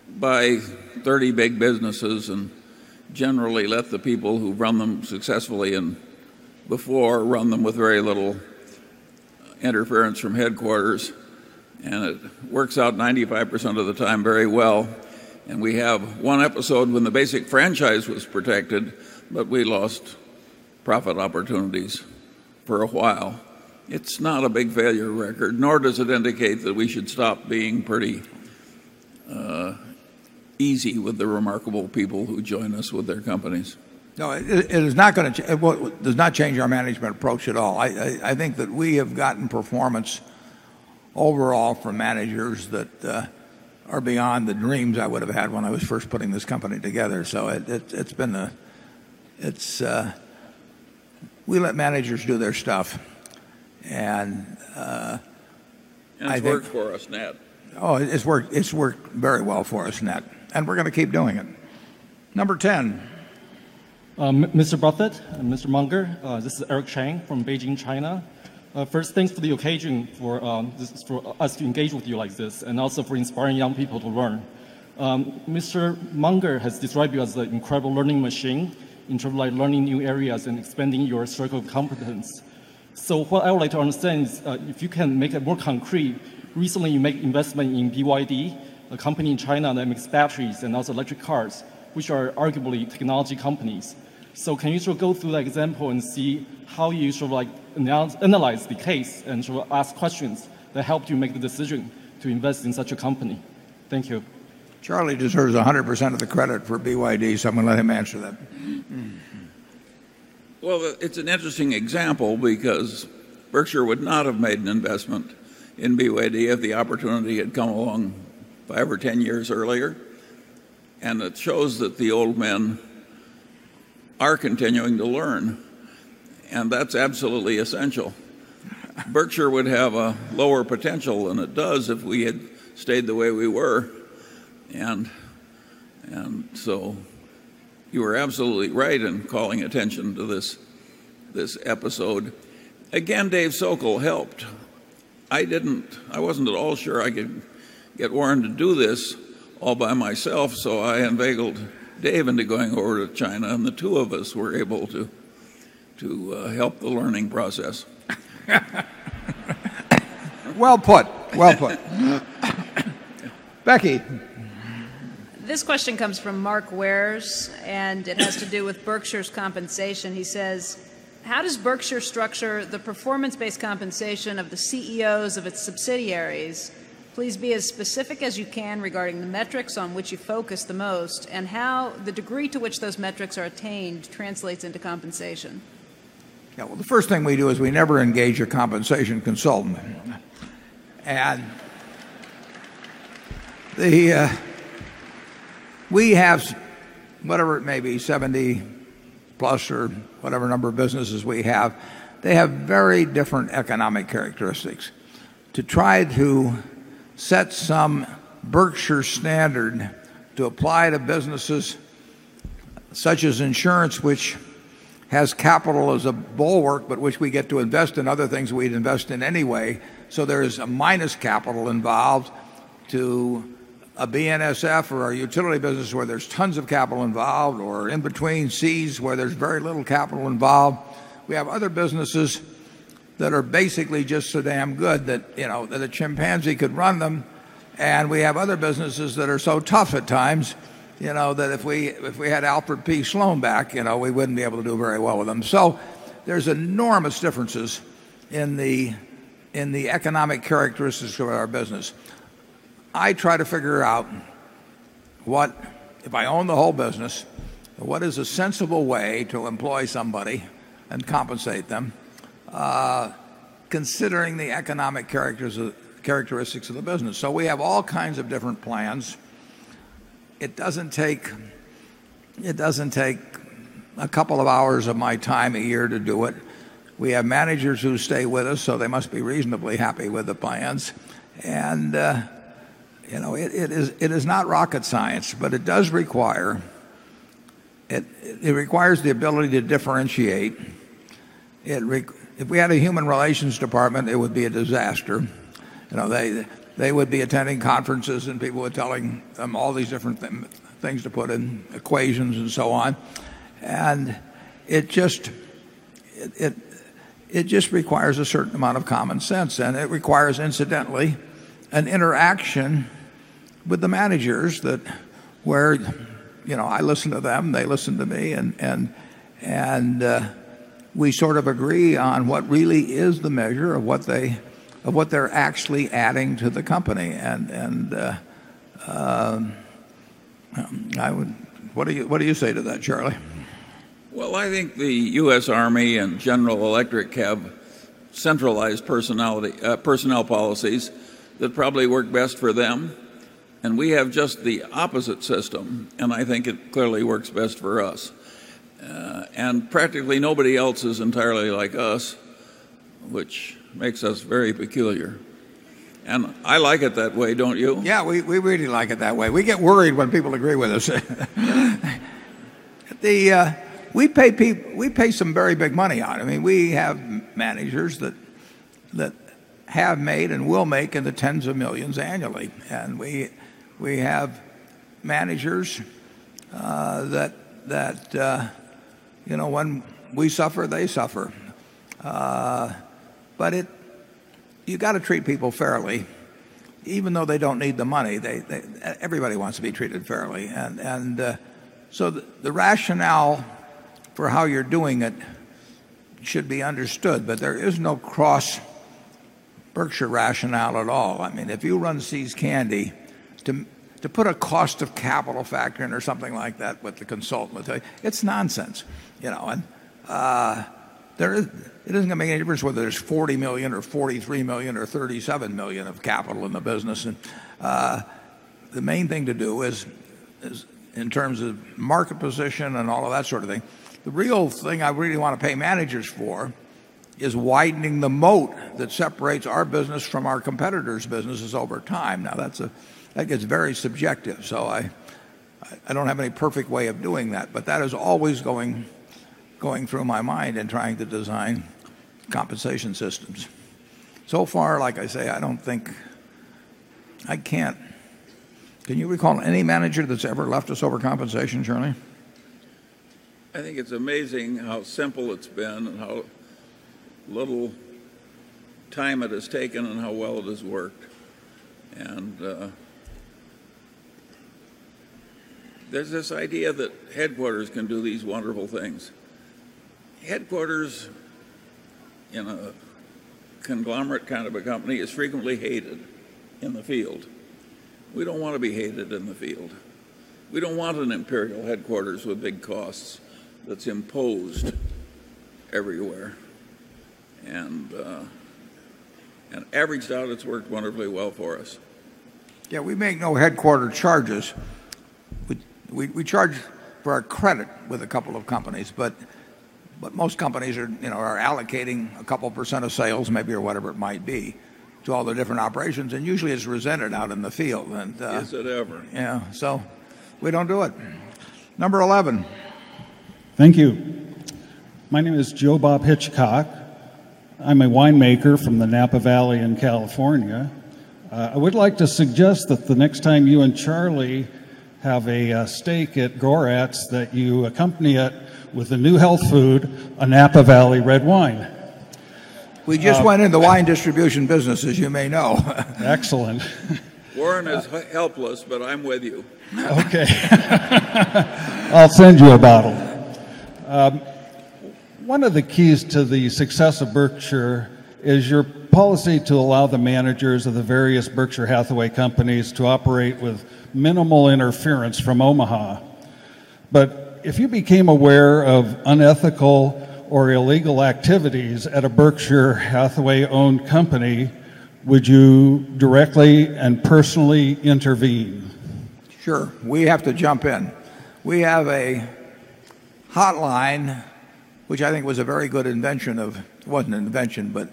buy 30 big businesses and generally let the people who run them successfully and before run them with very little interference from headquarters and it works out 95% of the time very well. And we have one episode when the basic franchise was protected, but we lost profit opportunities for a while. It's not a big failure record nor does it indicate that we should stop being pretty easy with the remarkable people who join us with their companies? No, it is not going to it does not change our management approach at all. I think that we have gotten performance overall from managers that are beyond the dreams I would have had when I was first putting this company together. So it's been a it's we let managers do their stuff. And I think It's worked for us, Nat. Oh, it's worked very well for us, Nat. And we're going to keep doing it. Number 10. Mr. Buffett and Mr. Munger, this is Eric Chang from Beijing, China. First, thanks for the occasion for us to engage with you like this and also for inspiring young people to learn. Mr. Munger has described you as an incredible learning machine in terms of like learning new areas and expanding your circle of competence. So what I would like to understand is if you can make it more concrete, recently you made investment in BYD, a company in China that makes batteries and also electric cars, which are arguably technology companies. So can you sort of go through that example and see how you should like announce analyze the case and to ask questions that helped you make the decision to invest in such a company? Thank you. Charlie deserves 100% of the credit for BYD. Someone let him answer that. Well, it's an interesting example because Berkshire would not have made an investment in BYD if the opportunity had come along 5 or 10 years earlier and it shows that the old men are continuing to learn and that's absolutely essential. Berkshire would have a lower potential than it does if we had stayed the way we were And so you are absolutely right in calling attention to this episode. Again Dave Sokol helped. I didn't I wasn't at all sure I could get Warren to do this all by myself, so I unbegled Dave into going over to China and the 2 of us were able to help the learning process. Well put. Well put. Becky? This question comes from Mark Wares and it has to do with Berkshire's compensation. He says, how does Berkshire structure the performance based compensation of the CEOs of its subsidiaries? Please be as specific as you can regarding the metrics on which you focus the most and how the degree to which those metrics are attained translates into compensation? Yes. Well, the first thing we do is we never engage a compensation consultant. And we have whatever it may be, 70 plus or whatever number of businesses we have, they have very different economic characteristics. To try to set some Berkshire standard to apply to businesses such as insurance, which has capital as a bulwark but which we get to invest in other things we'd invest in anyway. So there is a minus capital involved to a BNSF or a utility business where there's tons of capital involved or in between seas where there's very little capital involved. We have other businesses that are basically just so damn good that a chimpanzee could run them. And we have other businesses that are so tough at times that if we had Alpert P. Sloan back, we wouldn't be able to do very well with them. So there's enormous differences in the economic characteristics of our business. I try to figure out what if I own the whole business, what is a sensible way to employ somebody and compensate them considering the economic characteristics of the business. So we have all kinds of different plans. It doesn't take a couple of hours of my time a year to do it. We have managers who stay with us, so they must be reasonably happy with the plans. And, you know, it is not rocket science, but it does require it requires the ability to differentiate. If we had a human relations department, it would be a disaster. They would be attending conferences and people were telling them all these different things to put in equations and so on. And it just requires a certain amount of common sense. And it requires incidentally an interaction with the managers that where I listen to them, they listen to me. And we sort of agree on what really is the measure of what they of what they're actually adding to the company. And I would what do you say to that, Charlie? Well, I think the U. S. Army and General Electric Cab centralized personality personnel policies that probably work best for them. And we have just the opposite system and I think it clearly works best for us. And practically nobody else is entirely like us, which makes us very peculiar. And I like it that way, don't you? Yes, we really like it that way. We get worried when people agree with us. The we pay some very big money on it. I mean, we have managers that have made and will make in the tens of 1,000,000 annually. And we we have managers, that that, you know, when we suffer, they suffer. But it you got to treat people fairly even though they don't need the money. Everybody wants to be treated fairly. And so the rationale for how you're doing it should be understood, but there is no cross Berkshire rationale at all. I mean, if you run See's Candy to put a cost of capital factoring or something like that with the consultant, it's nonsense. There is it isn't going to be any difference whether there's $40,000,000 or $43,000,000 or $37,000,000 of capital in the business. And the main thing to do is in terms of market position and all of that sort of thing, the real thing I really want to pay managers for is widening the moat that separates our business from our competitors' businesses over time. Now that's a that gets very subjective. So I don't have any perfect way of doing that. But that is always going through my mind and trying to design compensation systems. So far like I say I don't think I can't. Can you recall any manager that's ever left us over compensation, Charlie? Think it's amazing how simple it's been and how little time it has taken and how well it has worked. And there's this idea that headquarters can do these wonderful things. Headquarters, in a conglomerate kind of a company, is frequently hated in the field. We don't want to be hated in the field. We don't want an imperial headquarters with big costs that's imposed everywhere and averaged out it's worked wonderfully well for us. Yes, we make no headquarter charges. We charge for our credit with a couple of companies, but most companies are allocating a couple percent of sales maybe or whatever it might be to all the different operations and usually it's resented out in the field. And, yes, so we don't do it. Number 11. Thank you. My name is Joe Bob Hitchcock. I'm a winemaker from the Napa Valley in California. I would like to suggest that the next time you and Charlie have a stake at Gorat's that you accompany it with a new health food, a Napa Valley red wine. We just went into wine distribution business, as you may know. Excellent. Warren is helpless, but I'm with you. Okay. I'll send you a bottle. One of the keys to the success of Berkshire is your policy to allow the managers of the various Berkshire Hathaway Companies to operate with minimal interference from Omaha. But if you became aware of unethical or illegal activities at a Berkshire Hathaway owned company, would you directly and personally intervene? Sure. We have to jump in. We have a hotline, which I think was a very good invention of it wasn't an invention, but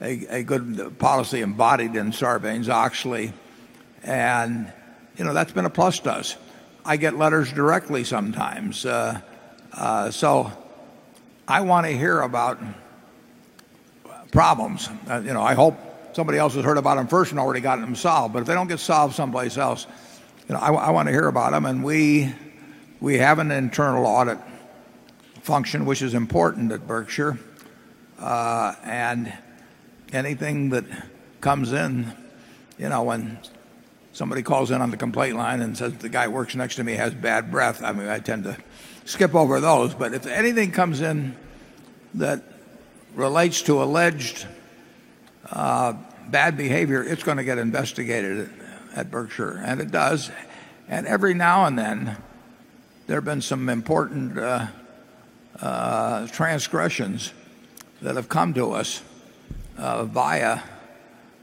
a good policy embodied in Sarbanes Oxley. And that's been a plus to us. I get letters directly sometimes. So I want to hear about problems. You know, I hope somebody else has heard about them first and already got them solved. But if they don't get solved someplace else, I want to hear about them. And we have an internal audit function, which is important at Berkshire. And anything that comes in when somebody calls in on the complaint line and says the guy works next to me has bad breath, I mean, I tend to skip over those. But if anything comes in that relates to alleged bad behavior, it's going to get investigated at Berkshire. And it does. And every now and then, there have been some important transgressions that have come to us via,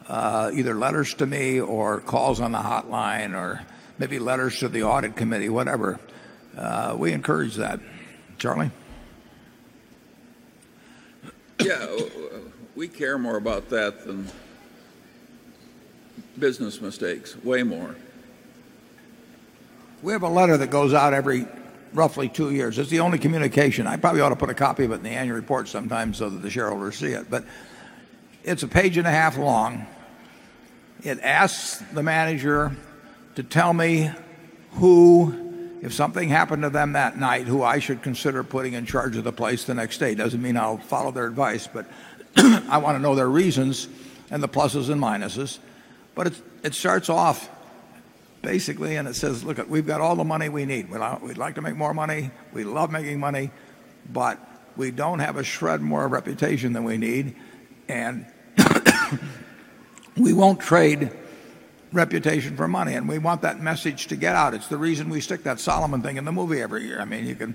either letters to me or calls on the hotline or maybe letters to the audit committee, whatever, we encourage that. Charlie? Yeah. We care more about that than business mistakes way more. We have a letter that goes out every roughly 2 years. It's the only communication. I probably ought to put a copy of it in the annual report sometimes so that the shareholders see it. But it's a page and a half long. It asks the manager to tell me who if something happened to them that night, who I should consider putting in charge of the place the next day. It doesn't mean I'll follow their advice, but I want to know their reasons and the pluses and minuses. But it starts off basically and it says, look, we've got all the money we need. We'd like to make more money. We love making money, But we don't have a shred more reputation than we need. And we won't trade reputation for money and we want that message to get out. It's the reason we stick that Solomon thing in the movie every year. I mean, you can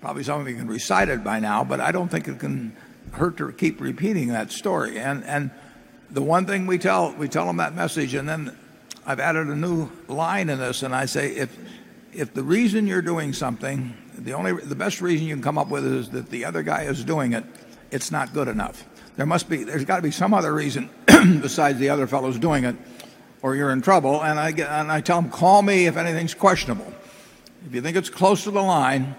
probably some of you can recite it by now, but I don't think it can hurt to keep repeating that story. And the one thing we tell, we tell them that message. And then I've added a new line in this. And I say, if the reason you're doing something, the only the best reason you can come up with is that the other guy is doing it, it's not good enough. There's got to be some other reason besides the other fellows doing it or you're in trouble. And I tell them, call me if anything's questionable. If you think it's close to the line,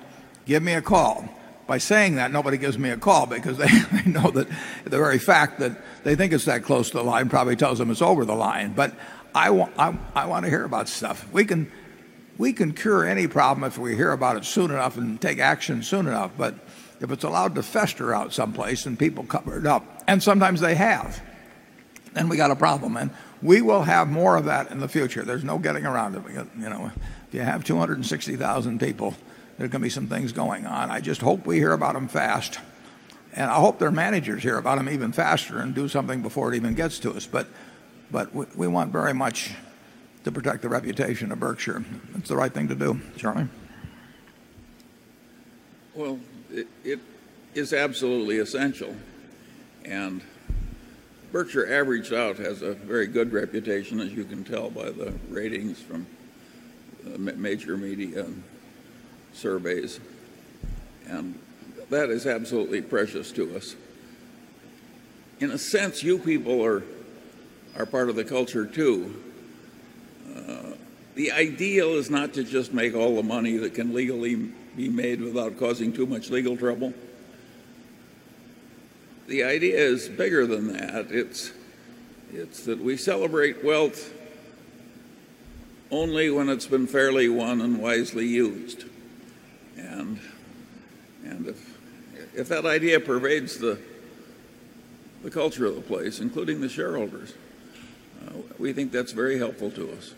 give me a call. By saying that, nobody gives me a call because they know that the very fact that think it's that close to the line probably tells them it's over the line. But I want to hear about stuff. We can cure any problem if we hear about it soon enough and take action soon enough. But if it's allowed to fester out someplace and people cover it up and sometimes they have, then we got a problem and we will have more of that in the future. There's no getting around it. You have 260,000 people. There can be some things going on. I just hope we hear about them fast. And I hope their managers hear about them even faster and do something before it even gets to us. But we want very much to protect the reputation of Berkshire. It's the right thing to do. Charlie? Well, it is absolutely essential. And Berkshire average out has a very good reputation as you can tell by the ratings from major media surveys. And that is absolutely precious to us. In a sense, you people are part of the culture too. The ideal is not just to make all the money that can legally be made without causing too much legal trouble. The idea is bigger than that. It's that we celebrate wealth only when it's been fairly won and wisely used. And if that idea pervades the culture of the place, including the shareholders, we think that's very helpful to us.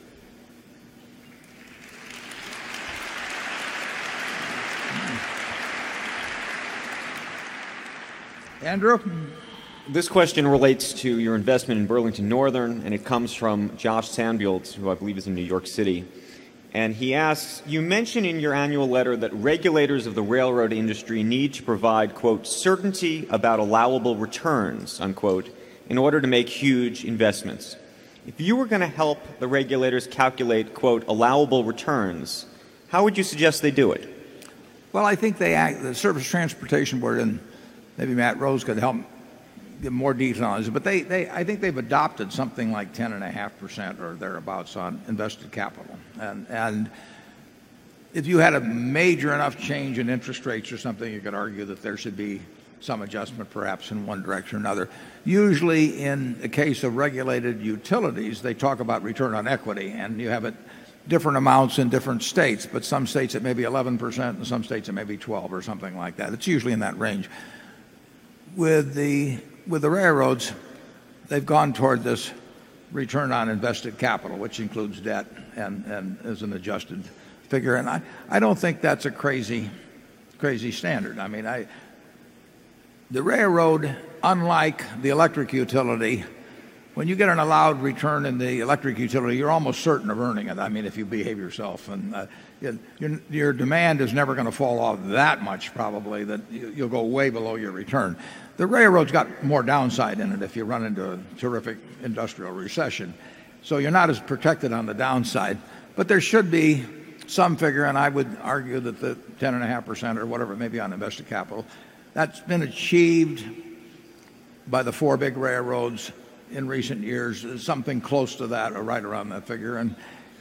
This question relates to your investment in Burlington Northern and it comes from Josh Sandbult, who I believe is in New York City. And he asks, you mentioned in your annual letter that regulators of the railroad industry need to provide certainty about allowable returns in order to make huge investments. If you were going to help the regulators calculate allowable returns, how would you suggest they do it? Well, I think they the Surface Transportation Board and maybe Matt Rose could help get more details. But they I think they've adopted something like 10.5% or thereabouts on invested capital. And if you had a major enough change in interest rates or something, you could argue that there should be some adjustment perhaps in one direction or another. Usually in the case of regulated utilities, they talk about return on equity and you have different amounts in different states. But some states, it may be 11%, in some states, it may be 12% or something like that. It's usually in that range. With the railroads, they've gone toward this return on invested capital, which includes debt and as an adjusted figure. And I don't think that's a crazy standard. I mean, I the railroad, unlike the electric utility, when you get an allowed return in the electric utility, you're almost certain of earning it. I mean, if you behave yourself and your demand is never going to fall off that much probably that you'll go way below your return. The railroads got more downside in it if you run into a terrific industrial recession. So you're not as protected on the downside. But there should be some figure and I would argue that the 10.5% or whatever maybe on invested capital, that's been achieved by the 4 big railroads in recent years, something close to that or right around that figure.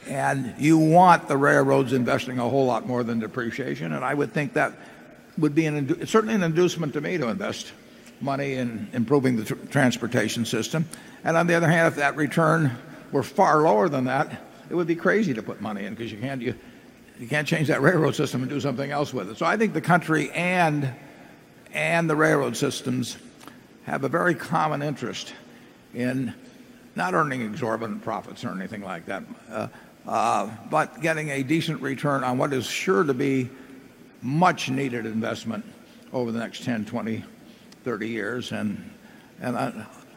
And you want the railroads investing a whole lot more than depreciation. And I would think that would be certainly an inducement to me to invest money in improving the transportation system. And on the other hand, if that return were far lower than that, it would be crazy to put money in because you can't you can't change that railroad system and do something else with it. So I think the country and the railroad systems have a very common interest in not earning exorbitant profits or anything like that, but getting a decent return on what is sure to be much needed investment over the next 10, 20, 30 years. And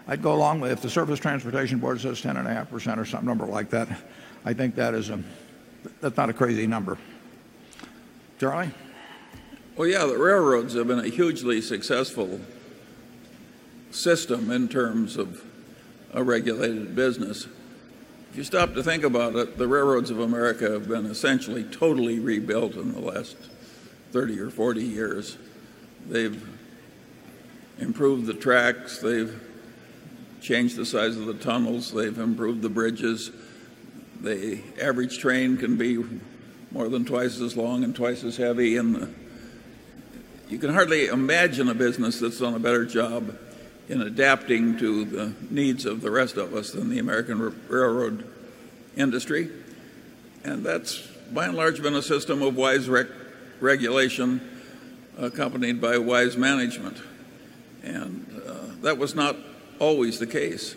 I'd go along with transportation board says 10.5% or some number like that, I think that is a that's not a crazy number. Charlie? Well, yeah. The railroads have been a hugely successful system in terms of a regulated business. If you stop to think about it, the railroads of America have been essentially totally rebuilt in the last 30 or 40 years. They've improved the tracks. They've changed the size of the tunnels. They've improved the bridges. The average train can be more than twice as long and twice as heavy and you can hardly imagine a business that's done a better job in adapting to the needs of the rest of us in the American railroad industry and that's by and large been a system of wise regulation accompanied by wise management. And, that was not always the case.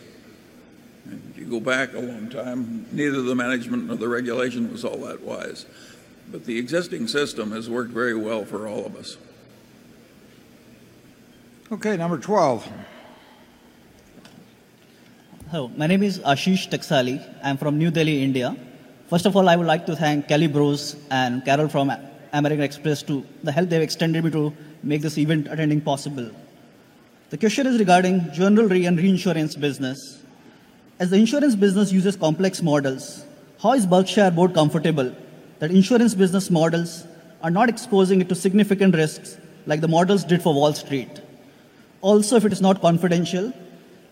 If you go back a long time, neither the management of the regulation was all that wise. But the existing system has worked very well for all of us. Okay. Number 12. Hello. My name is Ashish Teksali. I'm from New Delhi, India. First of all, I would like to thank Calibros and Carol from American Express to the help they've extended me to make this event attending possible. The question is regarding general reinsurance business. As the insurance business uses complex models, how is bulk share more comfortable that insurance business models are not exposing it to significant risks like the models did for Wall Street? Also if it is not confidential,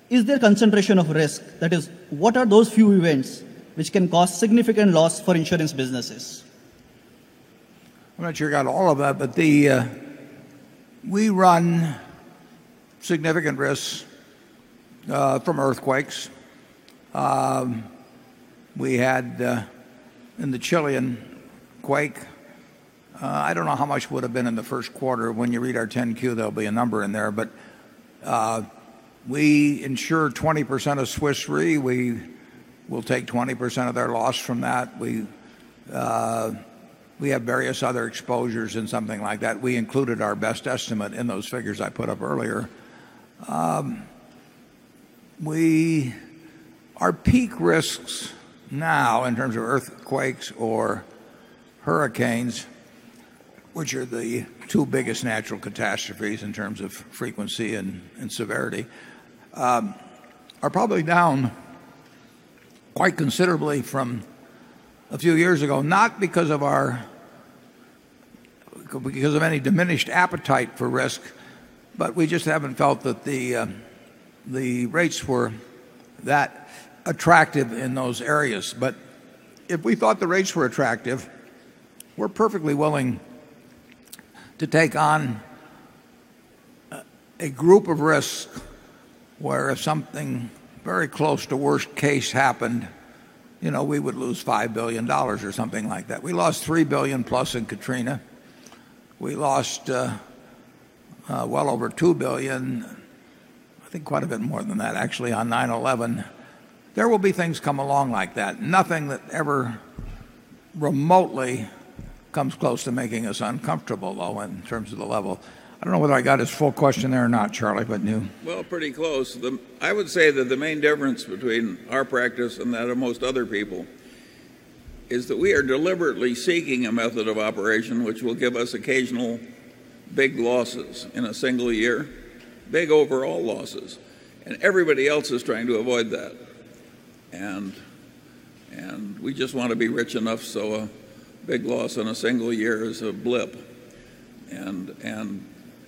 is there concentration of risk that is what are those few events which can cause significant loss for insurance businesses? I'm not sure you got all of that, but the, we run significant risks from earthquakes. We had in the Chilean quake, I don't know how much would have been in the Q1. When you read our 10 Q, there'll be a number in there. But we insured 20% of Swiss Re. We will take 20% of their loss from that. We have various other exposures and something like that. We included our best estimate in those figures I put up earlier. We our peak risks now in terms of earthquakes or hurricanes, which are the 2 biggest natural catastrophes in terms of frequency and severity, are probably down quite considerably from a few years ago not because of our because of any diminished appetite for risk, but we just haven't felt that the rates were that attractive in those areas. But if we thought the rates were attractive, we're perfectly willing to take on a group of risks where if something very close to worst case happened, we would lose $5,000,000,000 or something like that. We lost $3,000,000,000 plus in Katrina. We lost well over 2,000,000,000 dollars I think quite a bit more than that actually on nineeleven. There will be things come along like that. Nothing that ever remotely comes close to making us uncomfortable though in terms of the level. I don't know whether I got his full question there or not, Charlie, but new. Well, pretty close. I would say that the main difference between our practice and that of most other people is that we are deliberately seeking a method of operation which will give us occasional big losses in a single year, big overall losses. And everybody else is trying to avoid that. And we just want to be rich enough so a big loss in a single year is a blip.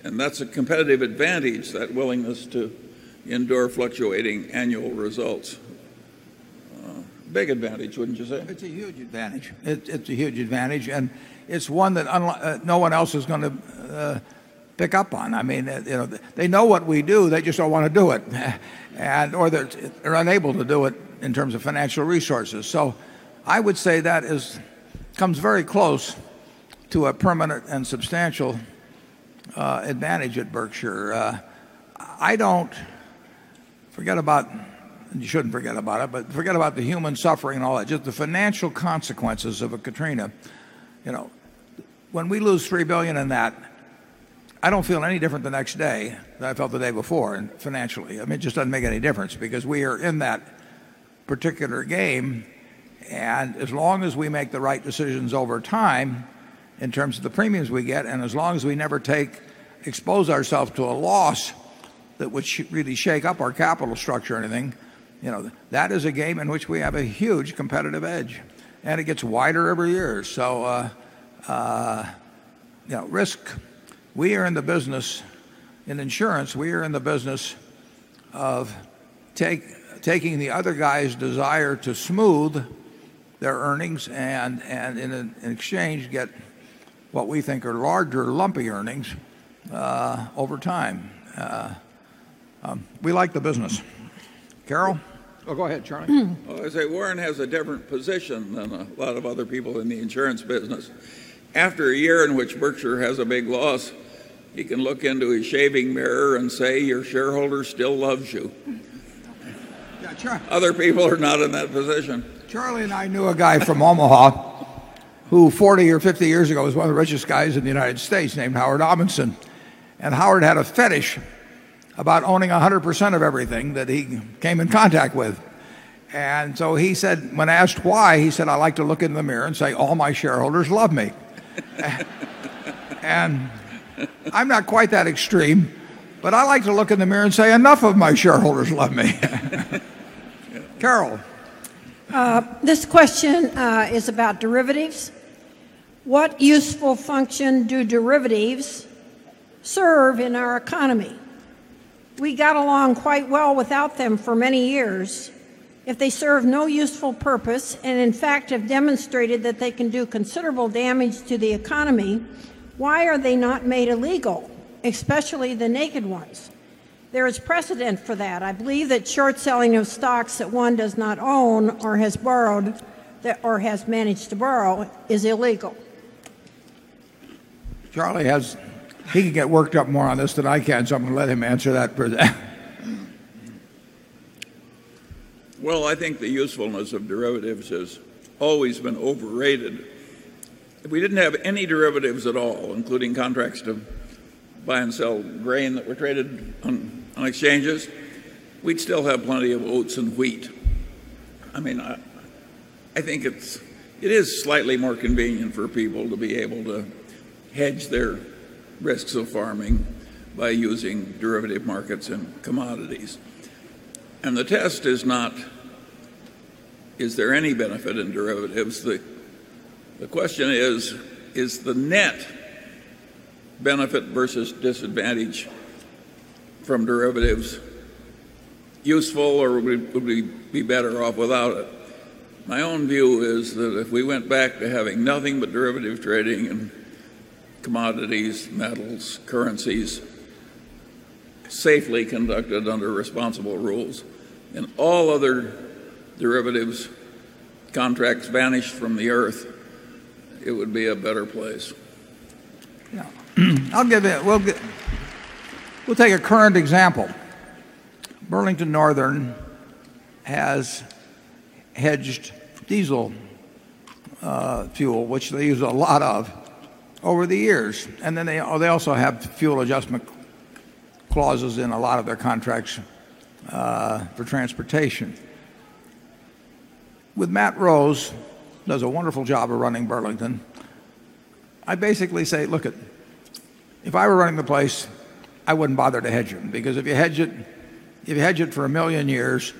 And that's a competitive advantage, that willingness to endure fluctuating annual results. Big advantage, wouldn't you say? It's a huge advantage. It's a huge advantage and it's one that no one else is going to pick up on. I mean, they know what we do. They just don't want to do it. And or they're unable to do it in terms of financial resources. So I would say that is comes very close to a permanent and substantial advantage at Berkshire. I don't forget about and you shouldn't forget about it, but forget about the human suffering and all that. Just the financial consequences of a Katrina. When we lose $3,000,000,000 in that, I don't feel any different the next day than I felt the day before financially. I mean, it just doesn't make any difference because we are in that particular game. And as long as we make the right decisions over time in terms of the premiums we get and as long as we never take expose ourselves to a loss that would really shake up our capital structure or anything. That is a game in which we have a huge competitive edge and it gets wider every year. So risk, we are in the business in insurance, we are in the business of taking the other guys' desire to smooth their earnings and in exchange get what we think are larger lumpy earnings over time. We like the business. Carol? Well, go ahead, Charlie. Warren has a different position than a lot of other people in the insurance business. After a year in which Berkshire has a big loss, he can look into his shaving mirror and say, your shareholder still loves you. Other people are not in that position. Charlie and I knew a guy from Omaha who 40 or 50 years ago was one of the richest guys in the United States named Howard Robinson. And Howard had a fetish about owning 100% of everything that he came in contact with. And so he said, when asked why, he said, I like to look in the mirror and say all my shareholders love me. And I'm not quite that extreme. But I like to look in the mirror and say enough of my shareholders love me. Carol? This question is about derivatives. What useful function do derivatives serve in our economy? We got along quite well without them for many years. If they serve no useful purpose and in fact have demonstrated that they can do considerable damage to the economy, why are they not made illegal, especially the naked ones? There is precedent for that. I believe that short selling of stocks that one does not own or has borrowed or has managed to borrow is illegal? Charlie has he can get worked up more on this than I can. So I'm going to let him answer that for that. Well, I think the usefulness of derivatives has always been overrated. We didn't have any derivatives at all, including contracts to buy and sell grain that were traded on exchanges, we'd still have plenty of oats and wheat. I mean, I think it is slightly more convenient for people to be able to hedge their risks of farming by using derivative markets and commodities. And the test is not is there any benefit in derivatives. The question is, is the net benefit versus disadvantage from derivatives useful or would we be better off without it? My own view is that if we went back to having nothing but derivative trading in commodities, metals, currencies safely conducted under responsible rules and all other derivatives contracts vanished from the earth, it would be a better place. Yeah. I'll give it. We'll take a current example. Burlington Northern has hedged diesel, fuel, which they use a lot of over the years. And then they also have fuel adjustment clauses in a lot of their contracts, for transportation. With Matt Rose, does a wonderful job of running Burlington, I basically say, look, if I were running the place, I wouldn't bother to hedge it. Because if you hedge it if you hedge it for a 1000000 years,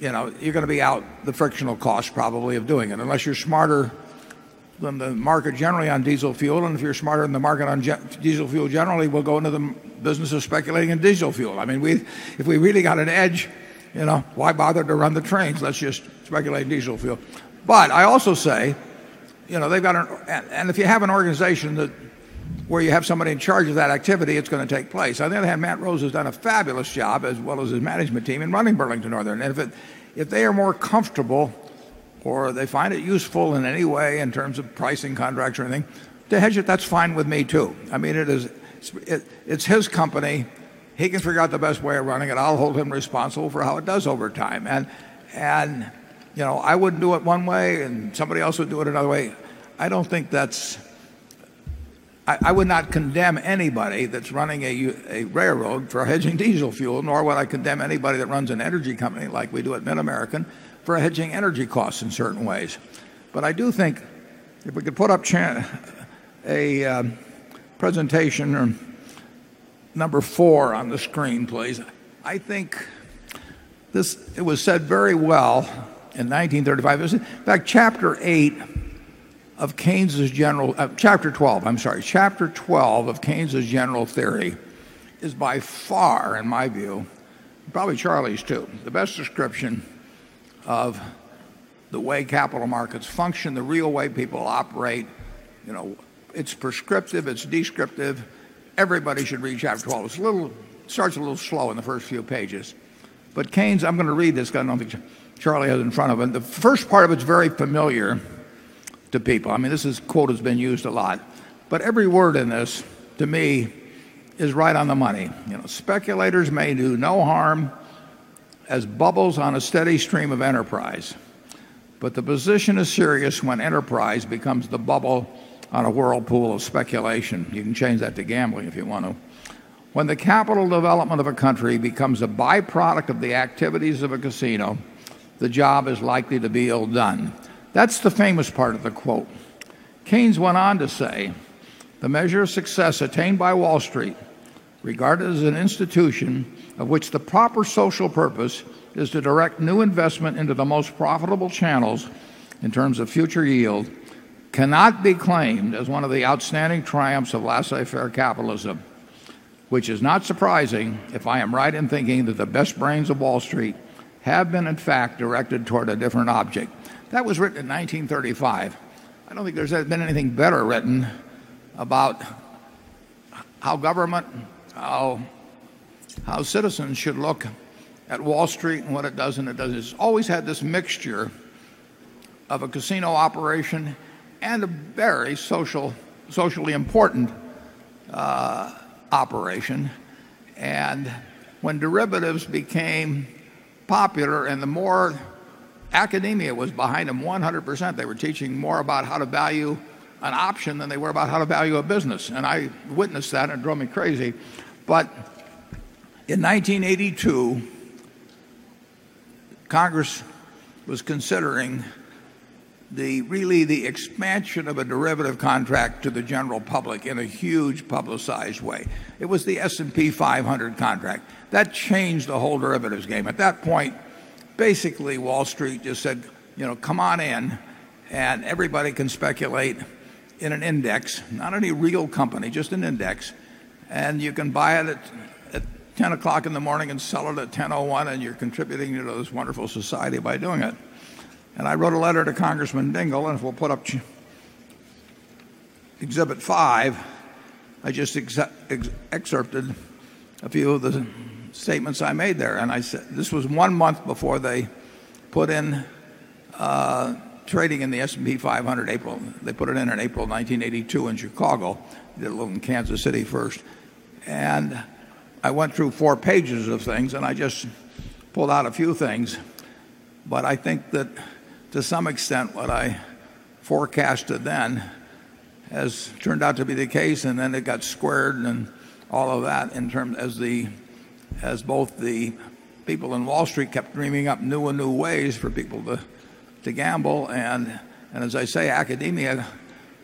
you're going to be out the frictional cost probably of doing it unless you're smarter than the market generally on diesel fuel. And if you're smarter than the market on diesel fuel generally, we'll go into the business of speculating in diesel fuel. I mean, if we really got an edge, why bother to run the trains? Let's just speculate diesel fuel. But I also say, they've got and if you have an organization that where you have somebody in charge of that activity, it's going to take place. I think I have Matt Rose has done a fabulous job as well as his management team in running Burlington Northern. And if they are more comfortable or they find it useful in any way in terms of pricing contracts or anything, to hedge it, that's fine with me too. I mean it is it's his company. He can figure out the best way of running it. I'll hold him responsible for how it does over time. And I wouldn't do it one way and somebody else would do it another way. I don't think that's I would not condemn anybody that's running a railroad for hedging diesel fuel nor would I condemn anybody that runs an energy company like we do at MidAmerican for hedging energy costs in certain ways. But I do think if we could put up a presentation number 4 on the screen, please. I think this it was said very well in 1935. In fact, Chapter 8 of Keynes' general chapter 12, I'm sorry. Chapter 12 of Keynes' general theory is by far, in my view, probably Charlie's too, the best description of the way capital markets function, the real way people operate. It's prescriptive, it's descriptive. Everybody should read Chapter 12. It's a little starts a little slow in the first few pages. But Keynes, I'm going to read this, because I don't think Charlie has it in front of him. The first part of it is very familiar to people. I mean, this is quote has been used a lot. But every word in this, to me, is right on the money. Speculators may do no harm as bubbles on a steady stream of enterprise. But the position is serious when enterprise becomes the bubble on a whirlpool of speculation. You can change that to gambling if you want to. When the capital development of a country becomes a byproduct of the activities of a casino, the job is likely to be all done. That's the famous part of the quote. Keynes went on to say, the measure of success attained by Wall Street, regarded as an institution of which the proper social purpose is to direct new investment into the most profitable channels in terms of future yield cannot be claimed as one of the outstanding triumphs of laissez faire capitalism, which is not surprising if I am right in thinking that the best brains of Wall Street have been in fact directed toward a different object. That was written in 1935. I don't think there's been anything better written about how government, how how citizens should look at Wall Street and what it does and it does. It's always had this mixture of a casino operation and a very social socially important, operation. And when derivatives became popular and the more academia was behind them 100%, they were teaching more about how to value an option than they were about how to value a business. And I witnessed that and it drove me crazy. But in 1982, Congress was considering the really the expansion of a derivative contract to the general public in a huge publicized way. It was the S and P 500 contract. That changed the whole derivatives game. At that point, basically Wall Street just said, come on in and everybody can speculate in an index, not any real company, just an index. And you can buy it at 10 o'clock in the morning and sell it at 10:0:1 and you're contributing to this wonderful society by doing it. And I wrote a letter to Congressman Dingell and if we'll put up Exhibit 5, I just excerpted a few of the statements I made there. And I said this was 1 month before they put in trading in the S and P 500 April. They put it in April 1982 in Chicago. They did a little in Kansas City first. And I went through 4 pages of things and I just pulled out a few things. But I think that to some extent, what I forecasted then has turned out to be the case. And then it got squared and all of that in term as the as both the people in Wall Street kept dreaming up new and new ways for people to gamble. And as I say, academia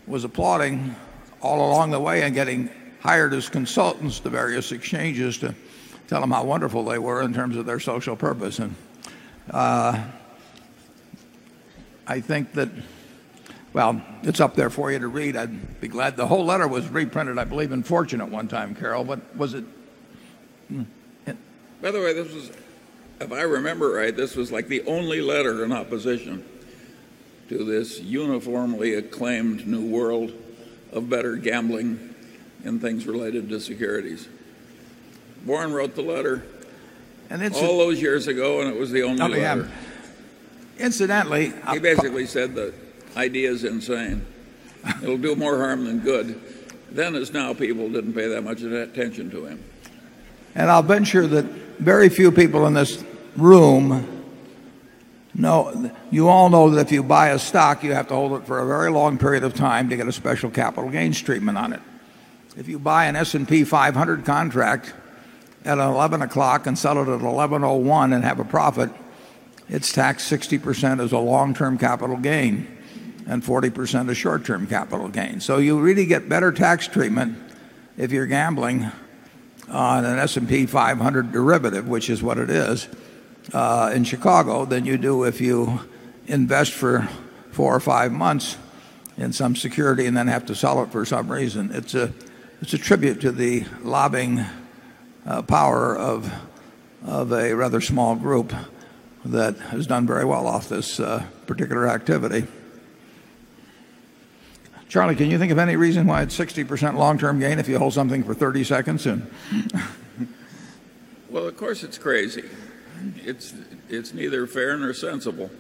was applauding all along the way and getting hired as consultants to various exchanges to tell them how wonderful they were in terms of their social purpose. And I think that well, it's up there for you to read. I'd be glad. The whole letter was reprinted, I believe, in fortunate one time, Carol. But was it? By the way, this was if I remember right, this was like the only letter in opposition to this uniformly acclaimed new world of better gambling and things related to securities. Warren wrote the letter all those years ago and it was the only letter. And I'll venture that very few people in this room know you all know that if you buy a stock, you have to hold it for a very long period of time to get a special capital gains treatment on it. If you buy an S and P 500 contract at 11 o'clock and sell it at 11:0:1 and have a profit, it's taxed 60% as a long term capital gain and 40% of short term capital gain. So you really get better tax treatment if you're gambling on an S and P 500 derivative, which is what it is, in Chicago than you do if you invest for 4 or 5 months in some security and then have to sell it for some reason. It's it's a tribute to the lobbying power of of a rather small group that has done very well off this particular activity. Charlie, can you think of any reason why it's 60% long term gain if you hold something for 30 seconds? Well, of course, it's crazy. It's neither fair nor sensible.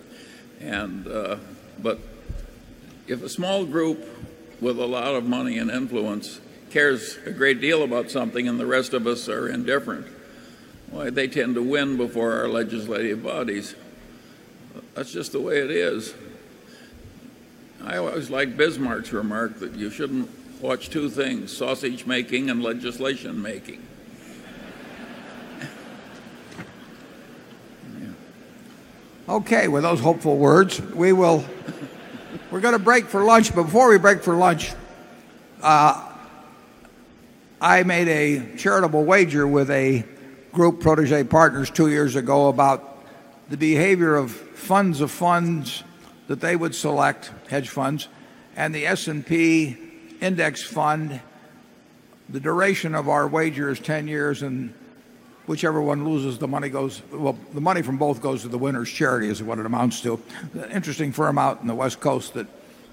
And, but if a small group with a lot of money and influence cares a great deal about something and the rest of us are indifferent, why, they tend to win before our legislative bodies. That's just the way it is. I always like Bismarck's remark that you shouldn't watch 2 things, sausage making and legislation making. Okay. With those hopeful words, we will we're going to break for lunch. Before we break for lunch, I made a charitable wager with a Group Protege Partners 2 years ago about the behavior of funds of funds that they would select, hedge funds, and the S and P index fund, the duration of our wagers 10 years and whichever one loses the money goes well the money from both goes to the winner's charity is what it amounts to. Interesting firm out in the West Coast that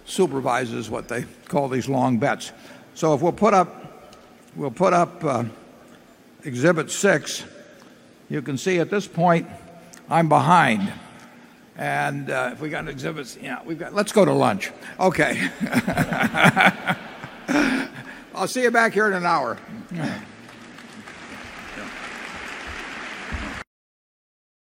supervises what they call these long bets. So if we'll put up exhibit 6. You can see at this point, I'm behind. And, if we got an exhibit, yeah, we've got let's go to lunch. Okay. I'll see you back here in an hour.